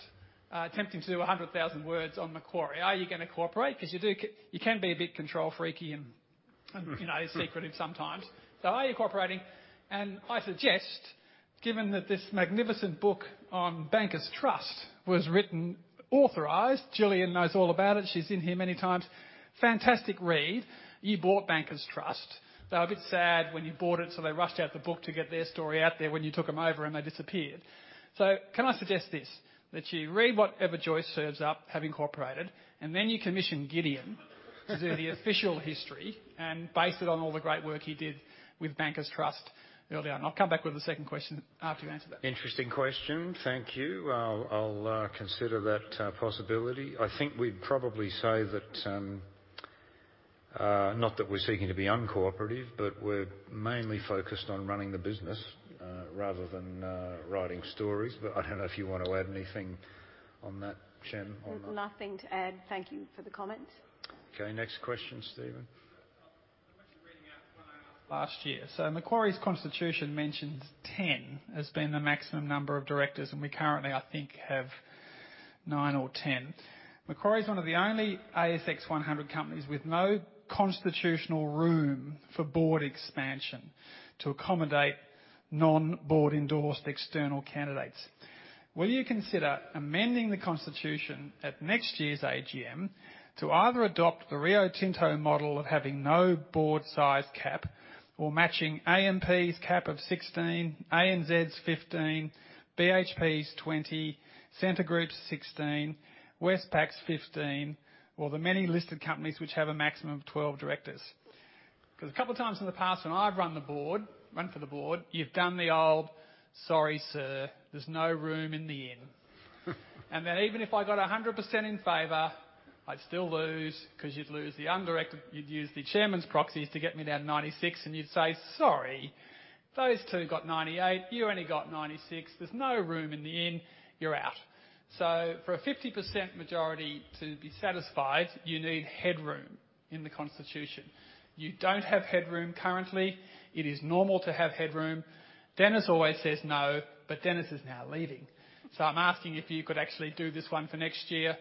attempting to do 100,000 words on Macquarie? Are you gonna cooperate? Because you can be a bit control freaky and, you know, secretive sometimes. Are you cooperating? I suggest, given that this magnificent book on Bankers Trust was written authorized, Gillian knows all about it. She's in here many times. Fantastic read. You bought Bankers Trust. They were a bit sad when you bought it, so they rushed out the book to get their story out there when you took them over and they disappeared. Can I suggest this, that you read whatever Joyce serves up, having cooperated, and then you commission Gideon to do the official history and base it on all the great work he did with Bankers Trust earlier on. I'll come back with a second question after you answer that. Interesting question. Thank you. I'll consider that possibility. I think we'd probably say that not that we're seeking to be uncooperative, but we're mainly focused on running the business rather than writing stories. I don't know if you want to add anything on that, Shemara, or not. There's nothing to add. Thank you for the comments. Okay, next question, Steven. I'm actually reading out one I asked last year. Macquarie's constitution mentions 10 as being the maximum number of directors, and we currently, I think, have nine or 10. Macquarie is one of the only ASX 100 companies with no constitutional room for board expansion to accommodate non-board endorsed external candidates. Will you consider amending the constitution at next year's AGM to either adopt the Rio Tinto model of having no board size cap or matching AMP's cap of 16, ANZ's 15, BHP's 20, Scentre Group's 16, Westpac's 15, or the many listed companies which have a maximum of 12 directors? 'Cause a couple times in the past when I've run for the board, you've done the old, "Sorry, sir, there's no room in the inn." And then, even if I got 100% in favor, I'd still lose, 'cause you'd use the chairman's proxies to get me down 96 and you'd say, "Sorry, those two got 98. You only got 96. There's no room in the inn. You're out." So for a 50% majority to be satisfied, you need headroom in the constitution. You don't have headroom currently. It is normal to have headroom. Dennis always says no, but Dennis is now leaving. I'm asking if you could actually do this one for next year.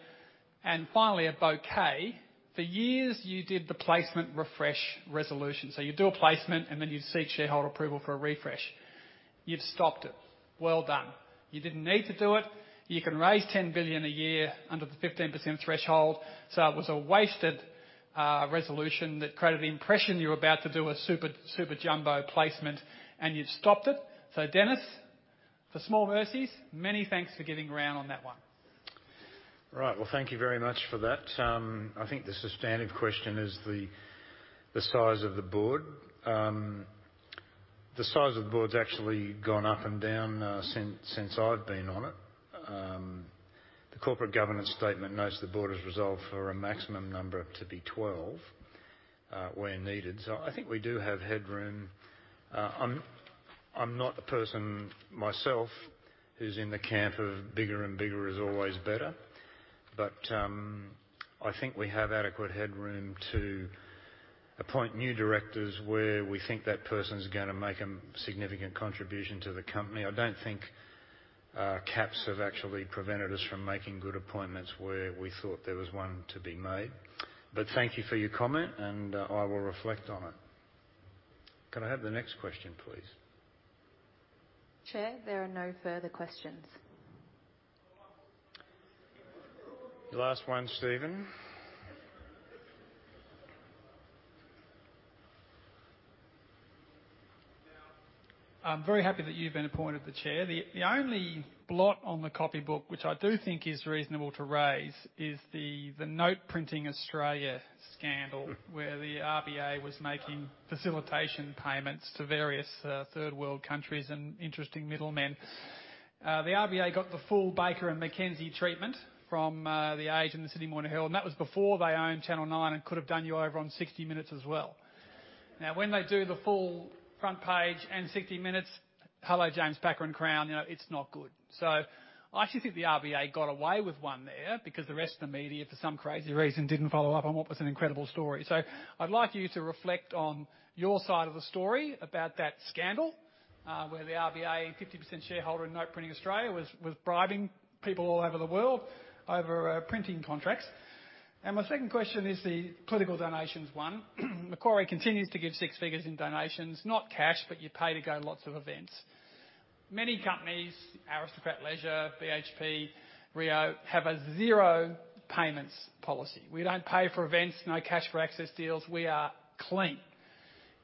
Finally, a bouquet. For years, you did the placement refresh resolution. You'd do a placement, and then you'd seek shareholder approval for a refresh. You've stopped it. Well done. You didn't need to do it. You can raise 10 billion a year under the 15% threshold, so it was a wasted resolution that created the impression you were about to do a super jumbo placement, and you've stopped it. Dennis, for small mercies, many thanks for getting around on that one. Right. Well, thank you very much for that. I think the substantive question is the size of the board. The size of the board's actually gone up and down since I've been on it. The corporate governance statement notes the board has resolved for a maximum number to be 12 where needed. I think we do have headroom. I'm not a person myself who's in the camp of bigger and bigger is always better. I think we have adequate headroom to appoint new directors where we think that person's gonna make a significant contribution to the company. I don't think caps have actually prevented us from making good appointments where we thought there was one to be made. Thank you for your comment, and I will reflect on it. Could I have the next question, please? Chair, there are no further questions. The last one, Stephen. I'm very happy that you've been appointed the chair. The only blot on the copy book which I do think is reasonable to raise is the Note Printing Australia scandal where the RBA was making facilitation payments to various Third World countries and interesting middlemen. The RBA got the full Baker McKenzie treatment from The Age and The Sydney Morning Herald, and that was before they owned Channel Nine and could have done you over on 60 Minutes as well. Now, when they do the full front page and 60 Minutes, hello James Packer and Crown. You know, it's not good. I actually think the RBA got away with one there because the rest of the media, for some crazy reason, didn't follow up on what was an incredible story. I'd like you to reflect on your side of the story about that scandal, where the RBA 50% shareholder in Note Printing Australia was bribing people all over the world over printing contracts. My second question is the political donations one. Macquarie continues to give six figures in donations, not cash, but you pay to go to lots of events. Many companies, Aristocrat Leisure, BHP, Rio Tinto, have a zero payments policy. We don't pay for events, no cash for access deals. We are clean.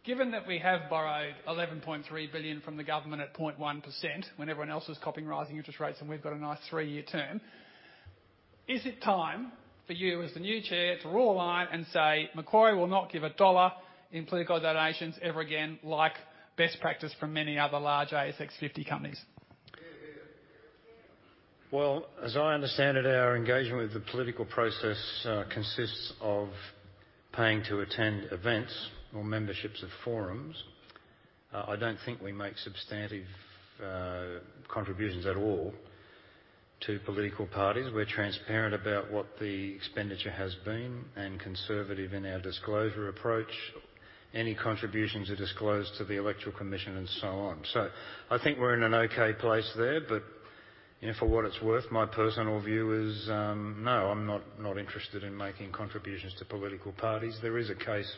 Given that we have borrowed 11.3 billion from the government at 0.1% when everyone else is copping rising interest rates and we've got a nice three year term, is it time for you as the new chair to draw a line and say, "Macquarie will not give a dollar in political donations ever again," like best practice from many other large ASX 50 companies? Well, as I understand it, our engagement with the political process consists of paying to attend events or memberships of forums. I don't think we make substantive contributions at all to political parties. We're transparent about what the expenditure has been and conservative in our disclosure approach. Any contributions are disclosed to the Electoral Commission and so on. I think we're in an okay place there. You know, for what it's worth, my personal view is no, I'm not interested in making contributions to political parties. There is a case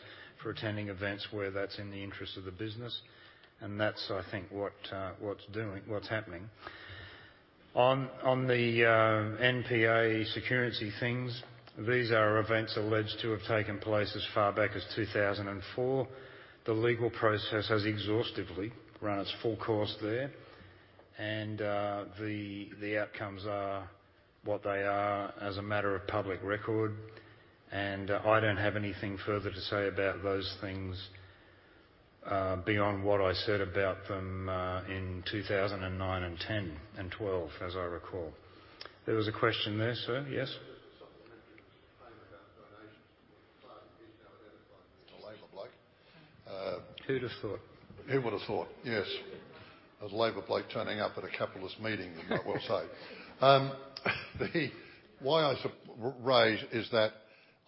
for attending events where that's in the interest of the business, and that's, I think, what's happening. On the NPA security things, these are events alleged to have taken place as far back as 2004. The legal process has exhaustively run its full course there. The outcomes are what they are as a matter of public record. I don't have anything further to say about those things beyond what I said about them in 2009, 2010 and 2012, as I recall. There was a question there, sir. Yes? Just a supplementary claim about donations. Who'd have thought? Who would've thought? Yes. A Labor bloke turning up at a capitalist meeting, you might well say. Why I raise is that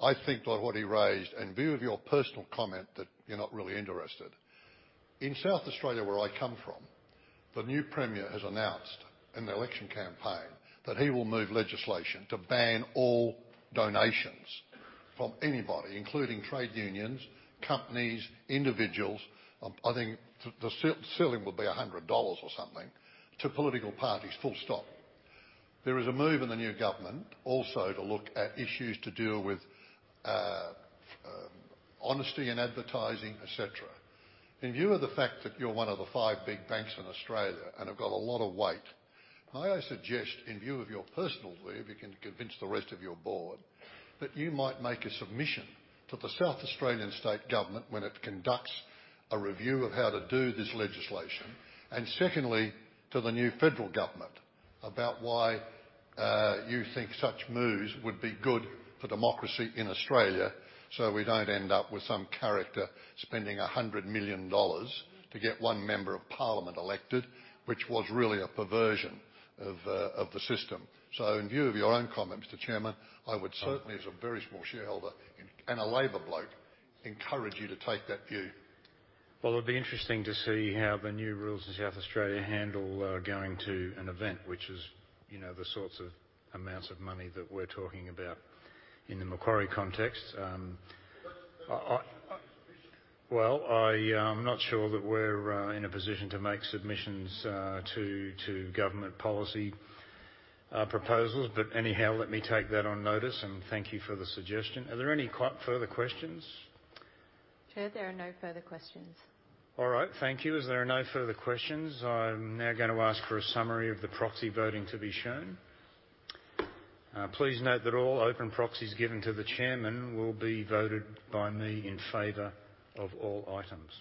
I think that what he raised, in view of your personal comment that you're not really interested. In South Australia, where I come from, the new premier has announced in the election campaign that he will move legislation to ban all donations from anybody, including trade unions, companies, individuals. I think the ceiling will be 100 dollars or something to political parties. There is a move in the new government also to look at issues to do with, honesty in advertising, et cetera. In view of the fact that you're one of the five big banks in Australia and have got a lot of weight, may I suggest, in view of your personal view, if you can convince the rest of your board, that you might make a submission to the South Australian State Government when it conducts a review of how to do this legislation. Secondly, to the new federal government about why, you think such moves would be good for democracy in Australia, so we don't end up with some character spending 100 million dollars to get one member of parliament elected, which was really a perversion of the system. In view of your own comment, Mr. Chairman, I would certainly, as a very small shareholder and a Labor bloke, encourage you to take that view. Well, it'll be interesting to see how the new rules in South Australia handle going to an event which is, you know, the sorts of amounts of money that we're talking about in the Macquarie context. You should make a submission. Well, I'm not sure that we're in a position to make submissions to government policy proposals. Anyhow, let me take that on notice, and thank you for the suggestion. Are there any further questions? Chair, there are no further questions. All right. Thank you. As there are no further questions, I'm now gonna ask for a summary of the proxy voting to be shown. Please note that all open proxies given to the chairman will be voted by me in favor of all items.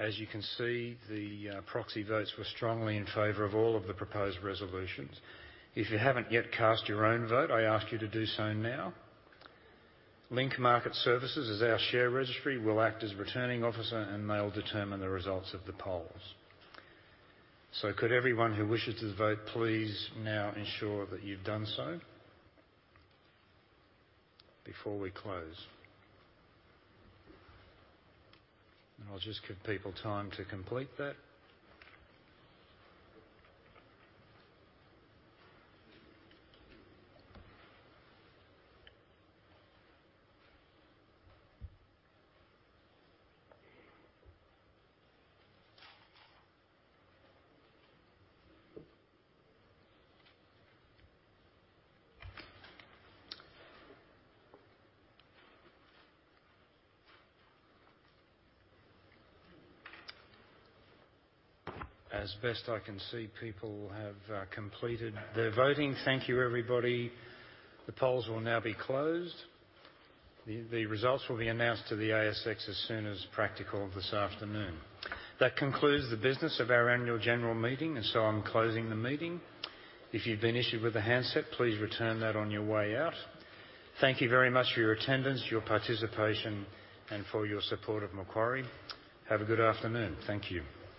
As you can see, the proxy votes were strongly in favor of all of the proposed resolutions. If you haven't yet cast your own vote, I ask you to do so now. Link Market Services is our share registry, will act as returning officer, and they'll determine the results of the polls. Could everyone who wishes to vote please now ensure that you've done so before we close. I'll just give people time to complete that. As best I can see, people have completed their voting. Thank you, everybody. The polls will now be closed. The results will be announced to the ASX as soon as practical this afternoon. That concludes the business of our annual general meeting, and so I'm closing the meeting. If you've been issued with a handset, please return that on your way out. Thank you very much for your attendance, your participation, and for your support of Macquarie. Have a good afternoon. Thank you.